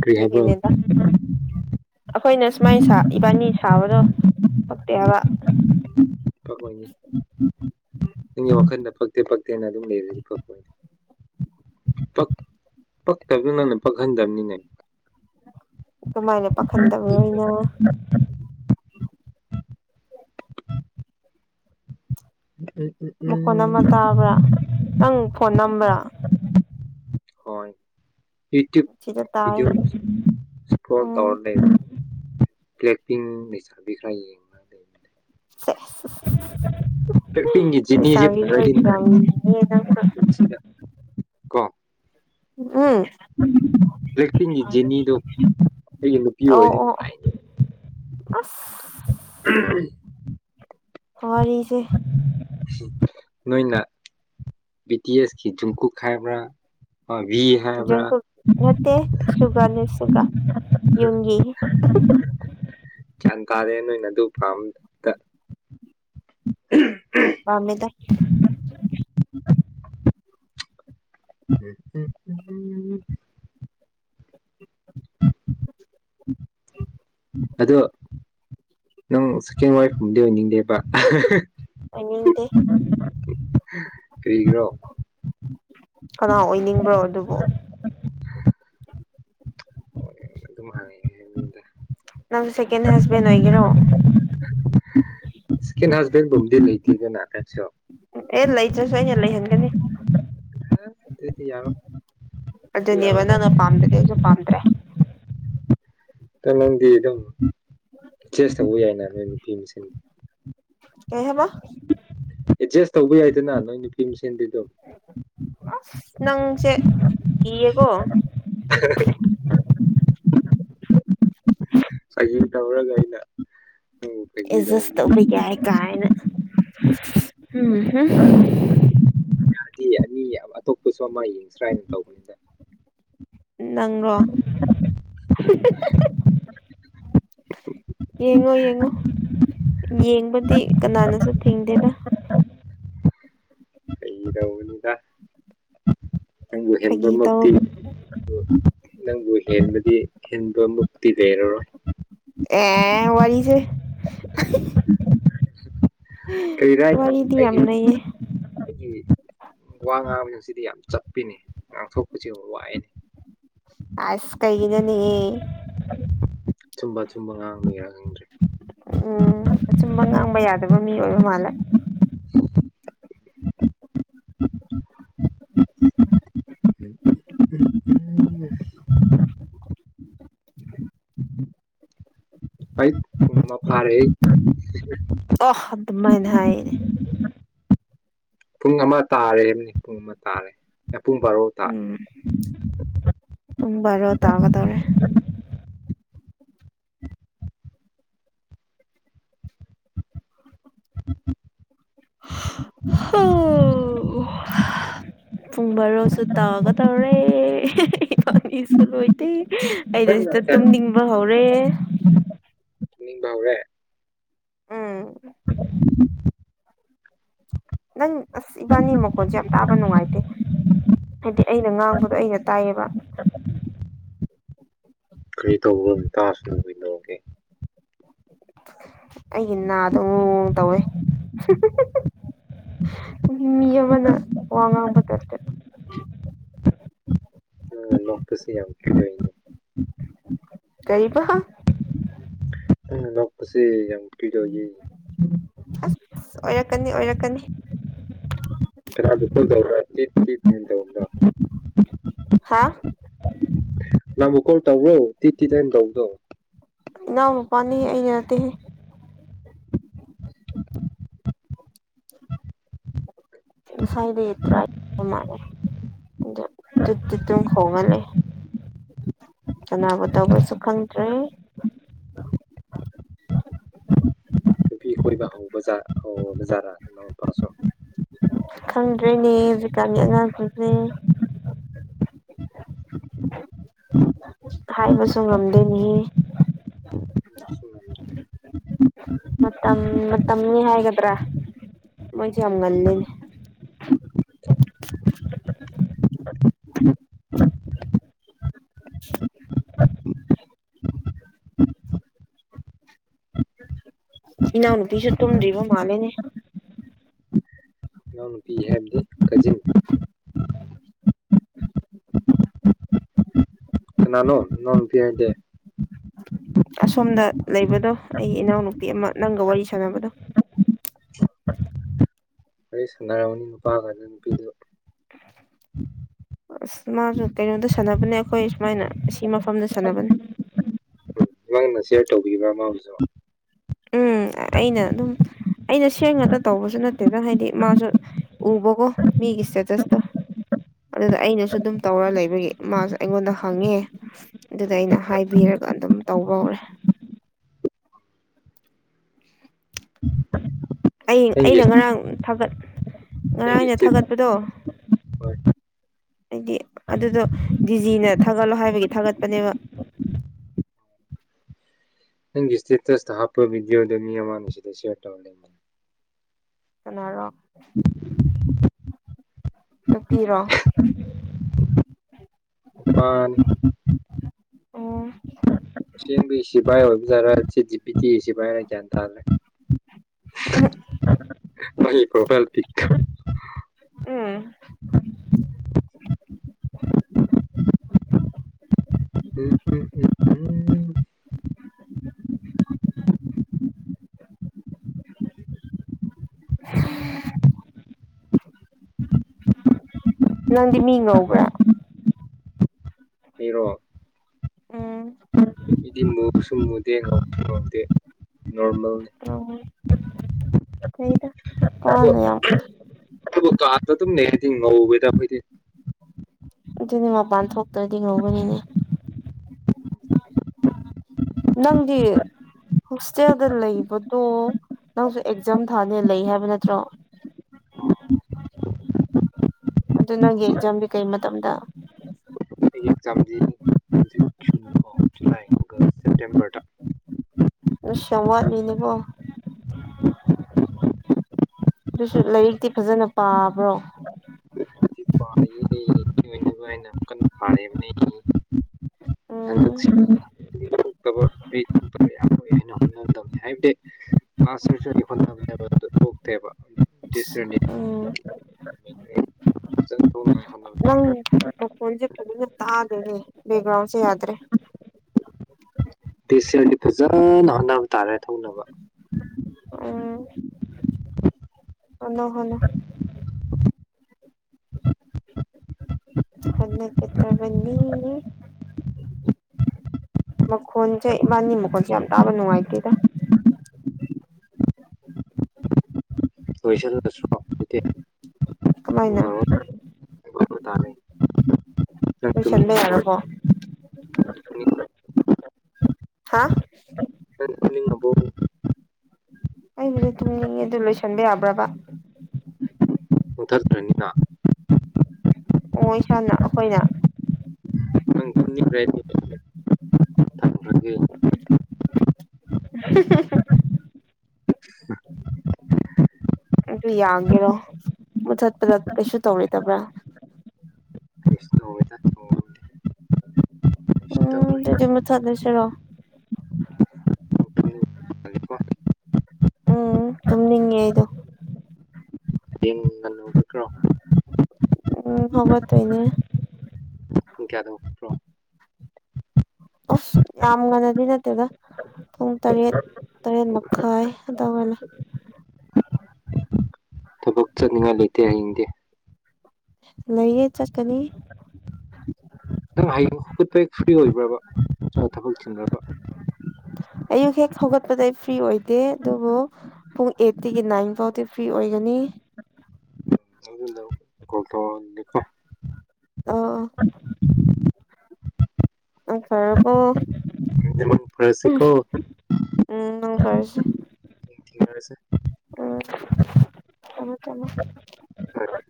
ꯀꯔꯤ ꯍꯥꯕ꯭ꯔ‌ꯣ ꯑꯗꯨꯒꯤꯅꯦꯗ ꯑꯩꯈꯣꯏꯅ ꯁꯨꯃꯥꯏꯅ ꯁꯥ ꯏꯕꯥꯅꯤ ꯁꯥꯕꯗꯣ ꯐꯛꯇꯦ ꯍꯥꯏꯕ ꯄꯛꯑꯣꯏꯌꯦ ꯅꯪꯒꯤ ꯋꯥꯈꯟꯗ ꯐꯛꯇꯤ ꯐꯛꯇꯦꯅ ꯑꯗꯨꯝ ꯂꯩꯔꯅꯤꯀ‌ꯣ ꯄꯠ ꯄꯛꯇꯕꯗꯨ ꯅꯪꯅ ꯄꯛꯍꯟꯗꯕꯅꯤꯅ‌ꯦ ꯑ ꯑꯗꯨꯃꯥꯏꯅ ꯄꯥꯈꯟꯗꯕꯅꯤꯅ ꯎꯝ ꯎꯝ ꯃꯈꯣꯟ ꯎꯝ ꯑꯃ ꯇꯥꯕ꯭ꯔꯥ ꯅꯪ ꯐꯣꯟ ꯅꯝꯕ꯭ꯔꯥ ꯁꯤꯗ ꯇꯥꯏ ꯍꯣꯏ [unintelligible] ꯎꯝ ꯕꯂꯦꯛ ꯄꯤꯡ ꯂꯩꯁꯥꯕꯤꯈ꯭ꯔꯥ ꯌꯦꯡꯉꯥ ꯂꯩꯕ ꯁꯦꯁ ꯕꯂ‌ꯦꯛꯄꯤꯡ ꯒꯤ ꯖ‌ꯦꯅꯤꯁꯤ ꯂꯩꯁꯥꯕꯤ ꯐꯖꯗꯤ ꯐꯖꯩ ꯑꯣꯏꯈ꯭ꯔꯕꯅꯤꯍꯦ ꯅꯪꯁꯨ [unintelligible] ꯀ‌ꯣ ꯎꯝ [inaudible] ꯕꯂ‌ꯦꯛꯄꯤꯜꯒꯤ ꯖ‌ꯦꯅꯤꯗꯣ ꯑꯩꯒꯤ ꯅꯨꯄꯤ ꯑꯣ ꯑꯣꯏꯔꯗꯤ ꯑꯣ ꯅꯨꯡꯉꯥꯏꯅꯤ ꯑꯁ [inaudible] ꯋꯥꯔꯤꯁꯦ ꯅꯣꯏꯅ ꯕꯤ ꯇꯤ ꯑꯦꯁꯀꯤ ꯖꯨꯡꯀꯨꯛ ꯍꯥꯏꯕ꯭ꯔꯥ ꯑꯕꯤ ꯍꯥꯏꯕ꯭ꯔꯥ ꯖꯪꯀꯨꯛ ꯅꯠꯇꯦ ꯁꯨꯒꯥꯅꯦ ꯁꯨꯒꯥ ꯌꯨꯝꯒꯤ ꯒ꯭ꯌꯥꯟ ꯇꯥꯔꯦ ꯅꯣꯏꯅ ꯑꯗꯨ ꯄꯥꯝꯕꯗ [inaudible] ꯄꯥꯃꯦꯗ [inaudible] [inaudible] ꯑꯗꯣ ꯅꯪ ꯁꯦꯀꯦꯟ ꯋꯥꯏꯐ ꯀꯨꯝꯕꯗꯤ ꯑꯣꯏꯅꯤꯡꯗꯦꯕ ꯑꯣꯏꯅꯤꯡꯗꯦ ꯀꯔꯤ ꯀꯅꯥ ꯑꯣꯏꯅꯤꯡꯕ꯭ꯔꯣ ꯑꯗꯨꯕꯨ ꯍꯣꯏ ꯑꯗꯨꯝ ꯍꯪꯉꯛꯑꯦ ꯑꯩꯉꯣꯟꯗ ꯅꯪ ꯁꯦꯀꯦꯟ ꯍꯁꯕꯦꯟ ꯑꯣꯏꯒꯦꯔꯣ ꯁꯦꯀꯦꯟ ꯍꯁꯕꯦꯟꯕꯨꯝꯗꯤ ꯂꯩꯇꯦꯗꯅ ꯅꯪꯁꯨ ꯑꯦ ꯂꯩꯇ꯭ꯔꯁꯨ ꯑꯩꯅ ꯂꯩꯍꯟꯒꯅꯤ ꯍ ꯑꯗꯨꯗꯤ ꯌꯥꯔꯣꯏ ꯑꯗꯨꯗꯤ ꯑꯗꯨꯅꯦꯕ ꯌꯥꯔꯣꯏ ꯅꯪꯅ ꯄꯥꯝꯗꯗꯤ ꯑꯩꯁꯨ ꯄꯥꯝꯗ꯭ꯔꯦ ꯇ ꯅꯪꯗꯤ ꯑꯗꯨꯝ ꯆꯦꯁ ꯇꯧꯕ ꯌꯥꯏꯅ ꯅꯣꯏ ꯅꯨꯄꯤ ꯃꯁ‌ꯦꯟ ꯀꯩ ꯍꯥꯏꯕ ꯑꯦꯗꯖꯁ ꯇꯧꯕ ꯌꯥꯏꯗꯅ ꯅꯣꯏ ꯅꯨꯄꯤ ꯃ ꯅꯪꯁꯦ ꯀꯤꯌꯦꯀꯣ ꯁ ꯀꯂ ꯑꯦꯖꯁ ꯎꯕꯒꯤꯏ ꯀꯥꯏꯅ ꯎꯝ ꯌꯥꯗꯦ ꯑꯅꯤ ꯑꯇꯣꯞꯄꯁꯨ ꯑꯃ ꯌꯦꯡꯁ꯭ꯔꯥ ꯍꯥꯏꯅ ꯇꯧꯕꯅꯤꯗ ꯅꯪ꯭ꯔꯣ ꯌꯦꯡꯉꯣ ꯌꯦꯡꯉꯣ ꯌꯦꯡꯕꯗꯤ ꯀꯅꯥꯅꯁꯨ ꯊꯤꯡꯗꯦꯗ ꯀꯩꯗꯎꯅꯤꯗ ꯅꯪꯕꯨ ꯐꯥꯒꯤ ꯇꯧ ꯍꯦꯟꯕꯃꯛꯇꯤ ꯅꯪꯕꯨ ꯍꯦꯟꯕꯗꯤ ꯗꯤ ꯍꯤꯟꯕ ꯃꯨꯛꯇꯤ ꯂꯩꯔꯔꯣꯏ ꯑꯦ ꯋꯥꯁꯦ ꯀꯩꯔ ꯌꯥꯝ ꯂꯩꯌꯦ ꯑꯩꯒꯤ ꯋꯥ ꯉꯥꯡꯕꯁꯤꯡꯁꯤꯗꯤ ꯌꯥꯝ ꯆꯠꯄꯤꯅꯤ ꯉꯥꯡꯊꯣꯛꯄꯁꯤ ꯌꯥꯝ ꯋꯥꯏꯅꯤ ꯑꯁ ꯀꯩꯅ ꯅꯩꯅꯌꯦ ꯑꯆꯨꯝꯕ ꯑꯆꯨꯝꯕ ꯉꯥꯡꯕ ꯌꯥꯅꯤꯡꯗ꯭ꯔꯦ ꯎꯝ ꯑꯆꯨꯝꯕ ꯉꯥꯡꯕ ꯌꯥꯗꯕ ꯃꯤ ꯑꯣꯏꯕ ꯃꯥꯜꯂꯦ [inaudible] [unintelligible] ꯃ ꯐꯔꯦ [unintelligible] ꯑꯣ ꯑꯗꯨꯃꯥꯏꯅ ꯍꯥꯏꯌꯦꯅꯦ ꯄꯨꯡ ꯑꯃ ꯇꯥꯔꯦꯕꯅꯤ ꯄꯨꯡ ꯑꯃ ꯇꯥꯔꯦ ꯄꯨꯡ ꯕꯥꯔꯣ ꯇꯥ ꯎꯝ ꯄꯨꯡ ꯕꯥꯔꯣ ꯇꯥꯒꯗꯧꯔꯦ ꯍꯣ [inaudible] ꯄꯨꯡ ꯕꯥꯔꯣꯁꯨ ꯇꯥꯒ ꯇꯧꯔꯦ ꯅꯤꯁꯨꯣꯏꯇꯩꯦ ꯑꯩꯗ ꯁꯤꯗ ꯇꯨꯝꯅꯤꯡꯕ ꯍꯧꯔꯦ ꯃꯤꯕꯕꯔꯦ ꯎꯝ ꯅꯪ ꯑꯁ ꯏꯕꯥꯅꯤ ꯃꯈꯣꯟꯁꯦ ꯌꯥꯝ ꯇꯥꯕ ꯅꯨꯡꯉꯥꯏꯇꯦ ꯍꯥꯏꯗꯤ ꯑꯩꯅ ꯉꯥꯡꯕꯗꯣ ꯑꯩꯅ ꯇꯥꯏꯌꯦꯕ ꯀꯔꯤ ꯇꯧꯕ ꯇꯁꯅꯃꯤ ꯂꯧꯧꯦ ꯑꯩꯒꯤ ꯅꯥꯗꯣ ꯣꯡ ꯇꯧꯋꯦ ꯃꯤ ꯌ ꯋꯥꯟꯅ ꯋꯥꯉꯥꯡꯝꯕ ꯇꯔꯇꯦ ꯎꯝ ꯅꯣꯛꯄꯁꯤ ꯌꯥꯝ ꯀꯗꯅꯦ ꯀꯔꯤꯕ ꯎ ꯂꯁꯤ ꯌꯥꯝꯤꯗꯦ ꯑꯁ ꯑꯣꯏꯔꯛꯀꯅꯤ ꯑꯣꯏꯔꯛꯀꯅꯤ ꯈ ꯇꯧꯔ ꯇꯧ ꯍꯥ ꯅꯪꯕꯨ ꯀꯣꯜ ꯇꯧꯔꯣ ꯇꯤ ꯇꯤ ꯇꯅ ꯇꯧꯕꯗꯣ ꯏꯅꯥꯎ ꯃ ꯄꯥꯟꯅꯤ ꯑꯩꯅ ꯅꯠꯇꯦꯍꯦ [inaudible] ꯗ ꯏ ꯃꯥꯔ ꯇ ꯇ ꯇꯨ ꯐꯉ ꯂꯩꯦ ꯀꯅꯥꯅꯕ ꯇꯧꯕꯁꯨ ꯈꯪꯗ꯭ꯔꯦ [inaudible] ꯕꯤꯈꯣꯏꯕ ꯍꯧꯕ ꯍꯖꯔꯥ ꯄ ꯁꯣ ꯭ꯔꯦꯅꯦ ꯆꯀꯥꯅꯤ ꯉ ꯇꯁꯦ ꯍꯥꯏꯕꯁꯨ ꯉꯝꯗꯦꯅꯤ ꯃꯝ ꯃꯝ ꯃꯤ ꯍꯥꯏꯦꯒꯗ꯭ꯔꯥ ꯃꯥ ꯌꯥꯝ ꯉꯜ ꯂꯩꯅꯦ [inaudible] ꯏꯅꯥꯎꯅꯨꯄꯤꯁꯨ ꯇꯨꯝꯗ꯭ꯔꯤꯕ ꯃꯥꯜꯂꯦꯅꯦ ꯏ ꯅꯨꯅꯨꯡꯇꯤ ꯍꯥꯏꯕꯗꯤ ꯀꯖꯤꯟ [unintelligible] ꯅꯥꯅꯣ ꯅꯣꯣꯟ ꯊꯤ ꯍꯥꯏꯗꯦ ꯑꯁꯣꯝꯗ ꯂꯩꯕꯗꯣ ꯑꯩꯒꯤ ꯏꯅꯥꯎꯅꯨꯄꯤ ꯑꯃ ꯅꯪꯒ ꯋꯥꯔꯤ ꯁꯥꯥꯟꯅꯕꯗꯣ ꯋꯥꯔꯤ ꯁꯥꯟꯅꯔꯝꯔꯕꯅꯤ ꯅꯨꯄꯥꯒꯥꯟꯗ ꯅꯨꯄꯤꯗꯨ ꯑꯁ ꯃꯥꯁꯨ ꯀꯩꯅꯣꯗ ꯁꯥꯟꯅꯕꯅꯦ ꯑꯩꯈꯣꯏ ꯁꯨꯃꯥꯏꯅ ꯑꯩ ꯃꯐꯝꯗ ꯁꯥꯟꯅꯕꯅꯦ ꯅꯪꯅ ꯁꯤꯌꯔ ꯇꯧꯕꯤꯕ꯭ꯔꯥ ꯑꯃ ꯍꯧꯖꯛ ꯎꯝ ꯑꯩꯅ ꯑꯗꯨꯝ ꯑꯩꯅ ꯏꯁꯦꯡ ꯉꯥꯛꯇ ꯇꯧꯕꯁꯨ ꯅꯠꯇꯦꯗ ꯍꯥꯏꯗꯤ ꯃꯥꯁꯨ ꯎꯕꯀꯣ ꯃꯤꯒꯤ ꯏꯁꯇꯦꯇꯁꯇꯣ ꯑꯗꯨꯗ ꯑꯩꯅꯁꯨ ꯑꯗꯨꯝ ꯇꯧꯔ ꯂꯩꯕꯒꯤ ꯃꯥꯁꯨ ꯑꯩꯉꯣꯟꯗ ꯍꯪꯉꯦ ꯑꯗꯨꯗ ꯑꯩꯅ ꯍꯥꯏꯕꯤꯔ ꯑꯗꯨꯒ ꯑꯗꯨꯝ ꯇꯧꯕ ꯍꯧꯔꯦ [unintelligible] ꯑꯩ ꯅꯪꯒꯤ ꯑꯩꯅ ꯉꯔꯥꯡ ꯊꯥꯒꯠ ꯅꯪꯒꯤ ꯉꯔꯥꯡꯅꯦ ꯏꯁꯇꯦꯠ ꯊꯥꯒꯠꯄꯗꯣ ꯍꯣꯏ ꯍꯥꯏꯗꯤ ꯑꯗꯨꯗꯣ ꯗꯤꯖꯤꯅ ꯊꯥꯒꯠꯂꯣ ꯍꯥꯏꯕꯒꯤ ꯊꯥꯒꯠꯄꯅꯦꯕ [unintelligible] ꯅꯪꯒꯤ ꯏꯁꯤꯠ ꯁꯊꯥꯄꯕꯤꯗꯣꯗꯅꯤꯃꯅꯁꯤꯗ ꯁꯦꯇꯦꯅꯤ ꯀꯩꯅꯔꯣ ꯅꯨꯄꯤꯤꯔꯣ ꯑ ꯑꯣ ꯑꯦꯡꯕꯨ ꯁꯤꯚꯥꯏ ꯑꯣꯏꯕ ꯇꯥꯔꯦ ꯆꯦ ꯖꯤ ꯄꯗꯤꯤ ꯁꯤ ꯄꯥꯏꯅ ꯒ꯭ꯌꯥꯟ ꯇꯥꯔꯦ ꯑ ꯄ꯭ꯔꯣ ꯀꯦꯜ ꯄ ꯎꯝ [unintelligible] ꯎꯝ ꯎꯝ ꯎ ꯎꯝ ꯅꯪꯗꯤ ꯃꯤ ꯉꯧꯕ꯭ꯔꯥ ꯏꯔꯣ ꯎꯝ ꯏꯗꯤ ꯃꯨꯕꯁꯨ ꯃꯨꯗꯦ ꯉ ꯉꯗꯦ ꯅꯣꯔꯃꯦꯜꯅꯤ ꯀꯗ ꯎꯄꯥꯅ ꯌꯥꯝ ꯌꯥꯝ ꯀꯥꯗ ꯅ ꯊ ꯉꯕꯦꯗ ꯐꯗꯤ ꯑꯗꯨꯅꯦ ꯃꯄꯥꯟ ꯊꯣꯛꯇ꯭ꯔꯗꯤ ꯉꯧꯕꯅꯤꯅꯦ [unintelligible] ꯅꯪꯒꯔ ꯍꯣꯁꯇꯦꯜꯗ ꯂꯩꯕꯗꯣ ꯅꯪꯁꯨ ꯑꯦꯛꯖꯥꯝ ꯊꯥꯅꯦ ꯂꯩ ꯍꯥꯏꯕ ꯅꯠꯇ꯭ꯔꯣ ꯑꯣ ꯑꯗꯨ ꯅꯪꯒꯤ ꯑꯦꯛꯖꯥꯝꯗꯤ ꯀꯩ ꯃꯇꯝꯗ ꯆꯝꯗꯤ ꯁꯦꯞꯇꯦꯝꯕꯔꯗ ꯁꯣꯝꯋꯥꯔ ꯃꯤꯅꯦꯕꯣ ꯑꯗꯨꯁꯨ ꯂꯥꯏꯔꯤꯛꯇꯤ ꯐꯖꯅ ꯄꯥꯕ꯭ꯔꯣ ꯍꯧꯖꯤꯛ [unintelligible] ꯕ ꯎꯝ ꯑꯩ ꯀꯌꯥ ꯍꯥꯏ ꯑꯁꯔ ꯆꯣꯟ ꯅ ꯅꯕ ꯊꯣꯛꯣꯛꯕ ꯎꯝ ꯊ ꯍ ꯖ ꯀ ꯇꯗꯅꯦ ꯒ꯭ꯔꯥꯎꯟꯁꯤ ꯌꯥꯗ꯭ꯔꯦ ꯗꯦꯁꯦꯜꯒꯤ ꯐꯖꯅ ꯍꯣꯠꯅꯕ ꯇꯥꯔꯦ ꯊꯧꯅꯕ ꯎꯝ ꯑꯣ ꯍꯅ ꯍꯃ ꯀꯠꯇꯕꯅꯤ ꯃꯈꯣꯟꯁꯦ ꯏꯕꯥꯅꯤ ꯃꯈꯣꯟꯁꯦ ꯌꯥꯝ ꯇꯥꯕ ꯅꯨꯡꯉꯥꯏꯇꯦꯗ ꯂꯣꯏꯁꯜꯂꯂꯕꯨꯗꯤ ꯀꯃꯥꯏꯅ ꯇꯥꯔꯦ ꯅꯪ ꯏ ꯆꯗ ꯇꯨꯝꯅꯤꯡꯈ꯭ꯔꯕꯣ ꯑꯔꯄ ꯅꯪ ꯍꯥ ꯇꯨꯝꯅꯤꯡꯉꯕꯣ ꯑꯩꯒꯤꯗꯤ ꯇꯨꯝꯅꯤꯡꯉꯤ ꯑꯗꯨ ꯂꯣꯏꯁꯟꯕꯤ ꯌꯥꯕ꯭ꯔꯕ ꯃꯨꯊꯠꯈ꯭ꯔꯅꯤꯅ ꯑꯣ ꯏꯁꯥꯅ ꯑꯩꯈꯣꯏꯅ ꯅꯪ ꯇꯨꯝꯅꯤꯡꯈ꯭ꯔꯗꯤ ꯊꯝꯈ꯭ꯔꯒꯦ [inaudible] ꯑꯗꯨ ꯌꯥꯒꯦꯔꯣ ꯃꯨꯊꯠꯄꯗ ꯀꯩꯁꯨ ꯇꯧꯔꯗꯕ꯭ꯔꯥ ꯀꯩꯁꯨ ꯇꯧꯔꯣꯏꯗ ꯇꯧꯕꯕꯨꯗꯤ ꯀꯩꯁꯨ ꯎꯝ ꯇꯧꯔꯣꯏ ꯑꯗꯨꯗꯤꯃ ꯊꯗꯁꯔꯣ ꯎꯝ ꯇ ꯑꯩꯗꯨ ꯍꯌꯦꯡ ꯉꯟꯅ ꯍꯧꯒꯠꯈ꯭ꯔꯣ ꯎꯝ ꯍꯕ ꯇꯅꯦ ꯄꯨꯡ ꯀꯌꯥꯗ ꯍꯧꯒꯠꯈ꯭ꯔꯣ ꯌꯥꯃꯒꯅꯗꯤ ꯅꯠꯇꯗ ꯄꯨꯡ ꯇꯔꯦꯠ ꯇꯔꯦꯠ ꯃꯈꯥꯏ ꯑꯗꯨꯏꯂ ꯍꯥꯏ ꯅꯤꯡꯅꯤꯡꯉꯥꯏ ꯂꯩꯇꯦ ꯍꯌꯦꯡꯗꯦ ꯂꯩꯌꯦ ꯆꯠꯀꯅꯤ ꯍꯧꯀꯠꯄ ꯍꯦꯛ ꯐ꯭ꯔꯤ ꯑꯣꯏꯕ꯭ꯔꯕ ꯊꯕꯛ ꯆꯤꯟꯕ꯭ꯔꯕ ꯑꯌꯨꯛ ꯍꯦꯛ ꯍꯧꯒꯠꯄꯗ ꯑꯩ ꯐ꯭ꯔꯤ ꯑꯣꯏꯗꯦ ꯑꯗꯨꯕꯨ ꯄꯨꯡ ꯑꯩꯠꯇꯤꯒꯤ ꯅꯥꯏꯟ ꯐꯥꯎꯗꯤ ꯐ꯭ꯔꯤ ꯑꯣꯏꯒꯅꯤ [inaudible] ꯑꯗꯨꯅ ꯀꯣꯜ ꯇꯅꯤꯀꯣ ꯑ ꯑ ꯈꯔꯕꯣ ꯄꯔꯁꯤꯈꯣ ꯎꯝ ꯀꯁꯤ ꯊꯦꯡꯅꯔꯁꯦ ꯎꯝ ꯊꯃ ꯐꯔꯦ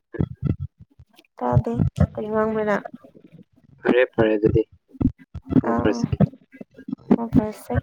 ꯆ ꯇꯥꯗꯦ ꯀ ꯉꯥꯡꯃꯦ ꯐꯔꯦ ꯑꯗꯨꯗꯤ ꯊꯝꯈꯔꯁꯤꯀꯦ ꯑꯣ ꯐꯁꯦ